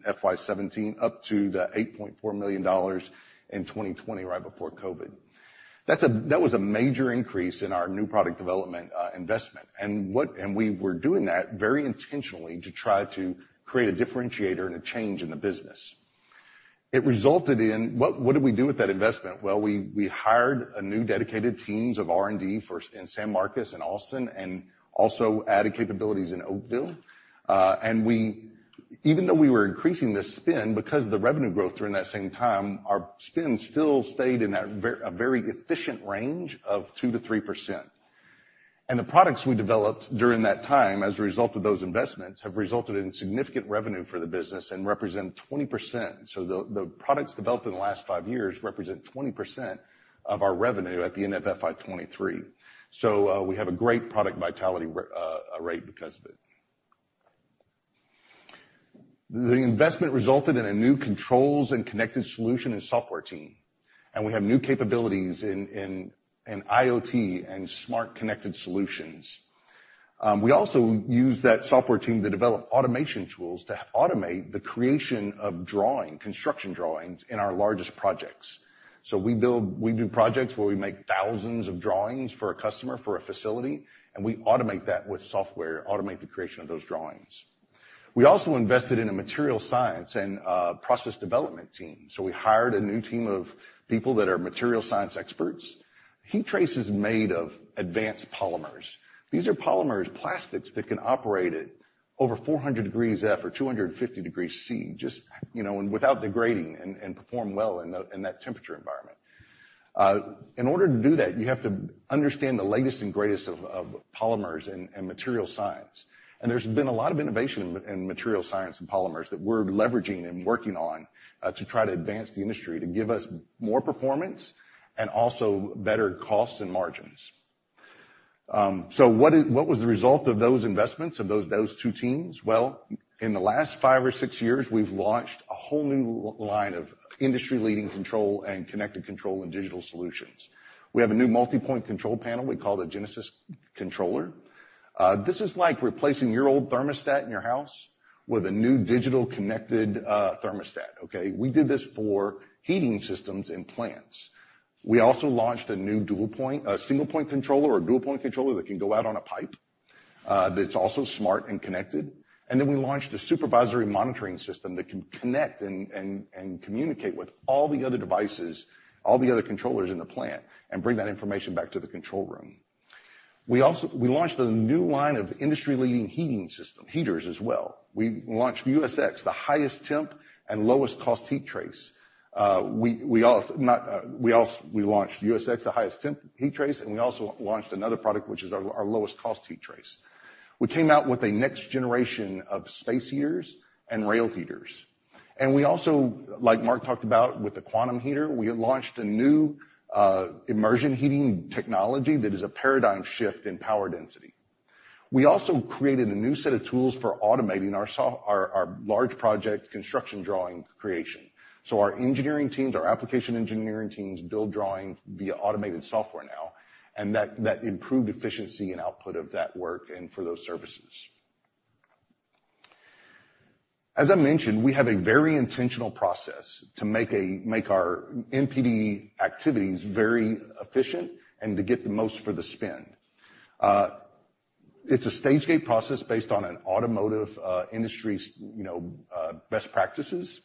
FY 2017 up to the $8.4 million in 2020, right before COVID. That was a major increase in our new product development investment. And we were doing that very intentionally to try to create a differentiator and a change in the business. It resulted in... What, what did we do with that investment? Well, we, we hired a new dedicated teams of R&D first in San Marcos and Austin, and also added capabilities in Oakville. And we even though we were increasing the spend because of the revenue growth during that same time, our spend still stayed in that a very efficient range of 2%-3%. And the products we developed during that time, as a result of those investments, have resulted in significant revenue for the business and represent 20%. So the, the products developed in the last five years represent 20% of our revenue at the end of FY 2023. So, we have a great product vitality rate because of it. The investment resulted in a new controls and connected solution and software team, and we have new capabilities in, in, in IoT and smart connected solutions. We also use that software team to develop automation tools to automate the creation of drawing, construction drawings in our largest projects. So we do projects where we make thousands of drawings for a customer, for a facility, and we automate that with software, automate the creation of those drawings. We also invested in a material science and, process development team, so we hired a new team of people that are material science experts. Heat trace is made of advanced polymers. These are polymers, plastics that can operate at over 400 degrees Fahrenheit or 250 degrees Celsius, just, you know, and without degrading, and, and perform well in that, in that temperature environment. In order to do that, you have to understand the latest and greatest of, of polymers and, and material science. And there's been a lot of innovation in material science and polymers that we're leveraging and working on to try to advance the industry, to give us more performance and also better costs and margins. So what was the result of those investments, of those two teams? Well, in the last five or six years, we've launched a whole new line of industry-leading control and connected control and digital solutions. We have a new multi-point control panel we call the Genesis Controller. This is like replacing your old thermostat in your house with a new digital connected thermostat, okay? We did this for heating systems and plants. We also launched a new single point controller or dual point controller that can go out on a pipe that's also smart and connected. And then we launched a supervisory monitoring system that can connect and communicate with all the other devices, all the other controllers in the plant, and bring that information back to the control room. We also launched a new line of industry-leading heating system, heaters as well. We launched USX, the highest temp and lowest cost heat trace. We launched USX, the highest temp heat trace, and we also launched another product, which is our lowest cost heat trace. We came out with a next generation of space heaters and rail heaters, and we also, like Mark talked about with the Quantum heater, we launched a new immersion heating technology that is a paradigm shift in power density. We also created a new set of tools for automating our large project construction drawing creation. So our engineering teams, our application engineering teams, build drawings via automated software now, and that improved efficiency and output of that work and for those services. As I mentioned, we have a very intentional process to make our MPD activities very efficient and to get the most for the spend. It's a Stage-Gate process based on an automotive industry's, you know, best practices,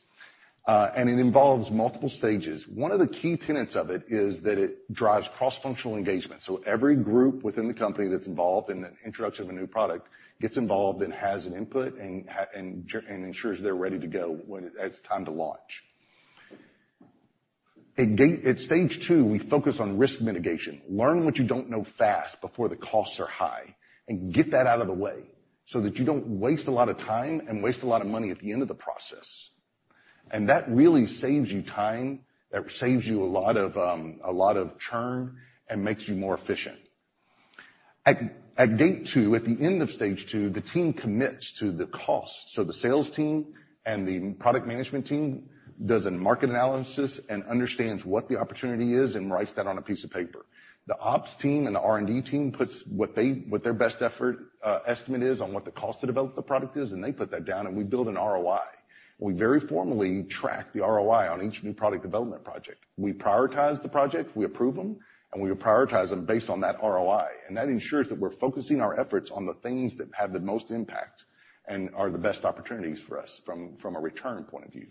and it involves multiple stages. One of the key tenets of it is that it drives cross-functional engagement. So every group within the company that's involved in the introduction of a new product gets involved and has an input, and and ensures they're ready to go as it's time to launch. At stage two, we focus on risk mitigation. Learn what you don't know fast before the costs are high, and get that out of the way so that you don't waste a lot of time and waste a lot of money at the end of the process. And that really saves you time, that saves you a lot of, a lot of churn and makes you more efficient. At gate two, at the end of stage two, the team commits to the cost. So the sales team and the product management team does a market analysis and understands what the opportunity is and writes that on a piece of paper. The ops team and the R&D team puts what their best effort estimate is on what the cost to develop the product is, and they put that down, and we build an ROI. We very formally track the ROI on each new product development project. We prioritize the project, we approve them, and we prioritize them based on that ROI, and that ensures that we're focusing our efforts on the things that have the most impact and are the best opportunities for us from a return point of view.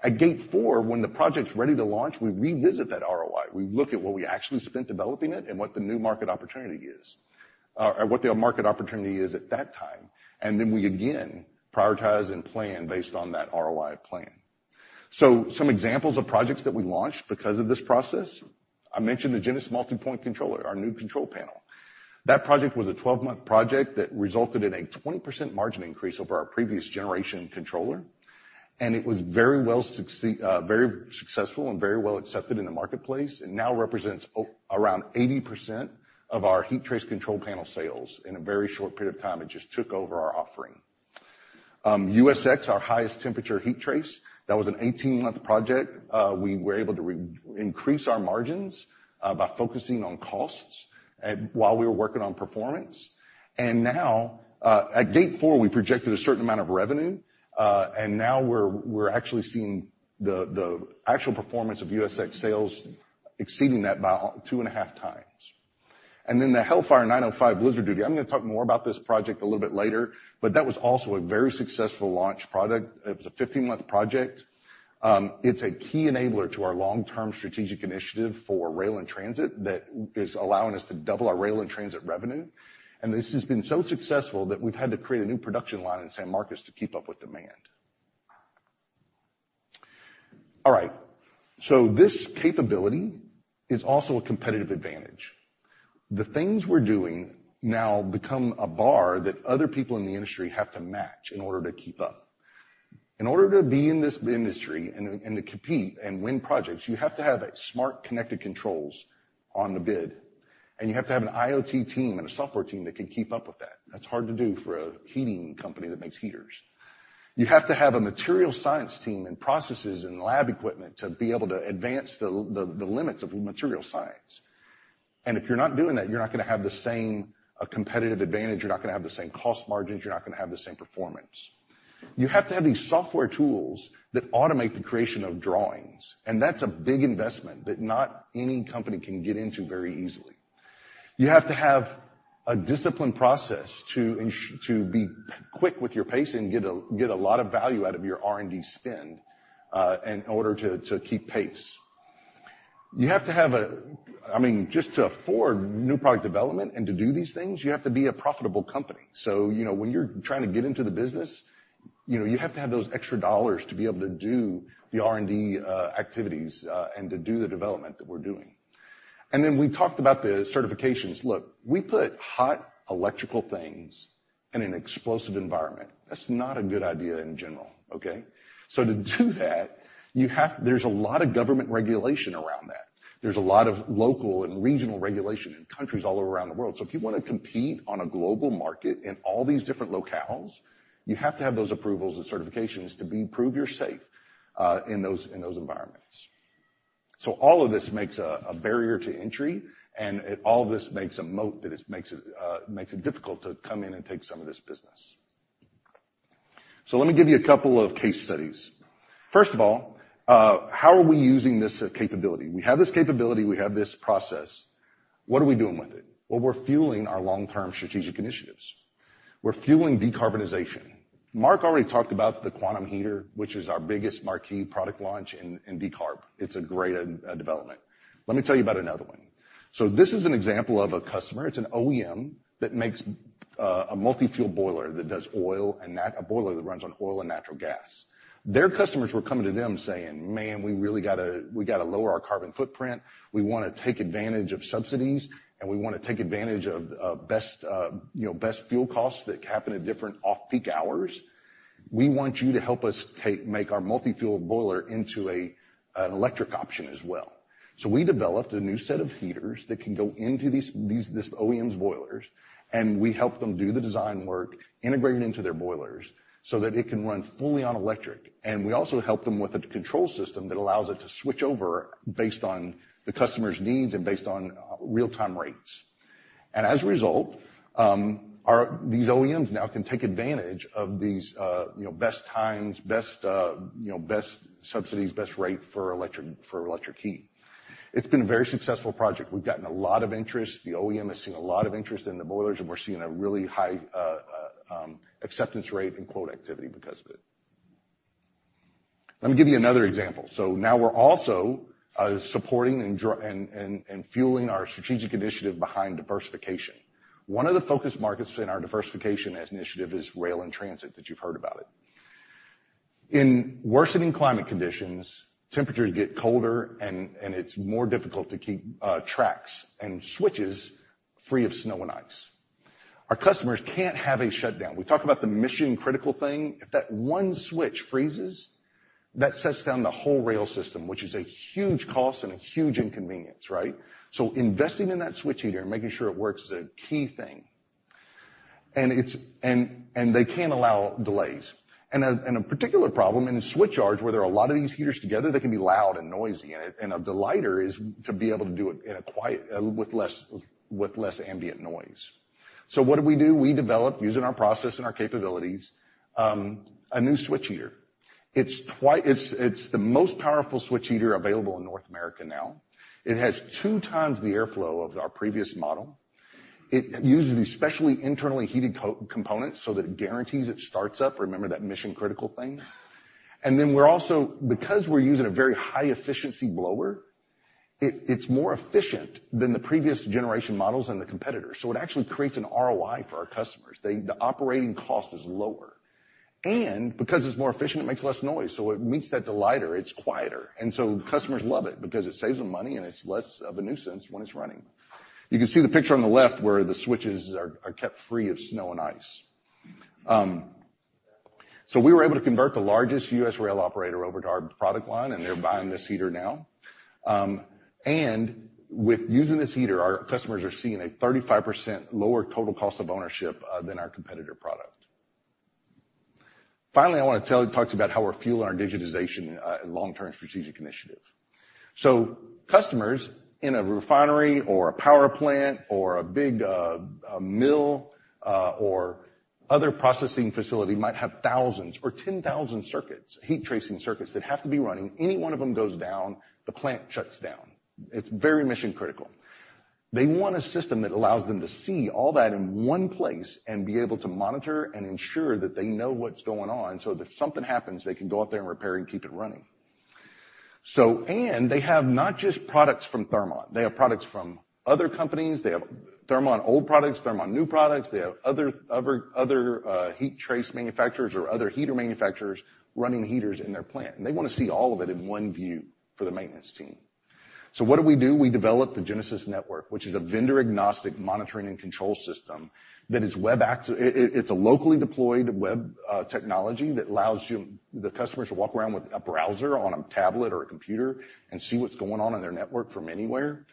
At gate four, when the project's ready to launch, we revisit that ROI. We look at what we actually spent developing it and what the new market opportunity is, or what the market opportunity is at that time, and then we again prioritize and plan based on that ROI plan. So some examples of projects that we launched because of this process, I mentioned the Genesis multi-point controller, our new control panel. That project was a 12-month project that resulted in a 20% margin increase over our previous generation controller, and it was very well successful and very well accepted in the marketplace, and now represents around 80% of our heat trace control panel sales. In a very short period of time, it just took over our offering. USX, our highest temperature heat trace, that was an 18-month project. We were able to increase our margins by focusing on costs while we were working on performance. And now, at gate four, we projected a certain amount of revenue, and now we're actually seeing the actual performance of USX sales exceeding that by 2.5x. And then the Hellfire 905 Blizzard Duty. I'm gonna talk more about this project a little bit later, but that was also a very successful launch product. It was a 15-month project. It's a key enabler to our long-term strategic initiative for rail and transit that is allowing us to double our rail and transit revenue. And this has been so successful that we've had to create a new production line in San Marcos to keep up with demand. All right, so this capability is also a competitive advantage. The things we're doing now become a bar that other people in the industry have to match in order to keep up. In order to be in this industry and to compete and win projects, you have to have a smart, connected controls on the bid, and you have to have an IoT team and a software team that can keep up with that. That's hard to do for a heating company that makes heaters. You have to have a materials science team and processes and lab equipment to be able to advance the limits of materials science. And if you're not doing that, you're not gonna have the same competitive advantage, you're not gonna have the same cost margins, you're not gonna have the same performance. You have to have these software tools that automate the creation of drawings, and that's a big investment that not any company can get into very easily. You have to have a disciplined process to be quick with your pace and get a lot of value out of your R&D spend in order to keep pace. You have to have a... I mean, just to afford new product development and to do these things, you have to be a profitable company. So, you know, when you're trying to get into the business, you know, you have to have those extra dollars to be able to do the R&D, activities, and to do the development that we're doing. And then we talked about the certifications. Look, we put hot electrical things in an explosive environment. That's not a good idea in general, okay? So to do that, you have, there's a lot of government regulation around that. There's a lot of local and regional regulation in countries all around the world. So if you wanna compete on a global market in all these different locales, you have to have those approvals and certifications to be, prove you're safe, in those, in those environments. So all of this makes a barrier to entry, and all this makes a moat that it makes it difficult to come in and take some of this business. So let me give you a couple of case studies. First of all, how are we using this capability? We have this capability, we have this process. What are we doing with it? Well, we're fueling our long-term strategic initiatives. We're fueling decarbonization. Mark already talked about the Quantum Heater, which is our biggest marquee product launch in decarb. It's a great development. Let me tell you about another one. So this is an example of a customer. It's an OEM that makes a multi-fuel boiler that runs on oil and natural gas. Their customers were coming to them saying, "Man, we really gotta, we gotta lower our carbon footprint. We wanna take advantage of subsidies, and we wanna take advantage of, of best, you know, best fuel costs that happen at different off-peak hours. We want you to help us take, make our multi-fuel boiler into a, an electric option as well." So we developed a new set of heaters that can go into these, these, this OEM's boilers, and we helped them do the design work, integrate it into their boilers so that it can run fully on electric. And we also helped them with a control system that allows it to switch over based on the customer's needs and based on real-time rates. And as a result, our—these OEMs now can take advantage of these, you know, best times, best, you know, best subsidies, best rate for electric, for electric heat. It's been a very successful project. We've gotten a lot of interest. The OEM has seen a lot of interest in the boilers, and we're seeing a really high, acceptance rate and quote activity because of it. Let me give you another example. So now we're also, supporting and fueling our strategic initiative behind diversification. One of the focus markets in our diversification as initiative is rail and transit, that you've heard about it. In worsening climate conditions, temperatures get colder and it's more difficult to keep, tracks and switches free of snow and ice. Our customers can't have a shutdown. We talk about the mission-critical thing. If that one switch freezes, that shuts down the whole rail system, which is a huge cost and a huge inconvenience, right? So investing in that switch heater and making sure it works is a key thing. And it's, and they can't allow delays. And a particular problem in switch yards, where there are a lot of these heaters together, they can be loud and noisy, and a delighter is to be able to do it in a quiet with less ambient noise. So what did we do? We developed, using our process and our capabilities, a new switch heater. It's twice—it's the most powerful switch heater available in North America now. It has two times the airflow of our previous model. It uses these specially internally heated coiled components so that it guarantees it starts up. Remember that mission-critical thing? Because we're using a very high-efficiency blower, it's more efficient than the previous generation models and the competitors, so it actually creates an ROI for our customers. The operating cost is lower, and because it's more efficient, it makes less noise, so it meets that delighter. It's quieter, and so customers love it because it saves them money, and it's less of a nuisance when it's running. You can see the picture on the left where the switches are kept free of snow and ice. So we were able to convert the largest U.S. rail operator over to our product line, and they're buying this heater now. And with using this heater, our customers are seeing a 35% lower total cost of ownership than our competitor product. Finally, I wanna tell you, talk to you about how we're fueling our digitization, long-term strategic initiative. So customers in a refinery or a power plant or a big, a mill, or other processing facility might have thousands or 10,000 circuits, heat tracing circuits, that have to be running. Any one of them goes down, the plant shuts down. It's very mission-critical. They want a system that allows them to see all that in one place and be able to monitor and ensure that they know what's going on, so if something happens, they can go out there and repair and keep it running. So... And they have not just products from Thermon, they have products from other companies. They have Thermon old products, Thermon new products. They have other heat trace manufacturers or other heater manufacturers running heaters in their plant, and they wanna see all of it in one view for the maintenance team. So what did we do? We developed the Genesis Network, which is a vendor-agnostic monitoring and control system. It's a locally deployed web technology that allows you, the customers, to walk around with a browser on a tablet or a computer and see what's going on in their network from anywhere.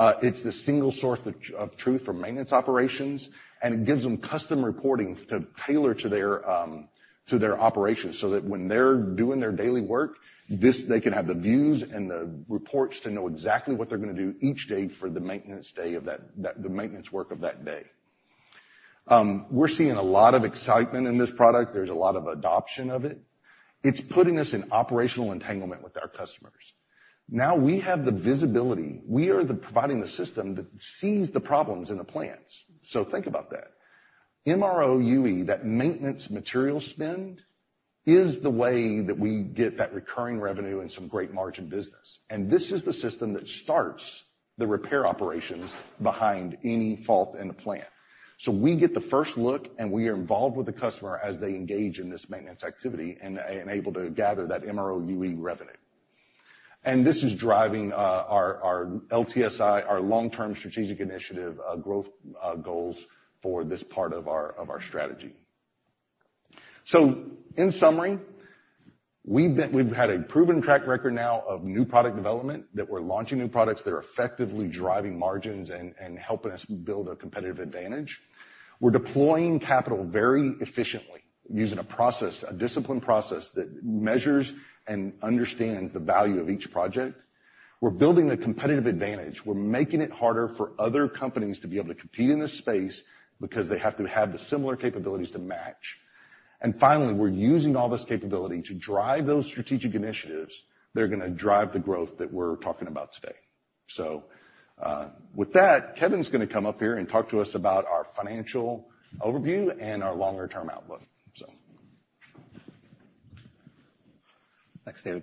It's the single source of truth for maintenance operations, and it gives them custom reporting to tailor to their operations, so that when they're doing their daily work, they can have the views and the reports to know exactly what they're gonna do each day for the maintenance work of that day. We're seeing a lot of excitement in this product. There's a lot of adoption of it. It's putting us in operational entanglement with our customers. Now we have the visibility. We are the providing the system that sees the problems in the plants. So think about that. MRO, that maintenance material spend, is the way that we get that recurring revenue and some great margin business. And this is the system that starts the repair operations behind any fault in the plant. So we get the first look, and we are involved with the customer as they engage in this maintenance activity and able to gather that MRO revenue. And this is driving our LTSI, our long-term strategic initiative growth goals for this part of our strategy. So in summary, we've been. We've had a proven track record now of new product development, that we're launching new products that are effectively driving margins and helping us build a competitive advantage. We're deploying capital very efficiently, using a process, a disciplined process, that measures and understands the value of each project. We're building a competitive advantage. We're making it harder for other companies to be able to compete in this space because they have to have the similar capabilities to match. Finally, we're using all this capability to drive those strategic initiatives that are gonna drive the growth that we're talking about today. So, with that, Kevin's gonna come up here and talk to us about our financial overview and our longer-term outlook. So... Thanks, David.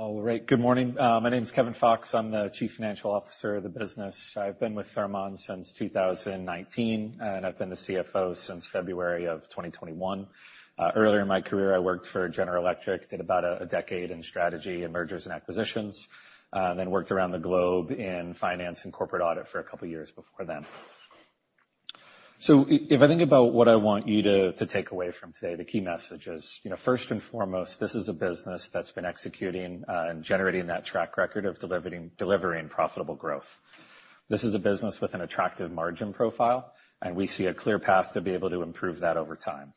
All right. Good morning. My name is Kevin Fox. I'm the Chief Financial Officer of the business. I've been with Thermon since 2019, and I've been the CFO since February of 2021. Earlier in my career, I worked for General Electric, did about a decade in strategy and mergers and acquisitions, then worked around the globe in finance and corporate audit for a couple of years before then. So if I think about what I want you to take away from today, the key message is, you know, first and foremost, this is a business that's been executing and generating that track record of delivering profitable growth. This is a business with an attractive margin profile, and we see a clear path to be able to improve that over time.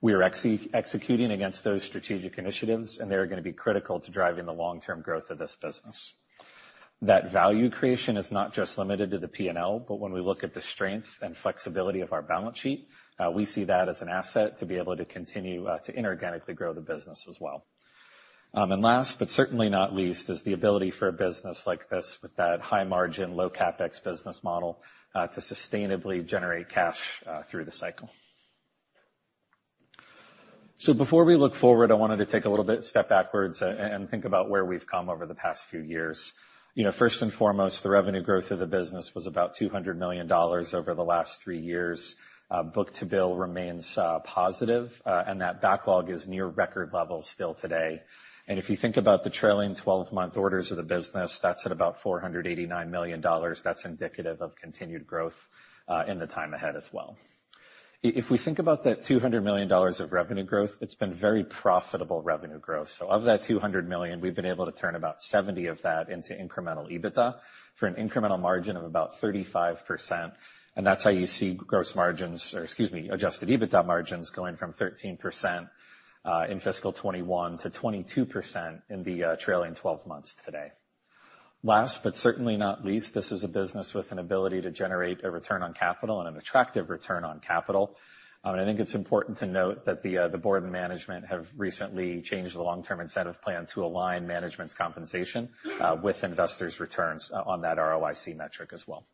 We are executing against those strategic initiatives, and they are gonna be critical to driving the long-term growth of this business. That value creation is not just limited to the P&L, but when we look at the strength and flexibility of our balance sheet, we see that as an asset to be able to continue to inorganically grow the business as well.... And last, but certainly not least, is the ability for a business like this with that high margin, low CapEx business model to sustainably generate cash through the cycle. So before we look forward, I wanted to take a little bit step backwards and think about where we've come over the past few years. You know, first and foremost, the revenue growth of the business was about $200 million over the last three years. Book-to-bill remains positive, and that backlog is near record levels still today. If you think about the trailing twelve-month orders of the business, that's at about $489 million. That's indicative of continued growth in the time ahead as well. If we think about that $200 million of revenue growth, it's been very profitable revenue growth. So of that $200 million, we've been able to turn about 70 of that into incremental EBITDA, for an incremental margin of about 35%, and that's how you see gross margins, or excuse me, adjusted EBITDA margins going from 13% in fiscal 2021, to 22% in the trailing twelve months today. Last, but certainly not least, this is a business with an ability to generate a return on capital and an attractive return on capital. And I think it's important to note that the board and management have recently changed the long-term incentive plan to align management's compensation with investors' returns on that ROIC metric as well.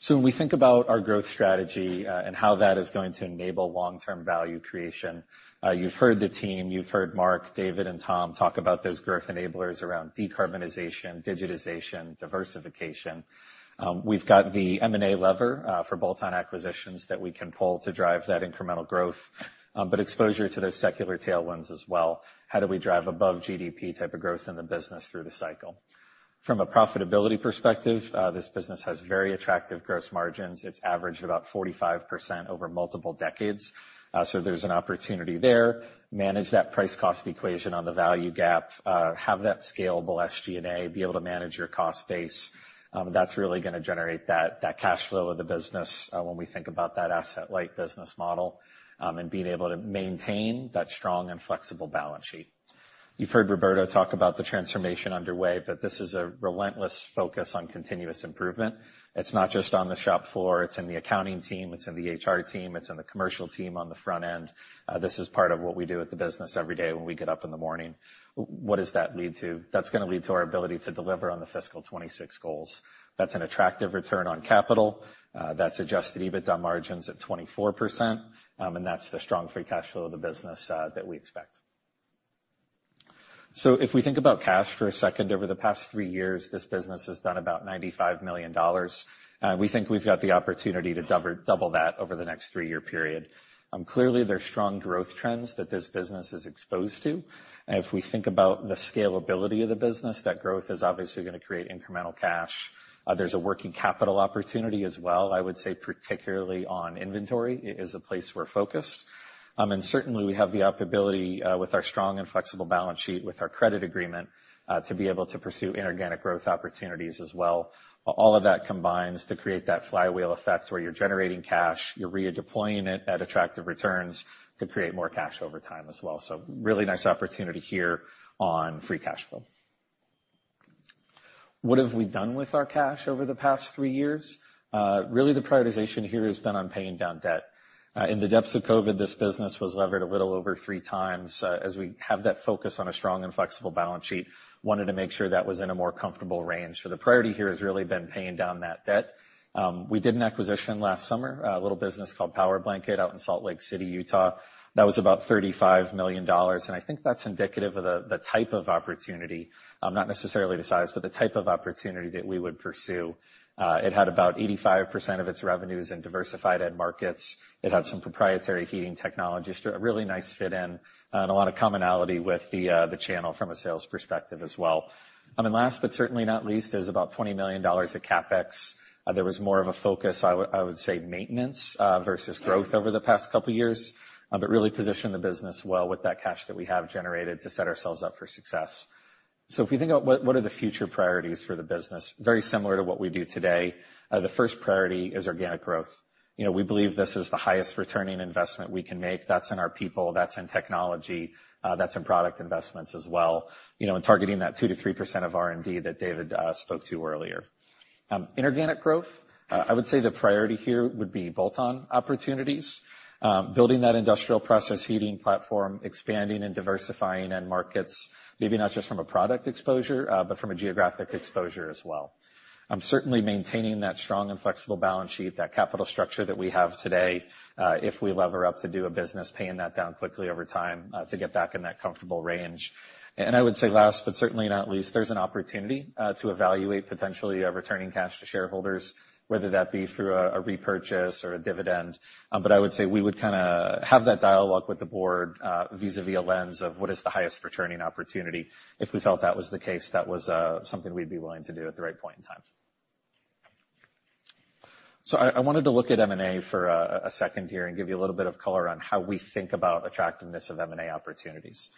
So when we think about our growth strategy and how that is going to enable long-term value creation, you've heard the team, you've heard Mark, David, and Tom talk about those growth enablers around decarbonization, digitization, diversification. We've got the M&A lever for bolt-on acquisitions that we can pull to drive that incremental growth, but exposure to those secular tailwinds as well. How do we drive above GDP type of growth in the business through the cycle? From a profitability perspective, this business has very attractive gross margins. It's averaged about 45% over multiple decades, so there's an opportunity there. Manage that price cost equation on the value gap, have that scalable SG&A, be able to manage your cost base. That's really gonna generate that, that cash flow of the business, when we think about that asset light business model, and being able to maintain that strong and flexible balance sheet. You've heard Roberto talk about the transformation underway, but this is a relentless focus on continuous improvement. It's not just on the shop floor, it's in the accounting team, it's in the HR team, it's in the commercial team on the front end. This is part of what we do at the business every day when we get up in the morning. What does that lead to? That's gonna lead to our ability to deliver on the fiscal 2026 goals. That's an attractive return on capital, that's Adjusted EBITDA margins at 24%, and that's the strong free cash flow of the business that we expect. So if we think about cash for a second, over the past three years, this business has done about $95 million. We think we've got the opportunity to double that over the next three-year period. Clearly, there are strong growth trends that this business is exposed to. And if we think about the scalability of the business, that growth is obviously gonna create incremental cash. There's a working capital opportunity as well. I would say, particularly on inventory, it is a place we're focused. And certainly, we have the ability, with our strong and flexible balance sheet, with our credit agreement, to be able to pursue inorganic growth opportunities as well. All of that combines to create that flywheel effect, where you're generating cash, you're redeploying it at attractive returns to create more cash over time as well. So really nice opportunity here on free cash flow. What have we done with our cash over the past three years? Really, the prioritization here has been on paying down debt. In the depths of COVID, this business was levered a little over three times. As we have that focus on a strong and flexible balance sheet, wanted to make sure that was in a more comfortable range. So the priority here has really been paying down that debt. We did an acquisition last summer, a little business called Powerblanket, out in Salt Lake City, Utah. That was about $35 million, and I think that's indicative of the type of opportunity, not necessarily the size, but the type of opportunity that we would pursue. It had about 85% of its revenues in diversified end markets. It had some proprietary heating technologies, just a really nice fit in, and a lot of commonality with the channel from a sales perspective as well. And last but certainly not least, there's about $20 million of CapEx. There was more of a focus, I would say, maintenance versus growth over the past couple of years, but really positioned the business well with that cash that we have generated to set ourselves up for success. So if you think about what are the future priorities for the business? Very similar to what we do today. The first priority is organic growth. You know, we believe this is the highest returning investment we can make. That's in our people, that's in technology, that's in product investments as well, you know, and targeting that 2%-3% of R&D that David spoke to earlier. Inorganic growth, I would say the priority here would be bolt-on opportunities. Building that industrial process heating platform, expanding and diversifying end markets, maybe not just from a product exposure, but from a geographic exposure as well. Certainly maintaining that strong and flexible balance sheet, that capital structure that we have today, if we lever up to do a business, paying that down quickly over time, to get back in that comfortable range. I would say last, but certainly not least, there's an opportunity to evaluate potentially returning cash to shareholders, whether that be through a repurchase or a dividend. But I would say we would kinda have that dialogue with the board vis-a-vis a lens of what is the highest returning opportunity. If we felt that was the case, something we'd be willing to do at the right point in time. I wanted to look at M&A for a second here, and give you a little bit of color on how we think about attractiveness of M&A opportunities.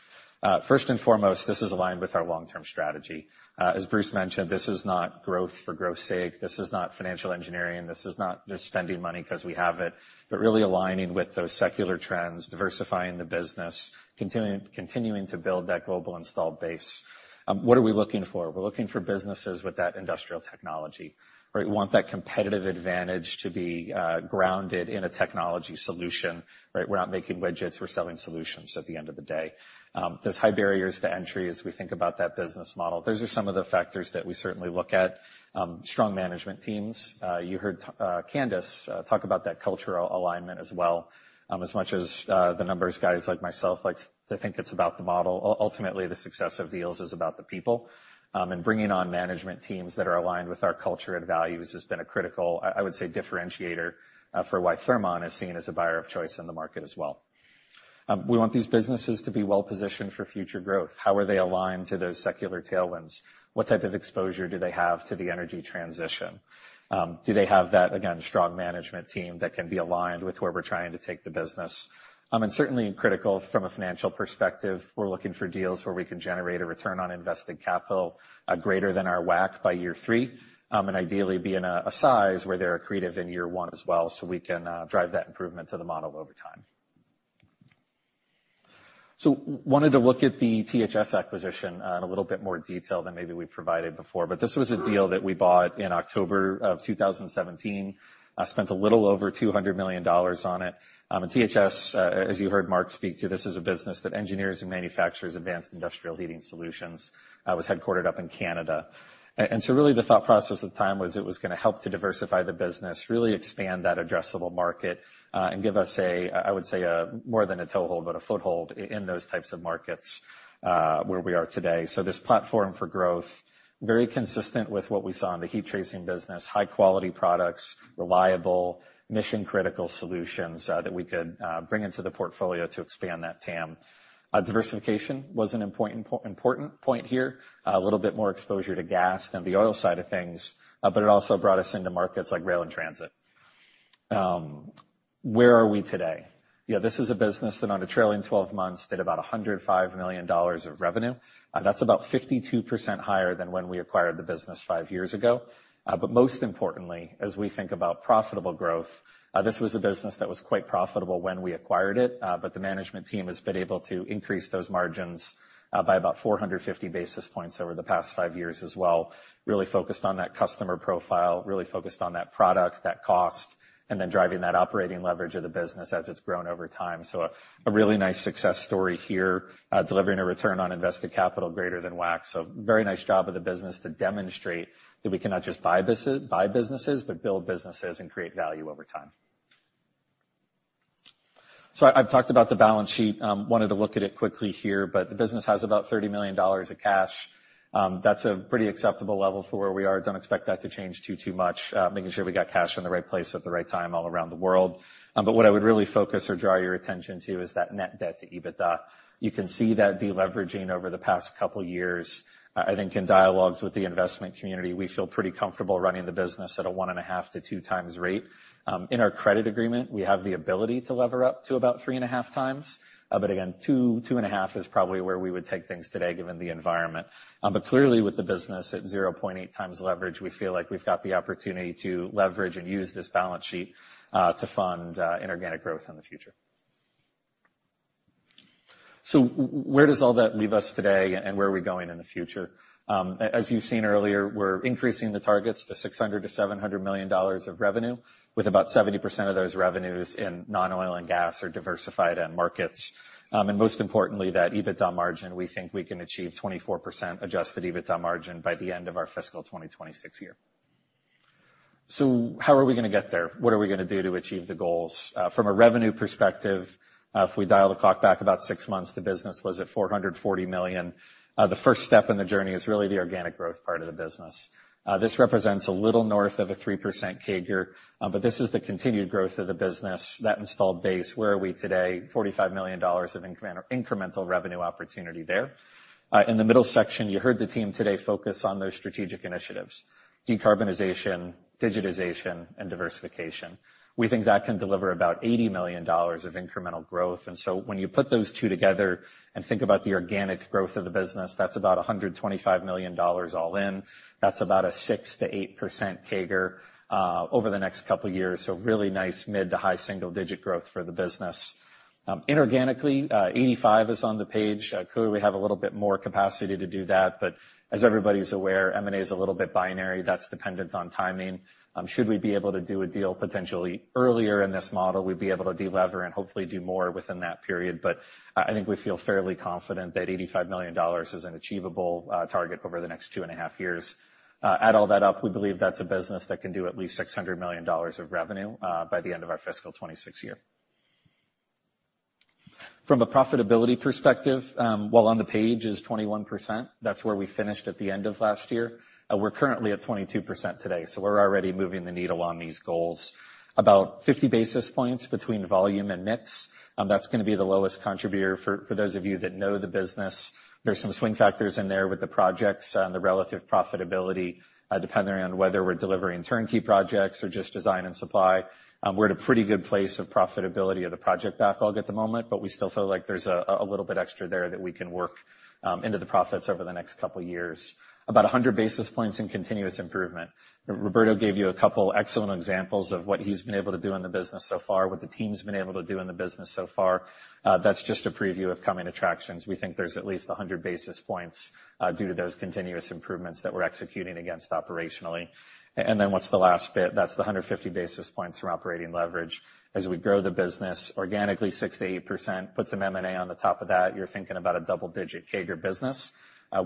First and foremost, this is aligned with our long-term strategy. As Bruce mentioned, this is not growth for growth's sake. This is not financial engineering. This is not just spending money because we have it, but really aligning with those secular trends, diversifying the business, continuing to build that global installed base. What are we looking for? We're looking for businesses with that industrial technology, right? We want that competitive advantage to be grounded in a technology solution, right? We're not making widgets. We're selling solutions at the end of the day. There's high barriers to entry as we think about that business model. Those are some of the factors that we certainly look at. Strong management teams. You heard Candace talk about that cultural alignment as well. As much as the numbers, guys like myself, like to think it's about the model. Ultimately, the success of deals is about the people, and bringing on management teams that are aligned with our culture and values has been a critical, I would say, differentiator, for why Thermon is seen as a buyer of choice in the market as well. We want these businesses to be well positioned for future growth. How are they aligned to those secular tailwinds? What type of exposure do they have to the energy transition? Do they have that, again, strong management team that can be aligned with where we're trying to take the business? And certainly critical from a financial perspective, we're looking for deals where we can generate a return on invested capital, greater than our WACC by year three. And ideally, be in a size where they're accretive in year one as well, so we can drive that improvement to the model over time. So wanted to look at the THS acquisition in a little bit more detail than maybe we've provided before, but this was a deal that we bought in October of 2017. Spent a little over $200 million on it. And THS, as you heard Mark speak to, this is a business that engineers and manufactures advanced industrial heating solutions, was headquartered up in Canada. And so really the thought process at the time was it was gonna help to diversify the business, really expand that addressable market, and give us a, I, I would say a more than a toehold, but a foothold in those types of markets, where we are today. So this platform for growth, very consistent with what we saw in the heat tracing business, high-quality products, reliable, mission-critical solutions, that we could bring into the portfolio to expand that TAM. Diversification was an important, important point here. A little bit more exposure to gas than the oil side of things, but it also brought us into markets like rail and transit. Where are we today? Yeah, this is a business that, on a trailing twelve months, did about $105 million of revenue. That's about 52% higher than when we acquired the business five years ago. But most importantly, as we think about profitable growth, this was a business that was quite profitable when we acquired it, but the management team has been able to increase those margins by about 450 basis points over the past five years as well. Really focused on that customer profile, really focused on that product, that cost, and then driving that operating leverage of the business as it's grown over time. So a really nice success story here, delivering a return on invested capital greater than WACC. So very nice job of the business to demonstrate that we cannot just buy businesses, but build businesses and create value over time. So I've talked about the balance sheet. Wanted to look at it quickly here, but the business has about $30 million of cash. That's a pretty acceptable level for where we are. Don't expect that to change too, too much. Making sure we got cash in the right place at the right time all around the world. But what I would really focus or draw your attention to is that net debt to EBITDA. You can see that deleveraging over the past couple years. I think in dialogues with the investment community, we feel pretty comfortable running the business at a 1.5-2 times rate. In our credit agreement, we have the ability to lever up to about 3.5 times, but again, 2-2.5 is probably where we would take things today, given the environment. But clearly, with the business at 0.8 times leverage, we feel like we've got the opportunity to leverage and use this balance sheet, to fund, inorganic growth in the future. So where does all that leave us today, and where are we going in the future? As you've seen earlier, we're increasing the targets to $600 million-$700 million of revenue, with about 70% of those revenues in non-oil and gas or diversified end markets. And most importantly, that EBITDA margin, we think we can achieve 24% Adjusted EBITDA margin by the end of our fiscal 2026 year. So how are we gonna get there? What are we gonna do to achieve the goals? From a revenue perspective, if we dial the clock back about six months, the business was at $440 million. The first step in the journey is really the organic growth part of the business. This represents a little north of a 3% CAGR, but this is the continued growth of the business, that installed base. Where are we today? $45 million of incremental revenue opportunity there. In the middle section, you heard the team today focus on those strategic initiatives: decarbonization, digitization, and diversification. We think that can deliver about $80 million of incremental growth. And so when you put those two together and think about the organic growth of the business, that's about $125 million all in. That's about a 6%-8% CAGR over the next couple of years, so really nice mid- to high-single-digit growth for the business. Inorganically, 85 is on the page. Clearly, we have a little bit more capacity to do that, but as everybody's aware, M&A is a little bit binary. That's dependent on timing. Should we be able to do a deal potentially earlier in this model, we'd be able to delever and hopefully do more within that period. But, I think we feel fairly confident that $85 million is an achievable target over the next 2.5 years. Add all that up, we believe that's a business that can do at least $600 million of revenue by the end of our fiscal 2026 year. From a profitability perspective, while on the page is 21%, that's where we finished at the end of last year. We're currently at 22% today, so we're already moving the needle on these goals.... about 50 basis points between volume and mix. That's gonna be the lowest contributor for those of you that know the business, there's some swing factors in there with the projects and the relative profitability, depending on whether we're delivering turnkey projects or just design and supply. We're at a pretty good place of profitability of the project backlog at the moment, but we still feel like there's a little bit extra there that we can work into the profits over the next couple of years. About 100 basis points in continuous improvement. Roberto gave you a couple excellent examples of what he's been able to do in the business so far, what the team's been able to do in the business so far. That's just a preview of coming attractions. We think there's at least 100 basis points due to those continuous improvements that we're executing against operationally. And then what's the last bit? That's the 150 basis points from operating leverage. As we grow the business organically, 6%-8%, put some M&A on the top of that, you're thinking about a double-digit CAGR business.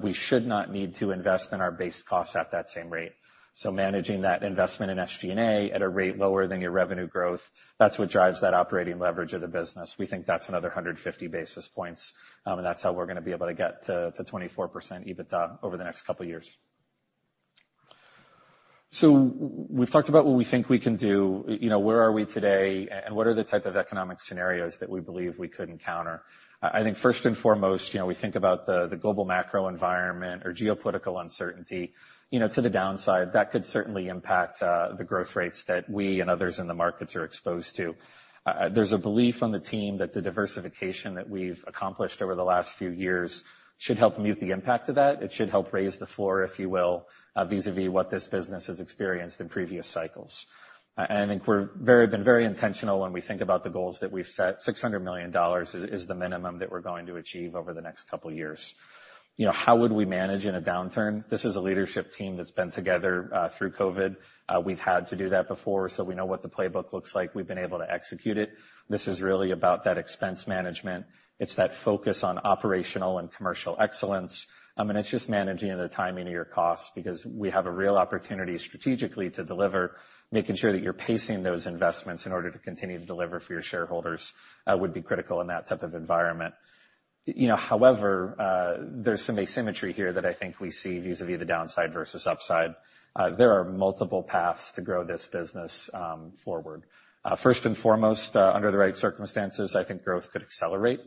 We should not need to invest in our base costs at that same rate. So managing that investment in SG&A at a rate lower than your revenue growth, that's what drives that operating leverage of the business. We think that's another 150 basis points, and that's how we're gonna be able to get to 24% EBITDA over the next couple of years. So we've talked about what we think we can do. You know, where are we today and what are the type of economic scenarios that we believe we could encounter? I, I think first and foremost, you know, we think about the, the global macro environment or geopolitical uncertainty, you know, to the downside, that could certainly impact the growth rates that we and others in the markets are exposed to. There's a belief on the team that the diversification that we've accomplished over the last few years should help mute the impact of that. It should help raise the floor, if you will, vis-à-vis what this business has experienced in previous cycles. I think we've been very intentional when we think about the goals that we've set. $600 million is the minimum that we're going to achieve over the next couple of years. You know, how would we manage in a downturn? This is a leadership team that's been together through COVID. We've had to do that before, so we know what the playbook looks like. We've been able to execute it. This is really about that expense management. It's that focus on operational and commercial excellence, and it's just managing the timing of your costs because we have a real opportunity strategically to deliver. Making sure that you're pacing those investments in order to continue to deliver for your shareholders would be critical in that type of environment. You know, however, there's some asymmetry here that I think we see vis-à-vis the downside versus upside. There are multiple paths to grow this business, forward. First and foremost, under the right circumstances, I think growth could accelerate.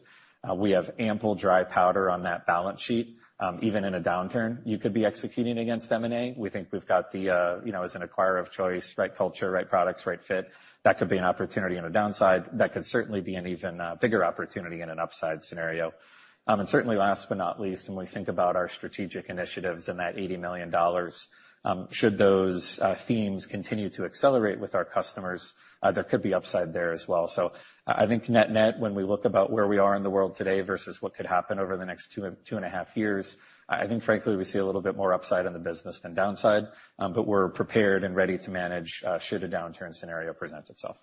We have ample dry powder on that balance sheet. Even in a downturn, you could be executing against M&A. We think we've got the, you know, as an acquirer of choice, right culture, right products, right fit. That could be an opportunity on a downside. That could certainly be an even, bigger opportunity in an upside scenario. And certainly last but not least, when we think about our strategic initiatives and that $80 million, should those, themes continue to accelerate with our customers, there could be upside there as well. So I think net-net, when we look about where we are in the world today versus what could happen over the next 2.5 years, I think frankly, we see a little bit more upside in the business than downside, but we're prepared and ready to manage should a downturn scenario present itself.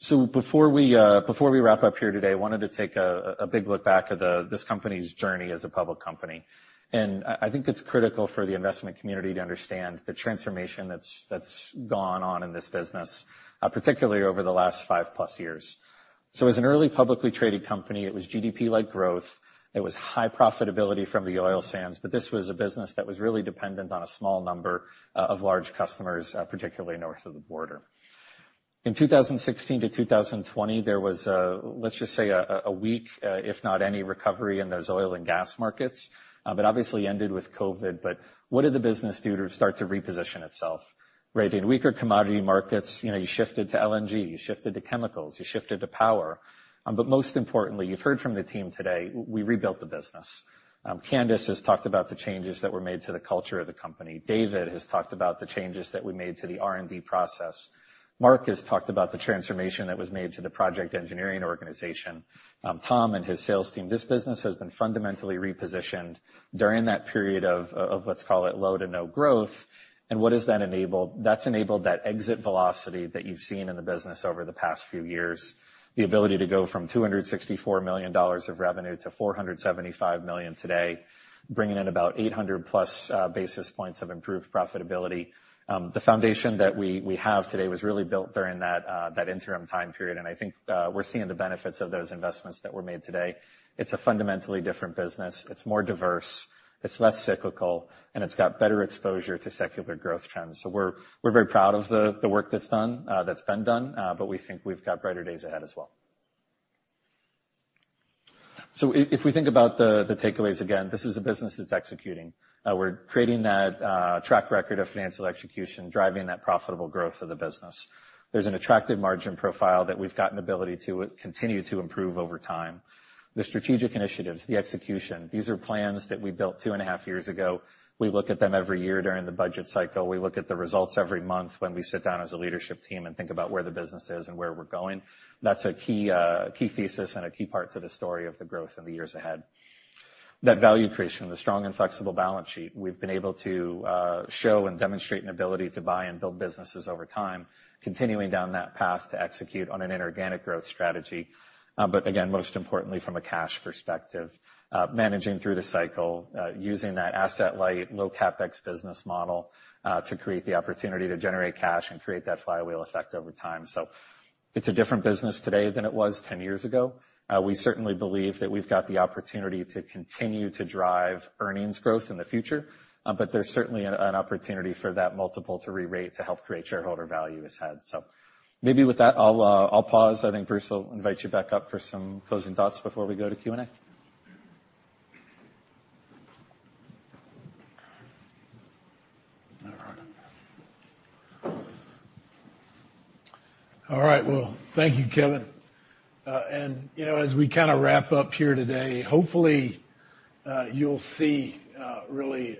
So before we wrap up here today, I wanted to take a big look back at this company's journey as a public company. And I think it's critical for the investment community to understand the transformation that's gone on in this business, particularly over the last 5+ years. So as an early publicly traded company, it was GDP-like growth, it was high profitability from the oil sands, but this was a business that was really dependent on a small number of large customers, particularly north of the border. In 2016 to 2020, there was a... let's just say a weak, if not any, recovery in those oil and gas markets, but obviously ended with COVID. But what did the business do to start to reposition itself? Right, in weaker commodity markets, you know, you shifted to LNG, you shifted to chemicals, you shifted to power. But most importantly, you've heard from the team today, we rebuilt the business. Candace has talked about the changes that were made to the culture of the company. David has talked about the changes that we made to the R&D process. Mark has talked about the transformation that was made to the project engineering organization, Tom and his sales team. This business has been fundamentally repositioned during that period of, of let's call it low to no growth. And what has that enabled? That's enabled that exit velocity that you've seen in the business over the past few years. The ability to go from $264 million of revenue to $475 million today, bringing in about 800+ basis points of improved profitability. The foundation that we, we have today was really built during that, that interim time period, and I think, we're seeing the benefits of those investments that were made today. It's a fundamentally different business. It's more diverse, it's less cyclical, and it's got better exposure to secular growth trends. So we're very proud of the work that's been done, but we think we've got brighter days ahead as well. So if we think about the takeaways, again, this is a business that's executing. We're creating that track record of financial execution, driving that profitable growth for the business. There's an attractive margin profile that we've got an ability to continue to improve over time. The strategic initiatives, the execution, these are plans that we built two and a half years ago. We look at them every year during the budget cycle. We look at the results every month when we sit down as a leadership team and think about where the business is and where we're going. That's a key key thesis and a key part to the story of the growth in the years ahead. That value creation, the strong and flexible balance sheet, we've been able to show and demonstrate an ability to buy and build businesses over time, continuing down that path to execute on an inorganic growth strategy. But again, most importantly, from a cash perspective, managing through the cycle, using that asset light, low CapEx business model, to create the opportunity to generate cash and create that flywheel effect over time. So thank you- It's a different business today than it was 10 years ago. We certainly believe that we've got the opportunity to continue to drive earnings growth in the future, but there's certainly an opportunity for that multiple to rerate to help create shareholder value as had. So maybe with that, I'll pause. I think Bruce will invite you back up for some closing thoughts before we go to Q&A. All right. All right, well, thank you, Kevin. And, you know, as we kinda wrap up here today, hopefully, you'll see, really,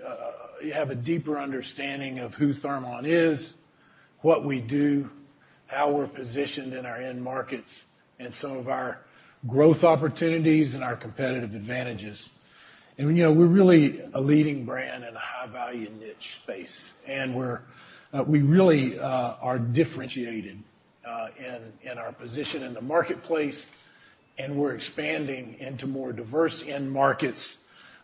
you have a deeper understanding of who Thermon is, what we do, how we're positioned in our end markets, and some of our growth opportunities and our competitive advantages. And, you know, we're really a leading brand in a high-value niche space, and we're, we really, are differentiated, in, in our position in the marketplace, and we're expanding into more diverse end markets,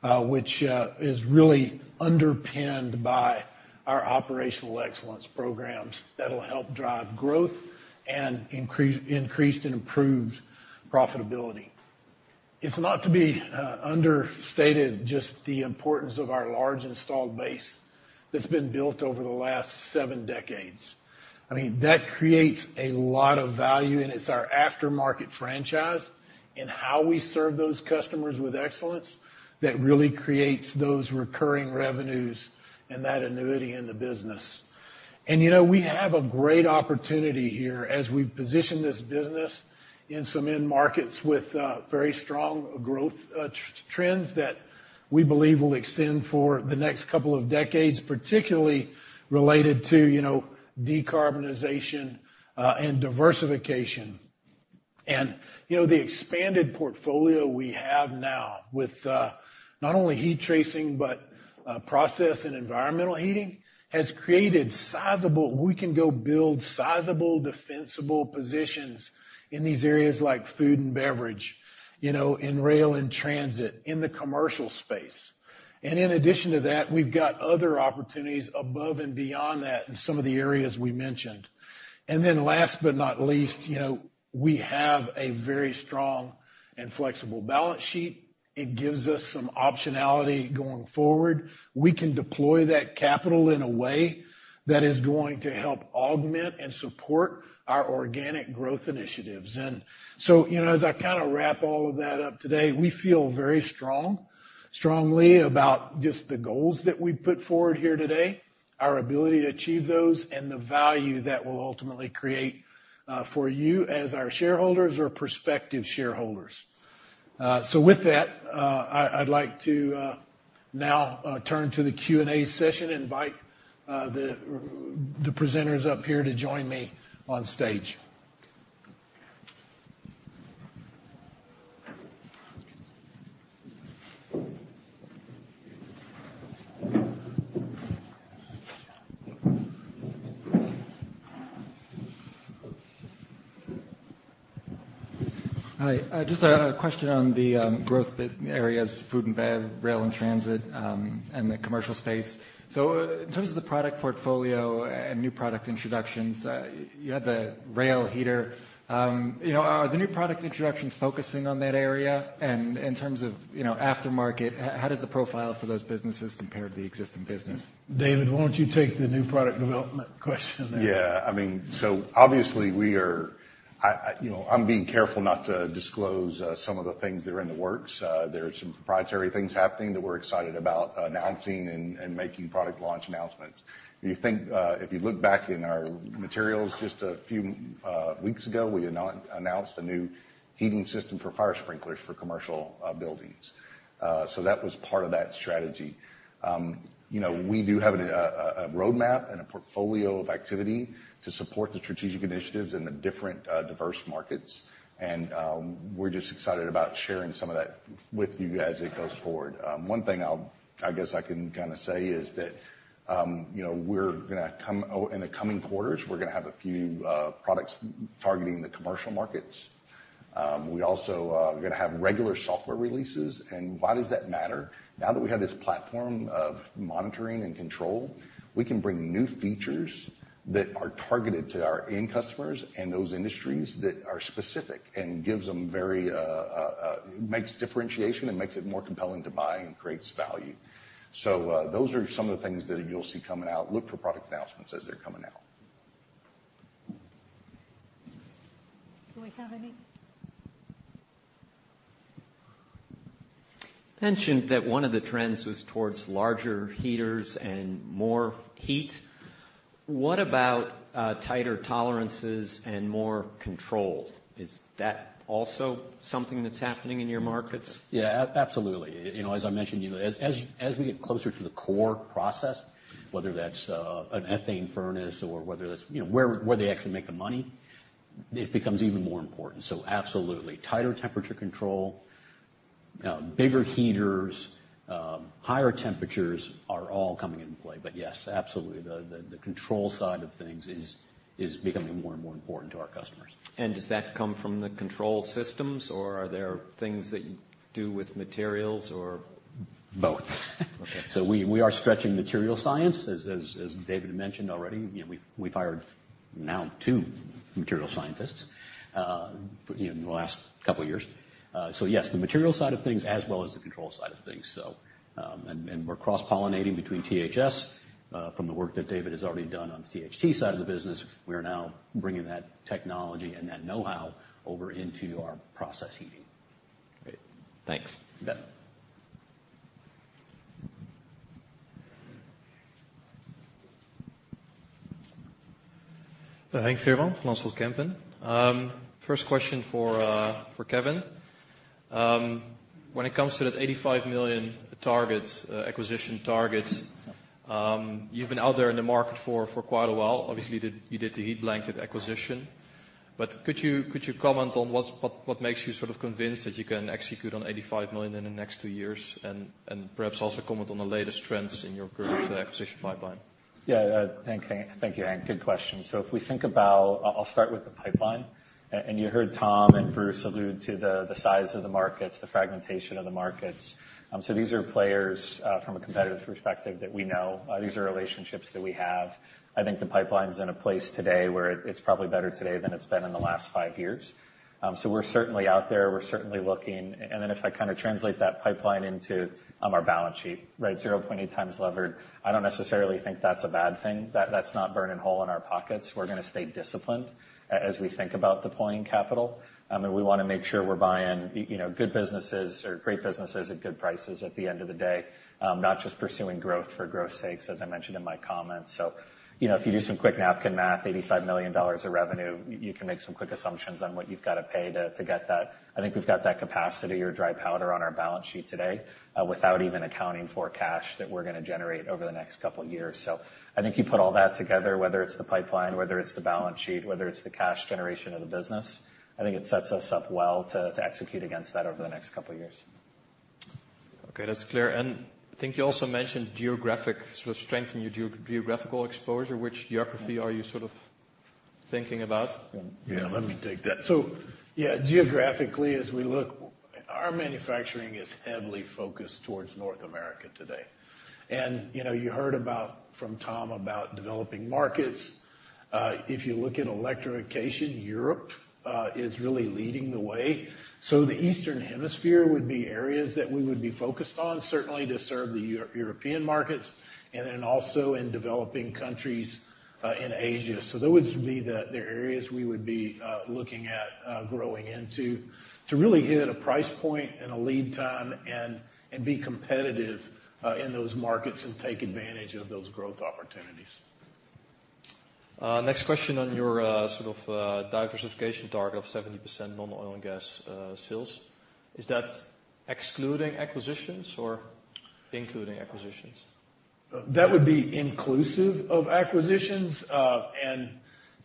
which, is really underpinned by our operational excellence programs that'll help drive growth and increased and improved profitability. It's not to be, understated, just the importance of our large installed base that's been built over the last seven decades. I mean, that creates a lot of value, and it's our aftermarket franchise and how we serve those customers with excellence that really creates those recurring revenues and that annuity in the business. You know, we have a great opportunity here as we position this business in some end markets with very strong growth trends that we believe will extend for the next couple of decades, particularly related to, you know, decarbonization and diversification. You know, the expanded portfolio we have now with not only heat tracing, but process and environmental heating, has created sizable, we can go build sizable, defensible positions in these areas like food and beverage, you know, in rail and transit, in the commercial space. And in addition to that, we've got other opportunities above and beyond that in some of the areas we mentioned. Then last but not least, you know, we have a very strong and flexible balance sheet. It gives us some optionality going forward. We can deploy that capital in a way that is going to help augment and support our organic growth initiatives. And so, you know, as I kinda wrap all of that up today, we feel very strongly about just the goals that we put forward here today, our ability to achieve those, and the value that will ultimately create for you as our shareholders or prospective shareholders. So with that, I'd like to now turn to the Q&A session and invite the presenters up here to join me on stage. Hi, just a question on the big growth areas, food and bev, rail and transit, and the commercial space. So in terms of the product portfolio and new product introductions, you had the rail heater. You know, are the new product introductions focusing on that area? And in terms of, you know, aftermarket, how does the profile for those businesses compare to the existing business? David, why don't you take the new product development question there? Yeah, I mean, so obviously, we are... I'm being careful not to disclose some of the things that are in the works. There are some proprietary things happening that we're excited about announcing and making product launch announcements. You think, if you look back in our materials just a few weeks ago, we announced a new heating system for fire sprinklers for commercial buildings. So that was part of that strategy. You know, we do have a roadmap and a portfolio of activity to support the strategic initiatives in the different diverse markets, and we're just excited about sharing some of that with you as it goes forward. One thing I guess I can kinda say is that, you know, in the coming quarters, we're gonna have a few products targeting the commercial markets. We also, we're gonna have regular software releases. Why does that matter? Now that we have this platform of monitoring and control, we can bring new features that are targeted to our end customers and those industries that are specific and gives them very makes differentiation and makes it more compelling to buy and creates value. So, those are some of the things that you'll see coming out. Look for product announcements as they're coming out. Do we have any? You mentioned that one of the trends was towards larger heaters and more heat. What about tighter tolerances and more control? Is that also something that's happening in your markets? Yeah, absolutely. You know, as I mentioned to you, as we get closer to the core process, whether that's an ethane furnace or whether that's, you know, where they actually make the money, it becomes even more important. So absolutely. Tighter temperature control, bigger heaters, higher temperatures are all coming into play. But yes, absolutely, the control side of things is becoming more and more important to our customers. Does that come from the control systems, or are there things that you do with materials, or? Both. Okay. So we are stretching material science, as David mentioned already. You know, we've hired-... now two material scientists in the last couple years. So yes, the material side of things as well as the control side of things. So, and we're cross-pollinating between THS, from the work that David has already done on the THT side of the business, we are now bringing that technology and that know-how over into our process heating. Great. Thanks. You bet. Hank D'Alessandro from Lansdowne Partners. First question for Kevin. When it comes to that $85 million targets, acquisition targets, you've been out there in the market for quite a while. Obviously, you did the heat blanket acquisition. But could you comment on what makes you sort of convinced that you can execute on $85 million in the next 2 years? And perhaps also comment on the latest trends in your current acquisition pipeline. Yeah, thank you, Hank. Good question. So if we think about... I'll start with the pipeline. And you heard Tom and Bruce allude to the size of the markets, the fragmentation of the markets. So these are players from a competitive perspective that we know. These are relationships that we have. I think the pipeline's in a place today where it's probably better today than it's been in the last five years. So we're certainly out there, we're certainly looking. And then if I kind of translate that pipeline into our balance sheet, right, 0.8x levered, I don't necessarily think that's a bad thing. That's not burning a hole in our pockets. We're gonna stay disciplined as we think about deploying capital. I mean, we want to make sure we're buying, you know, good businesses or great businesses at good prices at the end of the day, not just pursuing growth for growth's sakes, as I mentioned in my comments. So, you know, if you do some quick napkin math, $85 million of revenue, you can make some quick assumptions on what you've got to pay to, to get that. I think we've got that capacity or dry powder on our balance sheet today, without even accounting for cash that we're gonna generate over the next couple years. So I think you put all that together, whether it's the pipeline, whether it's the balance sheet, whether it's the cash generation of the business, I think it sets us up well to, to execute against that over the next couple years. Okay, that's clear. And I think you also mentioned geographic, sort of strength in your geographical exposure. Which geography are you sort of thinking about? Yeah, let me take that. So, yeah, geographically, as we look, our manufacturing is heavily focused towards North America today. And, you know, you heard about, from Tom, about developing markets. If you look at electrification, Europe is really leading the way. So the Eastern Hemisphere would be areas that we would be focused on, certainly to serve the European markets, and then also in developing countries in Asia. So those would be the areas we would be looking at growing into, to really hit a price point and a lead time and be competitive in those markets and take advantage of those growth opportunities. Next question on your sort of diversification target of 70% non oil and gas sales. Is that excluding acquisitions or including acquisitions? That would be inclusive of acquisitions. And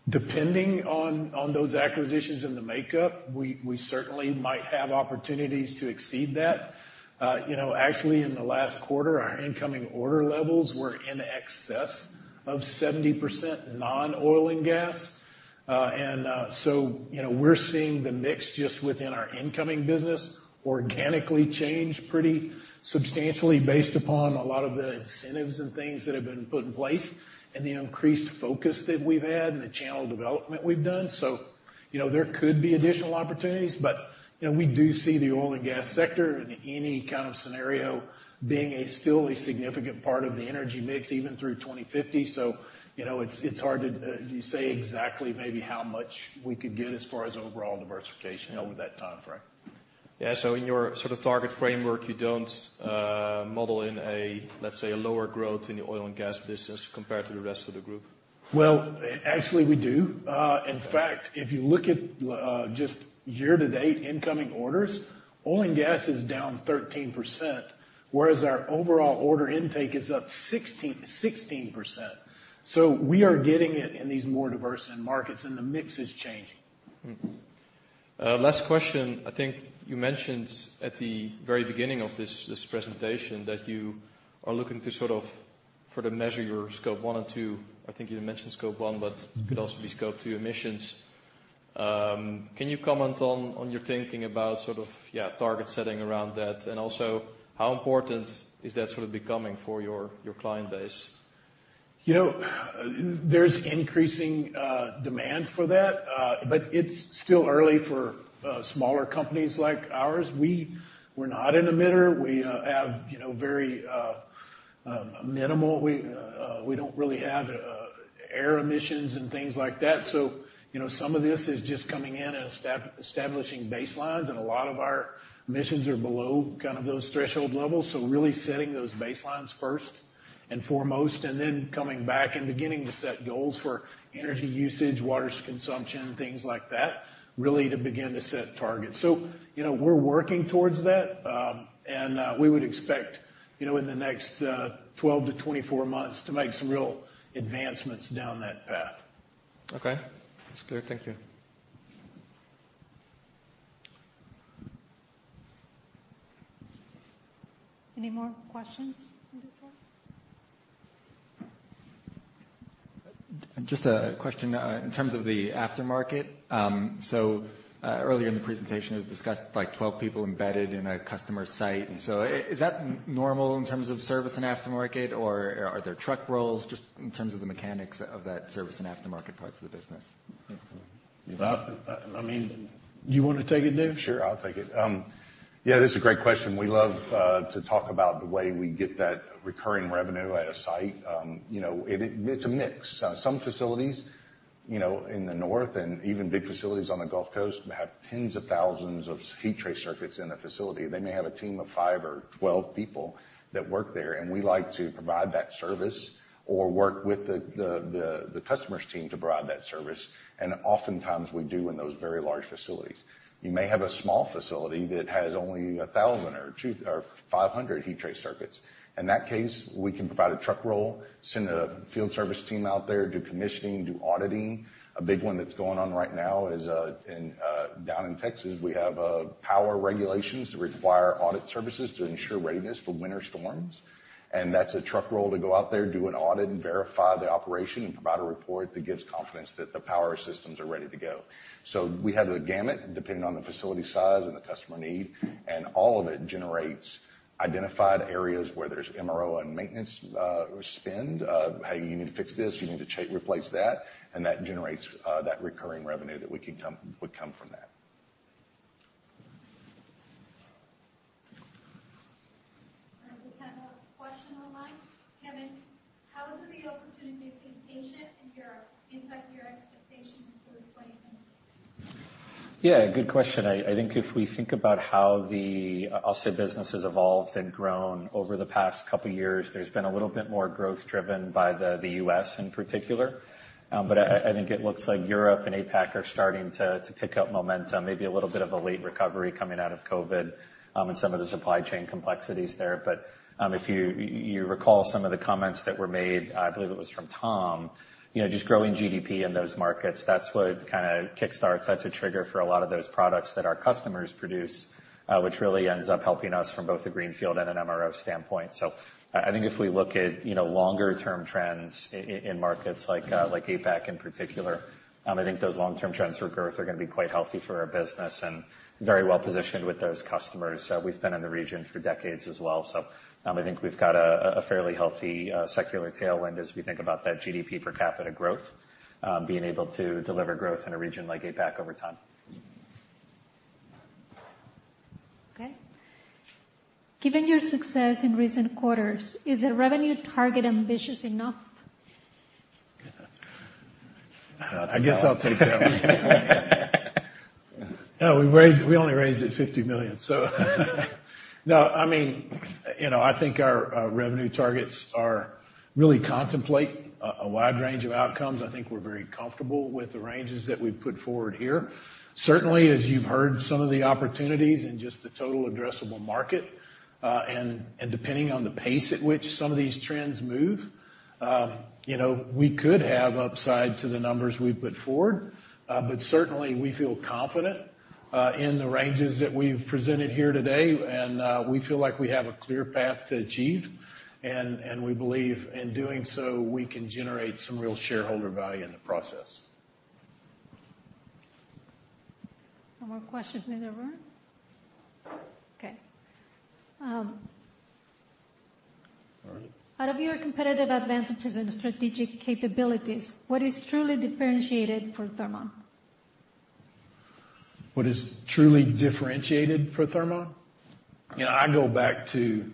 depending on, on those acquisitions and the makeup, we, we certainly might have opportunities to exceed that. You know, actually, in the last quarter, our incoming order levels were in excess of 70% non-oil and gas. And, so, you know, we're seeing the mix just within our incoming business organically change pretty substantially based upon a lot of the incentives and things that have been put in place, and the increased focus that we've had and the channel development we've done. So, you know, there could be additional opportunities, but, you know, we do see the oil and gas sector in any kind of scenario being a still a significant part of the energy mix, even through 2050. You know, it's, it's hard to say exactly maybe how much we could get as far as overall diversification over that time frame. Yeah. So in your sort of target framework, you don't model in a, let's say, a lower growth in the oil and gas business compared to the rest of the group? Well, actually, we do. In fact, if you look at just year-to-date incoming orders, oil and gas is down 13%, whereas our overall order intake is up 16, 16%. So we are getting it in these more diverse end markets, and the mix is changing. Mm-hmm. Last question. I think you mentioned at the very beginning of this, this presentation that you are looking to sort of further measure your Scope 1 and 2. I think you mentioned Scope 1, butcould also be Scope 2 Emissions. Can you comment on your thinking about sort of, yeah, target setting around that? And also, how important is that sort of becoming for your client base? You know, there's increasing demand for that, but it's still early for smaller companies like ours. We're not an emitter. We have, you know, very minimal. We don't really have air emissions and things like that. So, you know, some of this is just coming in and establishing baselines, and a lot of our emissions are below kind of those threshold levels. So really setting those baselines first and foremost, and then coming back and beginning to set goals for energy usage, water consumption, things like that, really to begin to set targets. So, you know, we're working towards that, and we would expect, you know, in the next 12-24 months to make some real advancements down that path. Okay. That's clear. Thank you. Any more questions at this time? Just a question in terms of the aftermarket. So, earlier in the presentation, it was discussed, like, 12 people embedded in a customer site. Is that normal in terms of service and aftermarket, or are there truck rolls, just in terms of the mechanics of that service and aftermarket parts of the business? I mean, do you want to take it, Dave? Sure, I'll take it. Yeah, this is a great question. We love to talk about the way we get that recurring revenue at a site. You know, it's a mix. Some facilities, you know, in the north and even big facilities on the Gulf Coast, have tens of thousands of heat trace circuits in the facility. They may have a team of 5 or 12 people that work there, and we like to provide that service or work with the customer's team to provide that service, and oftentimes, we do in those very large facilities. You may have a small facility that has only 1,000 or 2,000 or 500 heat trace circuits. In that case, we can provide a truck roll, send a field service team out there, do commissioning, do auditing. A big one that's going on right now is in down in Texas, we have power regulations that require audit services to ensure readiness for winter storms, and that's a truck roll to go out there, do an audit, and verify the operation and provide a report that gives confidence that the power systems are ready to go. So we have the gamut, depending on the facility size and the customer need, and all of it generates identified areas where there's MRO and maintenance spend. "Hey, you need to fix this, you need to replace that," and that generates that recurring revenue that would come from that. We have a question online. Kevin, how has the opportunity seen pacing in Europe impact your expectations for 2023? Yeah, good question. I think if we think about how the, I'll say, business has evolved and grown over the past couple years, there's been a little bit more growth driven by the US in particular. But I think it looks like Europe and APAC are starting to pick up momentum, maybe a little bit of a late recovery coming out of COVID, and some of the supply chain complexities there. But if you recall some of the comments that were made, I believe it was from Tom, you know, just growing GDP in those markets, that's what kinda kickstarts. That's a trigger for a lot of those products that our customers produce, which really ends up helping us from both the greenfield and an MRO standpoint. So I think if we look at, you know, longer-term trends in markets like APAC in particular, I think those long-term trends for growth are gonna be quite healthy for our business and very well positioned with those customers. We've been in the region for decades as well, so I think we've got a fairly healthy secular tailwind as we think about that GDP per capita growth, being able to deliver growth in a region like APAC over time. Okay. Given your success in recent quarters, is the revenue target ambitious enough? I guess I'll take that one. Oh, we raised—we only raised it $50 million, so. No, I mean, you know, I think our revenue targets really contemplate a wide range of outcomes. I think we're very comfortable with the ranges that we've put forward here. Certainly, as you've heard some of the opportunities and just the total addressable market, and depending on the pace at which some of these trends move, you know, we could have upside to the numbers we've put forward. But certainly, we feel confident in the ranges that we've presented here today, and we feel like we have a clear path to achieve. And we believe in doing so, we can generate some real shareholder value in the process. No more questions in the room? Okay. All right. Out of your competitive advantages and strategic capabilities, what is truly differentiated for Thermon? What is truly differentiated for Thermon? You know, I go back to,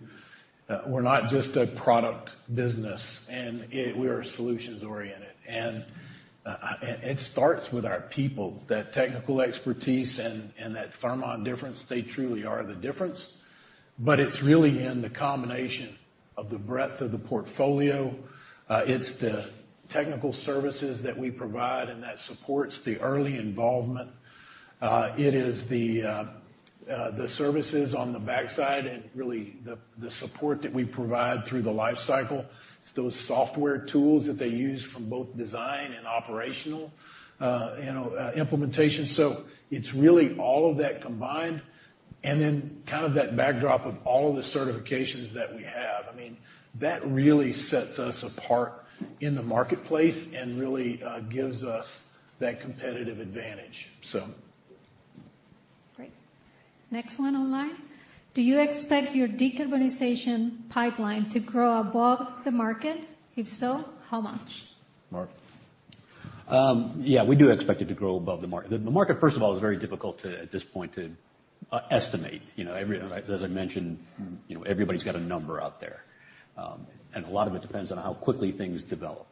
we're not just a product business, and we are solutions oriented. And it starts with our people, that technical expertise and that Thermon difference, they truly are the difference. But it's really in the combination of the breadth of the portfolio. It's the technical services that we provide, and that supports the early involvement. It is the services on the backside and really, the support that we provide through the life cycle. It's those software tools that they use from both design and operational, you know, implementation. So it's really all of that combined, and then kind of that backdrop of all the certifications that we have. I mean, that really sets us apart in the marketplace and really, gives us that competitive advantage. So... Great. Next one online. Do you expect your decarbonization pipeline to grow above the market? If so, how much? Mark? Yeah, we do expect it to grow above the market. The market, first of all, is very difficult to, at this point, to estimate. You know, as I mentioned, you know, everybody's got a number out there, and a lot of it depends on how quickly things develop.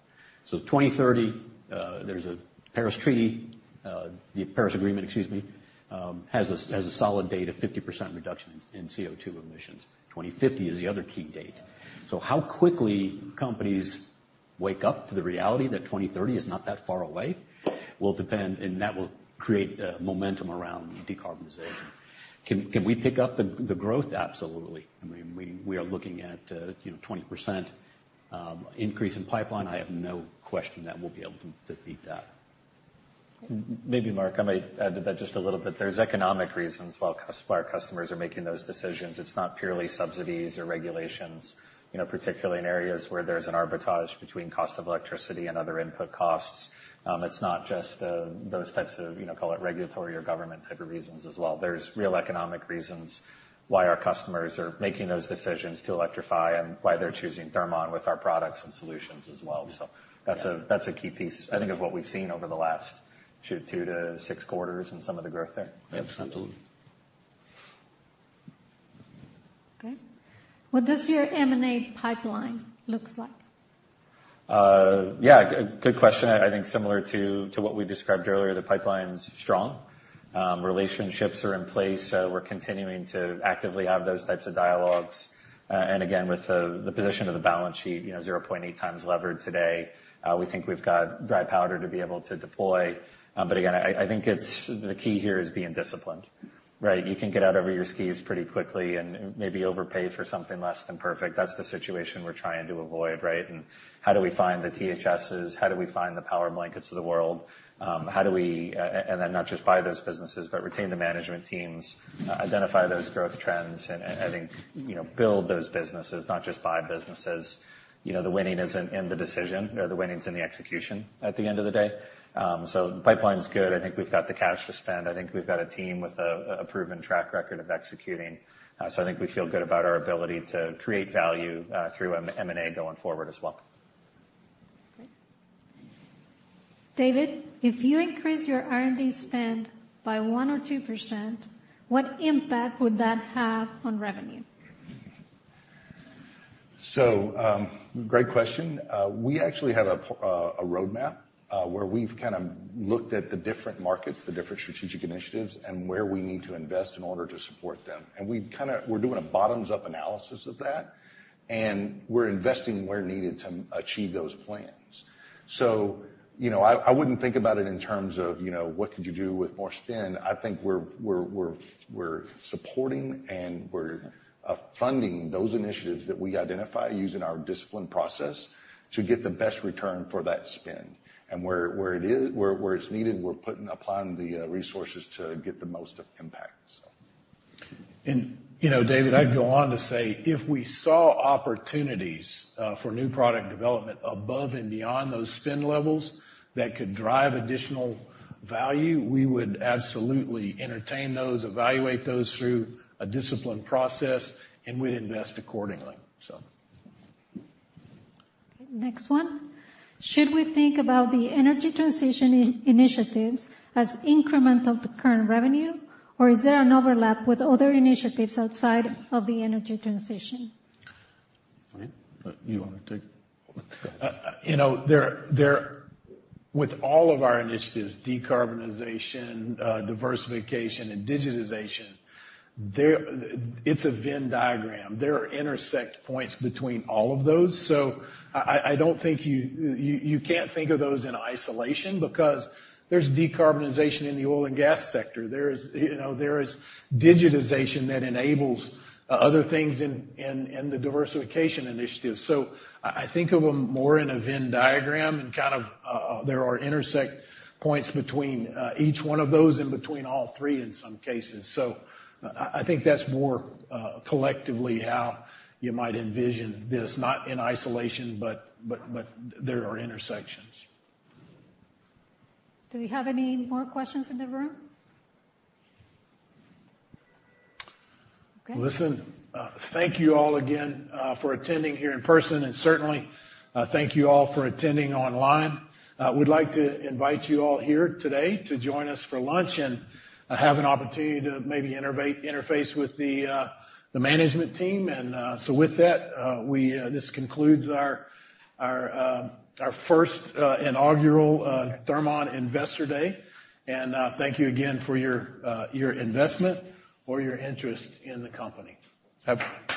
So 2030, there's a Paris Treaty, the Paris Agreement, excuse me, has a solid date of 50% reduction in CO2 emissions. 2050 is the other key date. So how quickly companies wake up to the reality that 2030 is not that far away, will depend, and that will create momentum around decarbonization. Can we pick up the growth? Absolutely. I mean, we are looking at, you know, 20% increase in pipeline. I have no question that we'll be able to defeat that. Maybe, Mark, I might add to that just a little bit. There's economic reasons why our customers are making those decisions. It's not purely subsidies or regulations, you know, particularly in areas where there's an arbitrage between cost of electricity and other input costs. It's not just those types of, you know, call it regulatory or government type of reasons as well. There's real economic reasons why our customers are making those decisions to electrify and why they're choosing Thermon with our products and solutions as well. So that's a key piece, I think, of what we've seen over the last 2-6 quarters and some of the growth there. Absolutely.... Okay. What does your M&A pipeline looks like? Yeah, good, good question. I think similar to, to what we described earlier, the pipeline's strong. Relationships are in place, we're continuing to actively have those types of dialogues. And again, with the, the position of the balance sheet, you know, 0.8 times levered today, we think we've got dry powder to be able to deploy. But again, I, I think it's the key here is being disciplined, right? You can get out over your skis pretty quickly and maybe overpay for something less than perfect. That's the situation we're trying to avoid, right? And how do we find the THSs? How do we find the Powerblankets of the world? How do we, and then not just buy those businesses, but retain the management teams, identify those growth trends, and I think, you know, build those businesses, not just buy businesses. You know, the winning isn't in the decision, you know, the winning is in the execution at the end of the day. So the pipeline's good. I think we've got the cash to spend. I think we've got a team with a proven track record of executing. So I think we feel good about our ability to create value, through M&A going forward as well. Great. David, if you increase your R&D spend by 1%-2%, what impact would that have on revenue? So, great question. We actually have a roadmap, where we've kind of looked at the different markets, the different strategic initiatives, and where we need to invest in order to support them. And we're doing a bottoms-up analysis of that, and we're investing where needed to achieve those plans. So, you know, I wouldn't think about it in terms of, you know, what could you do with more spend? I think we're supporting and we're funding those initiatives that we identify using our disciplined process to get the best return for that spend. And where it's needed, we're putting upon the resources to get the most impact, so. You know, David, I'd go on to say, if we saw opportunities for new product development above and beyond those spend levels that could drive additional value, we would absolutely entertain those, evaluate those through a disciplined process, and we'd invest accordingly, so. Okay, next one. Should we think about the energy transition initiatives as incremental to current revenue, or is there an overlap with other initiatives outside of the energy transition? All right. You want to take... you know, there, there with all of our initiatives, decarbonization, diversification, and digitization, there, it's a Venn diagram. There are intersection points between all of those, so I don't think you you can't think of those in isolation because there's decarbonization in the oil and gas sector. There is, you know, there is digitization that enables other things in the diversification initiative. So I think of them more in a Venn diagram and kind of there are intersection points between each one of those and between all three in some cases. So I think that's more collectively how you might envision this, not in isolation, but there are intersections. Do we have any more questions in the room? Okay. Listen, thank you all again for attending here in person, and certainly thank you all for attending online. We'd like to invite you all here today to join us for lunch, and have an opportunity to maybe interface with the management team. So with that, this concludes our first inaugural Thermon Investor Day. Thank you again for your investment or your interest in the company. Have a-